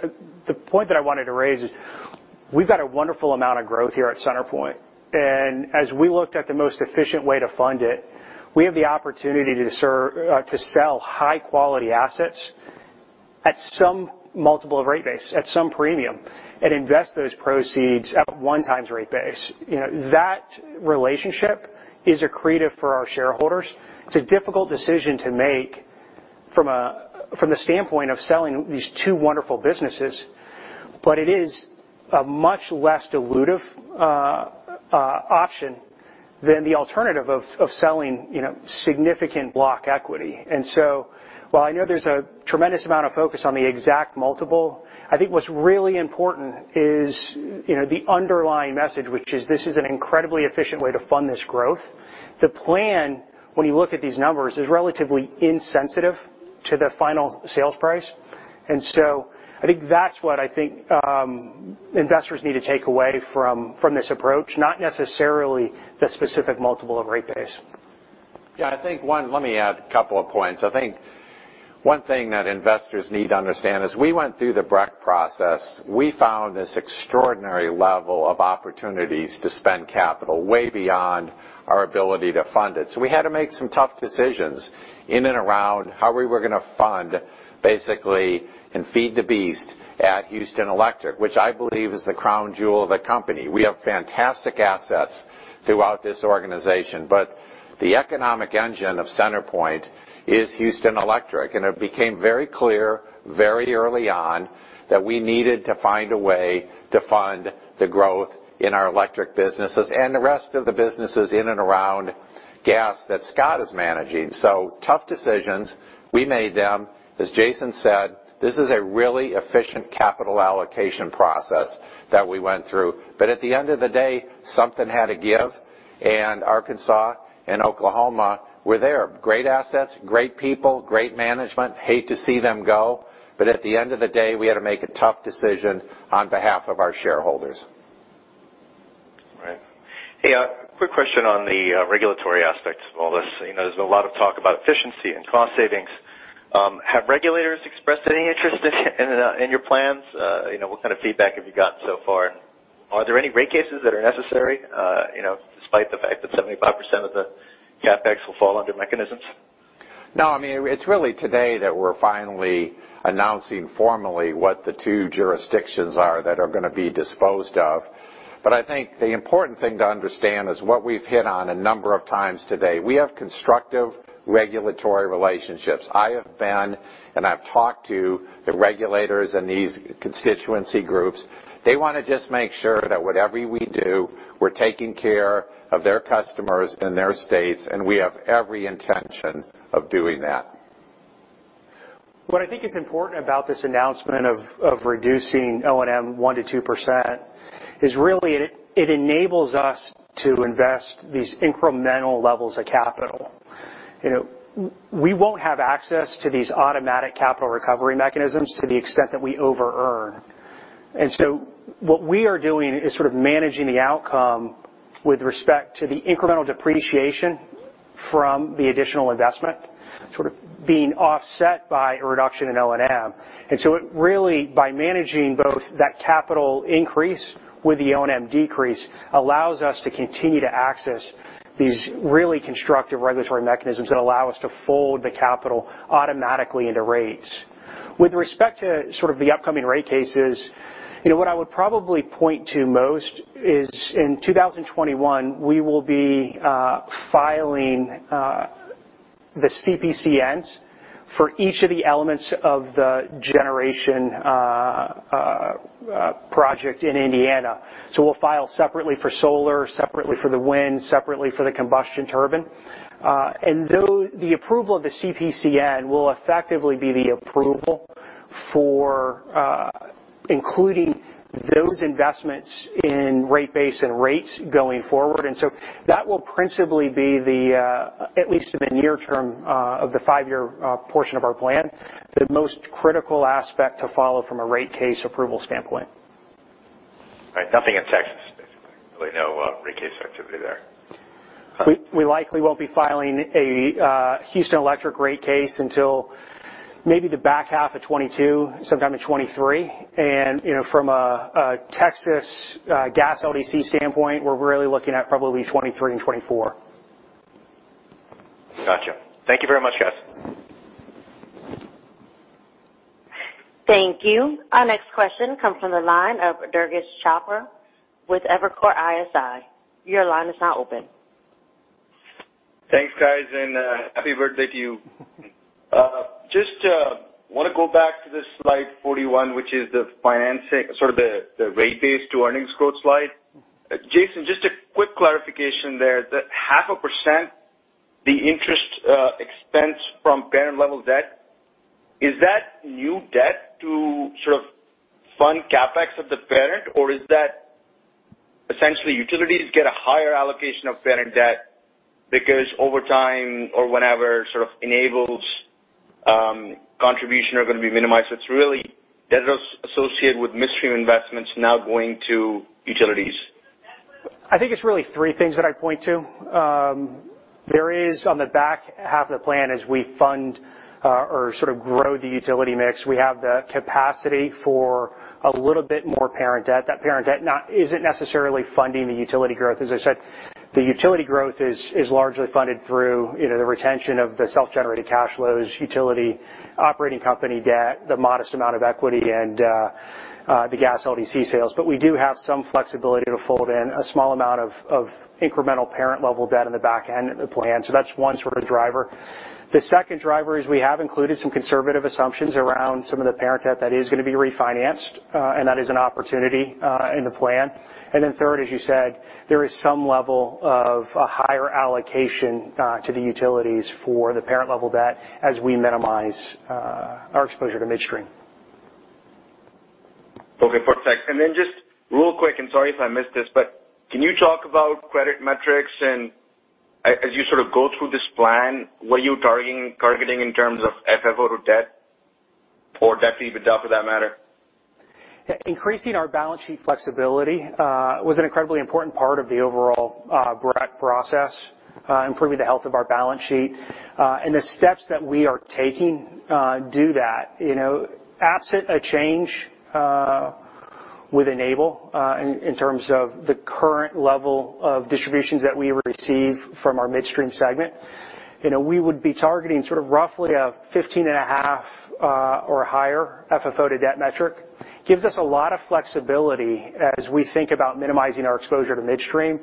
The point that I wanted to raise is we've got a wonderful amount of growth here at CenterPoint. As we looked at the most efficient way to fund it, we have the opportunity to sell high-quality assets at some multiple of rate base, at some premium, and invest those proceeds at one times rate base. That relationship is accretive for our shareholders. It's a difficult decision to make from the standpoint of selling these two wonderful businesses. It is a much less elusive option than the alternative of selling significant block equity. While I know there's a tremendous amount of focus on the exact multiple, I think what's really important is the underlying message, which is this is an incredibly efficient way to fund this growth. The plan, when you look at these numbers, is relatively insensitive to the final sales price. I think that's what I think investors need to take away from this approach, not necessarily the specific multiple of rate base. Let me add a couple of points. I think one thing that investors need to understand, as we went through the BREC process, we found this extraordinary level of opportunities to spend capital way beyond our ability to fund it. We had to make some tough decisions in and around how we were going to fund basically and feed the beast at Houston Electric, which I believe is the crown jewel of the company. We have fantastic assets throughout this organization, but the economic engine of CenterPoint is Houston Electric, and it became very clear very early on that we needed to find a way to fund the growth in our electric businesses and the rest of the businesses in and around gas that Scott is managing. Tough decisions, we made them. As Jason said, this is a really efficient capital allocation process that we went through. At the end of the day, something had to give, and Arkansas and Oklahoma were there. Great assets, great people, great management. Hate to see them go, but at the end of the day, we had to make a tough decision on behalf of our shareholders. Right. Hey, a quick question on the regulatory aspects of all this. There's been a lot of talk about efficiency and cost savings. Have regulators expressed any interest in your plans? What kind of feedback have you gotten so far? Are there any rate cases that are necessary despite the fact that 75% of the CapEx will fall under mechanisms? No, it's really today that we're finally announcing formally what the two jurisdictions are that are going to be disposed of. I think the important thing to understand is what we've hit on a number of times today. We have constructive regulatory relationships. I have been, and I've talked to the regulators and these constituency groups. They want to just make sure that whatever we do, we're taking care of their customers and their states, and we have every intention of doing that. What I think is important about this announcement of reducing O&M 1%-2% is really it enables us to invest these incremental levels of capital. We won't have access to these automatic capital recovery mechanisms to the extent that we over-earn. What we are doing is sort of managing the outcome with respect to the incremental depreciation from the additional investment, sort of being offset by a reduction in O&M. It really, by managing both that capital increase with the O&M decrease, allows us to continue to access these really constructive regulatory mechanisms that allow us to fold the capital automatically into rates. With respect to sort of the upcoming rate cases, what I would probably point to most is in 2021, we will be filing the CPCNs for each of the elements of the generation project in Indiana. We'll file separately for solar, separately for the wind, separately for the combustion turbine. The approval of the CPCN will effectively be the approval for including those investments in rate base and rates going forward. That will principally be the, at least in the near term of the five-year portion of our plan, the most critical aspect to follow from a rate case approval standpoint. Right. Nothing in Texas, basically. Really no rate case activity there. We likely won't be filing a Houston Electric rate case until maybe the back half of 2022, sometime in 2023. From a Texas gas LDC standpoint, we're really looking at probably 2023 and 2024. Got you. Thank you very much, guys. Thank you. Our next question comes from the line of Durgesh Chopra with Evercore ISI. Your line is now open. Thanks, guys, and happy birthday to you. Want to go back to the slide 41, which is the financing, the rate base to earnings growth slide. Jason, just a quick clarification there. That 0.5%, the interest expense from parent-level debt, is that new debt to fund CapEx of the parent, or is that essentially utilities get a higher allocation of parent debt because over time or whenever Enable's contribution are going to be minimized? It's really debt associated with midstream investments now going to utilities. I think it's really three things that I'd point to. There is on the back half of the plan as we fund or sort of grow the utility mix, we have the capacity for a little bit more parent debt. That parent debt isn't necessarily funding the utility growth. As I said, the utility growth is largely funded through the retention of the self-generated cash flows, utility operating company debt, the modest amount of equity, and the gas LDC sales. We do have some flexibility to fold in a small amount of incremental parent-level debt in the back end of the plan. That's one sort of driver. The second driver is we have included some conservative assumptions around some of the parent debt that is going to be refinanced. That is an opportunity in the plan. Third, as you said, there is some level of a higher allocation to the utilities for the parent-level debt as we minimize our exposure to midstream. Okay, perfect. Just real quick, and sorry if I missed this, but can you talk about credit metrics and as you sort of go through this plan, what you're targeting in terms of FFO to debt or debt to EBITDA for that matter? Increasing our balance sheet flexibility was an incredibly important part of the overall BRAC process, improving the health of our balance sheet. The steps that we are taking do that. Absent a change with Enable in terms of the current level of distributions that we receive from our midstream segment, we would be targeting sort of roughly a 15.5 or higher FFO to debt metric. Gives us a lot of flexibility as we think about minimizing our exposure to midstream,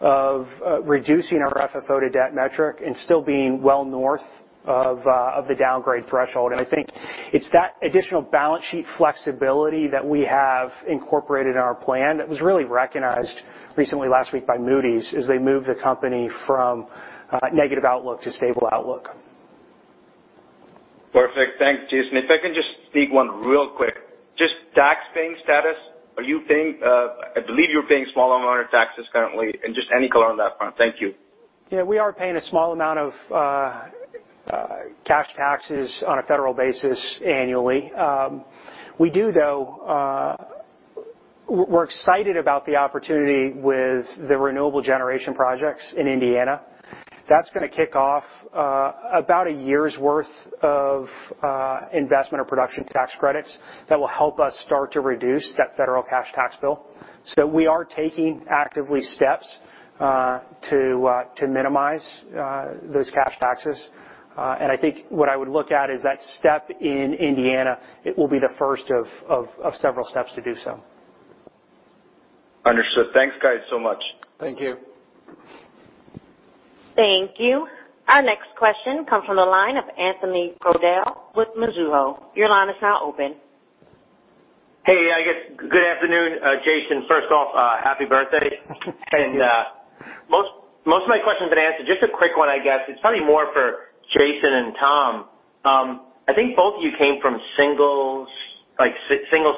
of reducing our FFO to debt metric and still being well north of the downgrade threshold. I think it's that additional balance sheet flexibility that we have incorporated in our plan that was really recognized recently last week by Moody's as they moved the company from a negative outlook to stable outlook. Perfect. Thanks, Jason. If I can just sneak one real quick. Just tax paying status. I believe you're paying small amount of taxes currently and just any color on that front. Thank you. Yeah, we are paying a small amount of cash taxes on a Federal basis annually. We do, we're excited about the opportunity with the renewable generation projects in Indiana. That's going to kick off about a year's worth of investment or production tax credits that will help us start to reduce that Federal cash tax bill. We are taking actively steps to minimize those cash taxes. I think what I would look at is that step in Indiana, it will be the first of several steps to do so. Understood. Thanks, guys, so much. Thank you. Thank you. Our next question comes from the line of Anthony Crowdell with Mizuho. Your line is now open. Hey. Good afternoon, Jason. First off, happy birthday. Thank you. Most of my question's been answered. Just a quick one, I guess. It's probably more for Jason and Tom. I think both of you came from single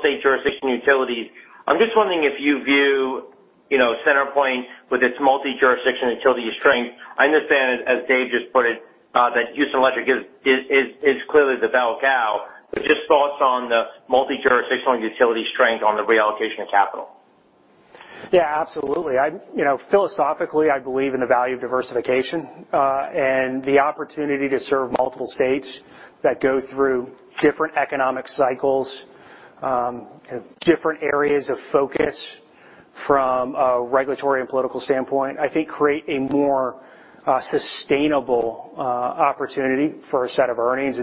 state jurisdiction utilities. I'm just wondering if you view CenterPoint with its multi-jurisdiction utility strength. I understand, as Dave just put it, that Houston Electric is clearly the bell cow. Just thoughts on the multi-jurisdictional utility strength on the reallocation of capital. Yeah, absolutely. Philosophically, I believe in the value of diversification. The opportunity to serve multiple states that go through different economic cycles, different areas of focus from a regulatory and political standpoint, I think create a more sustainable opportunity for a set of earnings.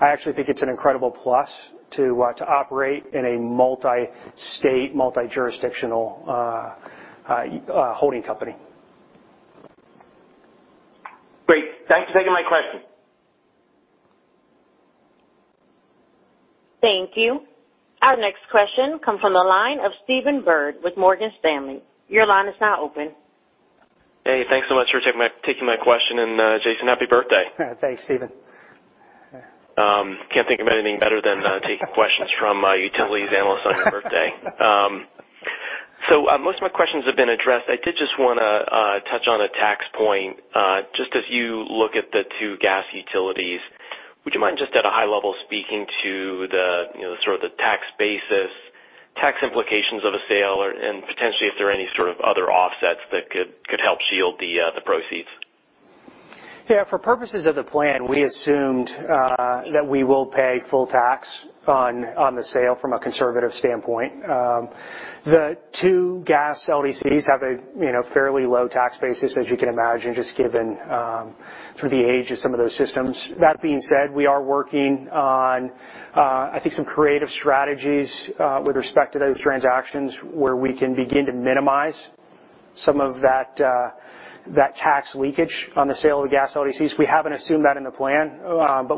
I actually think it's an incredible plus to operate in a multi-state, multi-jurisdictional holding company. Great. Thanks for taking my question. Thank you. Our next question comes from the line of Stephen Byrd with Morgan Stanley. Your line is now open. Hey, thanks so much for taking my question. Jason, happy birthday. Thanks, Stephen. Can't think of anything better than taking questions from a utilities analyst on your birthday. Most of my questions have been addressed. I did just want to touch on a tax point. Just as you look at the two gas utilities, would you mind just at a high level speaking to the sort of the tax basis, tax implications of a sale and potentially if there are any sort of other offsets that could help shield the proceeds? Yeah. For purposes of the plan, we assumed that we will pay full tax on the sale from a conservative standpoint. The two gas LDCs have a fairly low tax basis, as you can imagine, just given sort of the age of some of those systems. That being said, we are working on I think some creative strategies with respect to those transactions where we can begin to minimize some of that tax leakage on the sale of the gas LDCs. We haven't assumed that in the plan.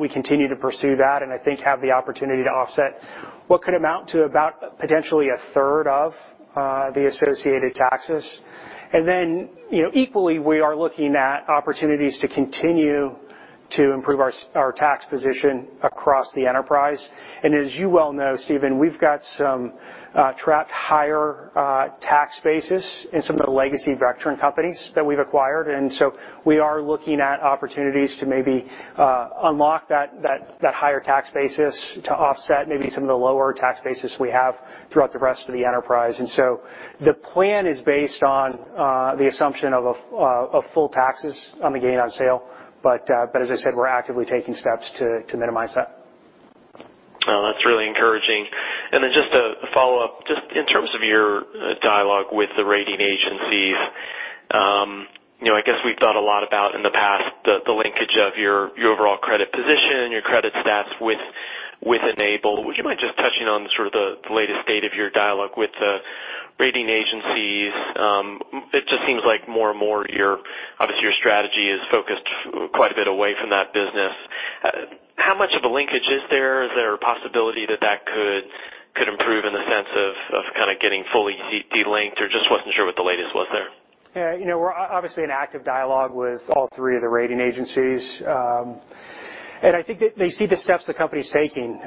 We continue to pursue that and I think have the opportunity to offset what could amount to about potentially a third of the associated taxes. Equally, we are looking at opportunities to continue to improve our tax position across the enterprise. As you well know, Stephen, we've got some trapped higher tax bases in some of the legacy Vectren companies that we've acquired. We are looking at opportunities to maybe unlock that higher tax basis to offset maybe some of the lower tax bases we have throughout the rest of the enterprise. The plan is based on the assumption of full taxes on the gain on sale. As I said, we're actively taking steps to minimize that. That's really encouraging. Just a follow-up, just in terms of your dialogue with the rating agencies. I guess we've thought a lot about in the past the linkage of your overall credit position and your credit stats with Enable. Would you mind just touching on sort of the latest state of your dialogue with the rating agencies? It just seems like more and more, obviously, your strategy is focused quite a bit away from that business. How much of a linkage is there? Is there a possibility that that could improve in the sense of kind of getting fully de-linked? Just wasn't sure what the latest was there. Yeah. We're obviously in active dialogue with all three of the rating agencies. I think that they see the steps the company's taking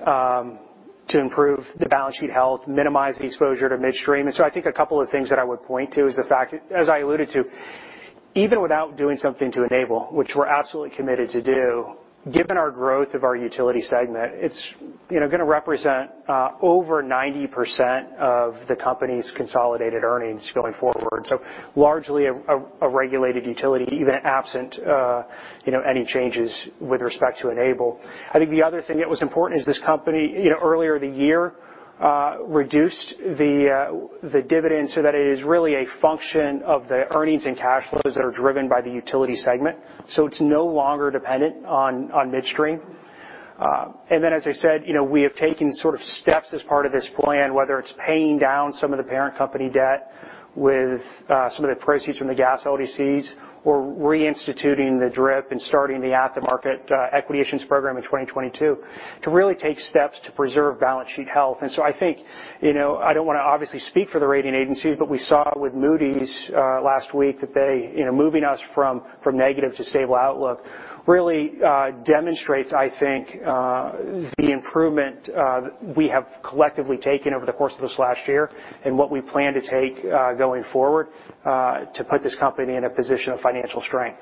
to improve the balance sheet health, minimize the exposure to midstream. I think a couple of things that I would point to is the fact, as I alluded to, even without doing something to Enable, which we're absolutely committed to do, given our growth of our utility segment, it's going to represent over 90% of the company's consolidated earnings going forward. Largely a regulated utility, even absent any changes with respect to Enable. I think the other thing that was important is this company earlier in the year reduced the dividend so that it is really a function of the earnings and cash flows that are driven by the utility segment. It's no longer dependent on midstream. As I said, we have taken sort of steps as part of this plan, whether it's paying down some of the parent company debt with some of the proceeds from the gas LDCs or reinstituting the DRIP and starting the at-the-market equity issuance program in 2022 to really take steps to preserve balance sheet health. I think, I don't want to obviously speak for the rating agencies, but we saw with Moody's last week that they, moving us from negative to stable outlook really demonstrates, I think, the improvement we have collectively taken over the course of this last year and what we plan to take going forward to put this company in a position of financial strength.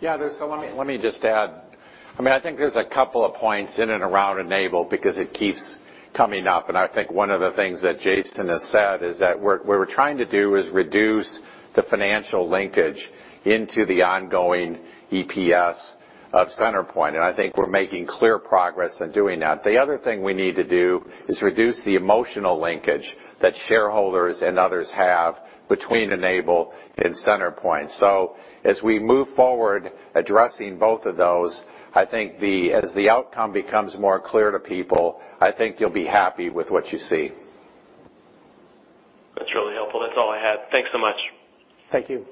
Let me just add. I think there's a couple of points in and around Enable because it keeps coming up, and I think one of the things that Jason has said is that what we're trying to do is reduce the financial linkage into the ongoing EPS of CenterPoint, and I think we're making clear progress in doing that. The other thing we need to do is reduce the emotional linkage that shareholders and others have between Enable and CenterPoint. As we move forward addressing both of those, I think as the outcome becomes more clear to people, I think you'll be happy with what you see. That's really helpful. That's all I had. Thanks so much. Thank you.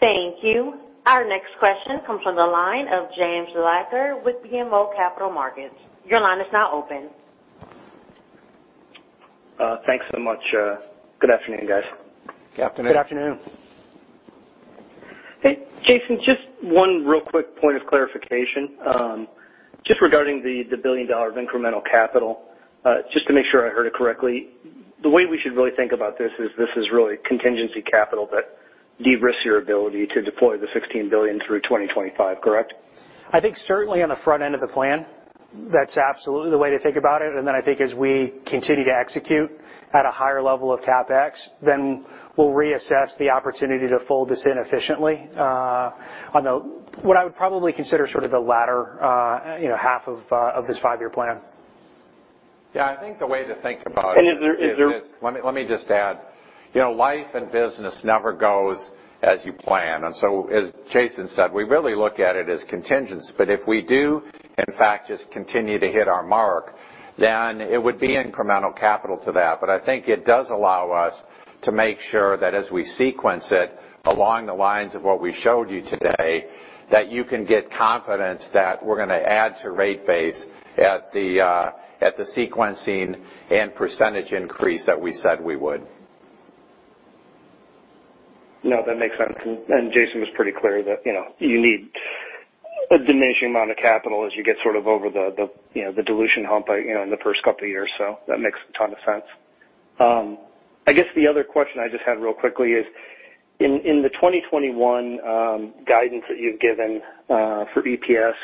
Thank you. Our next question comes from the line of James Lacker with BMO Capital Markets. Your line is now open. Thanks so much. Good afternoon, guys. Good afternoon. Good afternoon. Hey, Jason, just one real quick point of clarification. Just regarding the $1 billion of incremental capital. Just to make sure I heard it correctly. The way we should really think about this is this is really contingency capital that de-risks your ability to deploy the $16 billion through 2025, correct? I think certainly on the front end of the plan, that's absolutely the way to think about it. Then I think as we continue to execute at a higher level of CapEx, then we'll reassess the opportunity to fold this in efficiently on what I would probably consider sort of the latter half of this five-year plan. Yeah. I think the way to think about it- And is there- Let me just add. Life and business never goes as you plan. As Jason said, we really look at it as contingency. If we do in fact just continue to hit our mark, then it would be incremental capital to that. I think it does allow us to make sure that as we sequence it along the lines of what we showed you today. That you can get confidence that we're going to add to rate base at the sequencing and % increase that we said we would. No, that makes sense. Jason was pretty clear that you need a diminishing amount of capital as you get sort of over the dilution hump in the first couple of years. That makes a ton of sense. I guess the other question I just had real quickly is, in the 2021 guidance that you've given for EPS,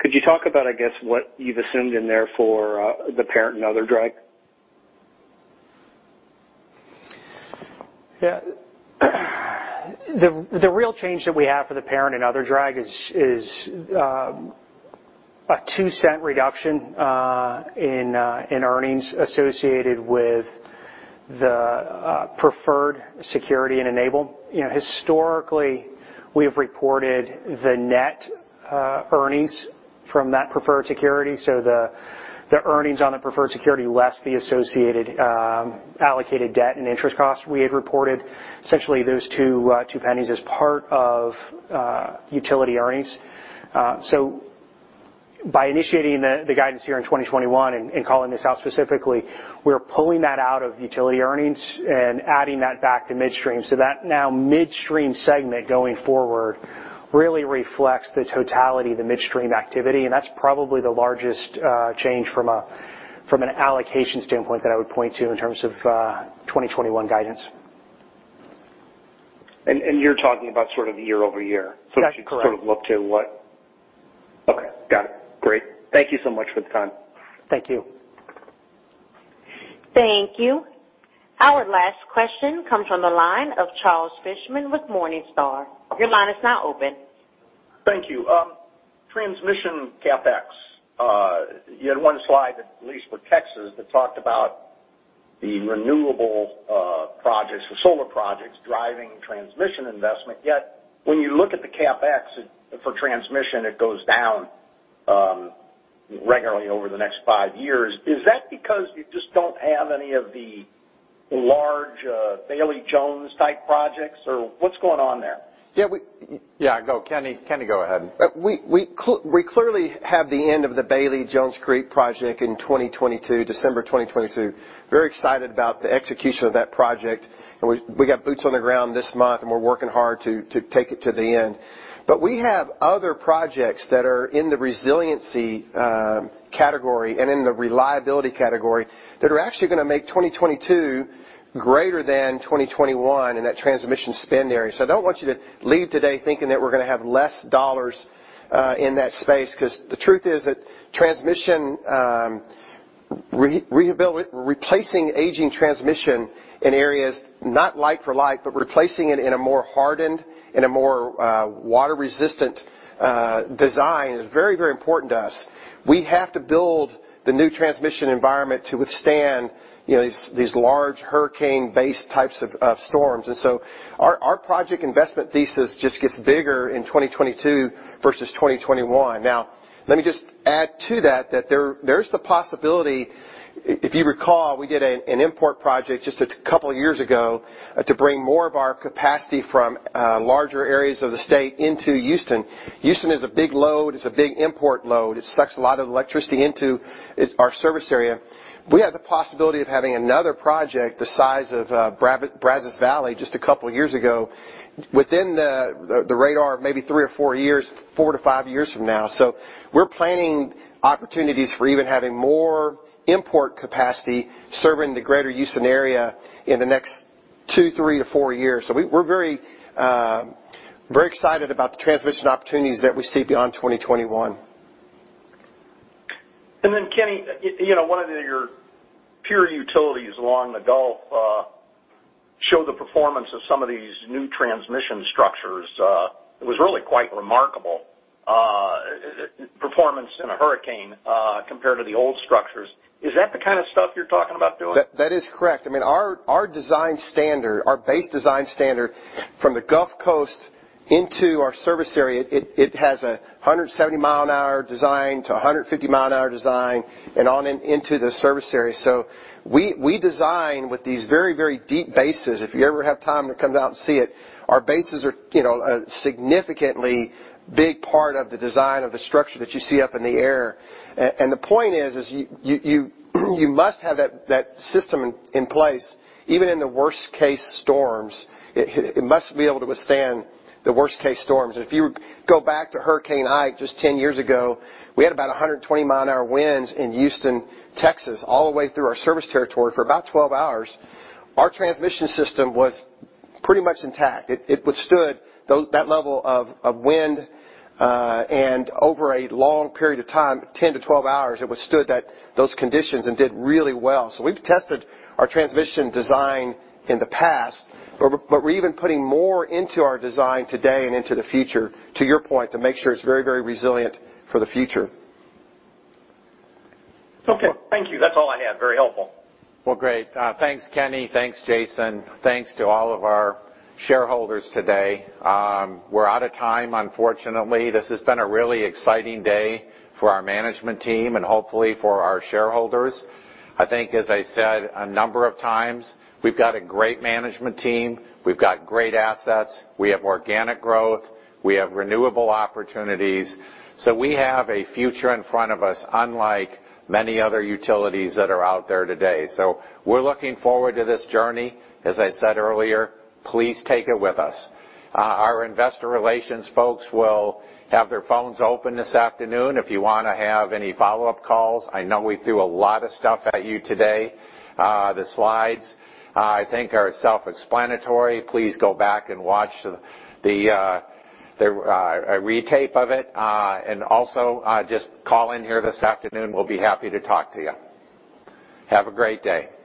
could you talk about, I guess, what you've assumed in there for the parent and other drag? The real change that we have for the parent and other drag is a $0.02 reduction in earnings associated with the preferred security in Enable. Historically, we have reported the net earnings from that preferred security. The earnings on the preferred security, less the associated allocated debt and interest costs we had reported, essentially those $0.02 as part of utility earnings. By initiating the guidance here in 2021 and calling this out specifically, we're pulling that out of utility earnings and adding that back to Midstream. That now Midstream segment going forward really reflects the totality of the Midstream activity, and that's probably the largest change from an allocation standpoint that I would point to in terms of 2021 guidance. You're talking about sort of year-over-year. That's correct. Okay, got it. Great. Thank you so much for the time. Thank you. Thank you. Our last question comes from the line of Charles Fishman with Morningstar. Your line is now open. Thank you. Transmission CapEx. You had one slide, at least for Texas, that talked about the renewable projects, the solar projects, driving transmission investment. When you look at the CapEx for transmission, it goes down regularly over the next five years. Is that because you just don't have any of the large Bailey Jones-type projects, or what's going on there? Yeah. Kenny, go ahead. We clearly have the end of the Bailey to Jones Creek project in 2022, December 2022. Very excited about the execution of that project, and we got boots on the ground this month, and we're working hard to take it to the end. We have other projects that are in the resiliency category and in the reliability category that are actually going to make 2022 greater than 2021 in that transmission spend area. I don't want you to leave today thinking that we're going to have less dollars in that space, because the truth is that replacing aging transmission in areas, not like for like, but replacing it in a more hardened and a more water-resistant design is very important to us. We have to build the new transmission environment to withstand these large hurricane-based types of storms. Our project investment thesis just gets bigger in 2022 versus 2021. Let me just add to that there's the possibility, if you recall, we did an import project just a couple of years ago to bring more of our capacity from larger areas of the state into Houston. Houston is a big load. It's a big import load. It sucks a lot of electricity into our service area. We have the possibility of having another project the size of Brazos Valley just a couple of years ago within the radar, maybe three or four years, four to five years from now. We're planning opportunities for even having more import capacity serving the Greater Houston area in the next two, three to four years. We're very excited about the transmission opportunities that we see beyond 2021. Kenny, one of your peer utilities along the Gulf showed the performance of some of these new transmission structures. It was really quite remarkable. Performance in a hurricane compared to the old structures. Is that the kind of stuff you're talking about doing? That is correct. I mean, our base design standard from the Gulf Coast into our service area, it has a 170-mile-an-hour design to 150-mile-an-hour design and on and into the service area. We design with these very deep bases. If you ever have time to come out and see it, our bases are a significantly big part of the design of the structure that you see up in the air. The point is, you must have that system in place, even in the worst-case storms. It must be able to withstand the worst-case storms. If you go back to Hurricane Ike just 10 years ago, we had about 120-mile-an-hour winds in Houston, Texas, all the way through our service territory for about 12 hours. Our transmission system was pretty much intact. It withstood that level of wind and over a long period of time, 10-12 hours, it withstood those conditions and did really well. We've tested our transmission design in the past, but we're even putting more into our design today and into the future, to your point, to make sure it's very resilient for the future. Okay. Thank you. That's all I had. Very helpful. Well, great. Thanks, Kenny. Thanks, Jason. Thanks to all of our shareholders today. We're out of time, unfortunately. This has been a really exciting day for our management team and hopefully for our shareholders. I think as I said a number of times, we've got a great management team. We've got great assets. We have organic growth. We have renewable opportunities. We have a future in front of us, unlike many other utilities that are out there today. We're looking forward to this journey. As I said earlier, please take it with us. Our investor relations folks will have their phones open this afternoon if you want to have any follow-up calls. I know we threw a lot of stuff at you today. The slides, I think, are self-explanatory. Please go back and watch a retape of it. Also, just call in here this afternoon. We'll be happy to talk to you. Have a great day.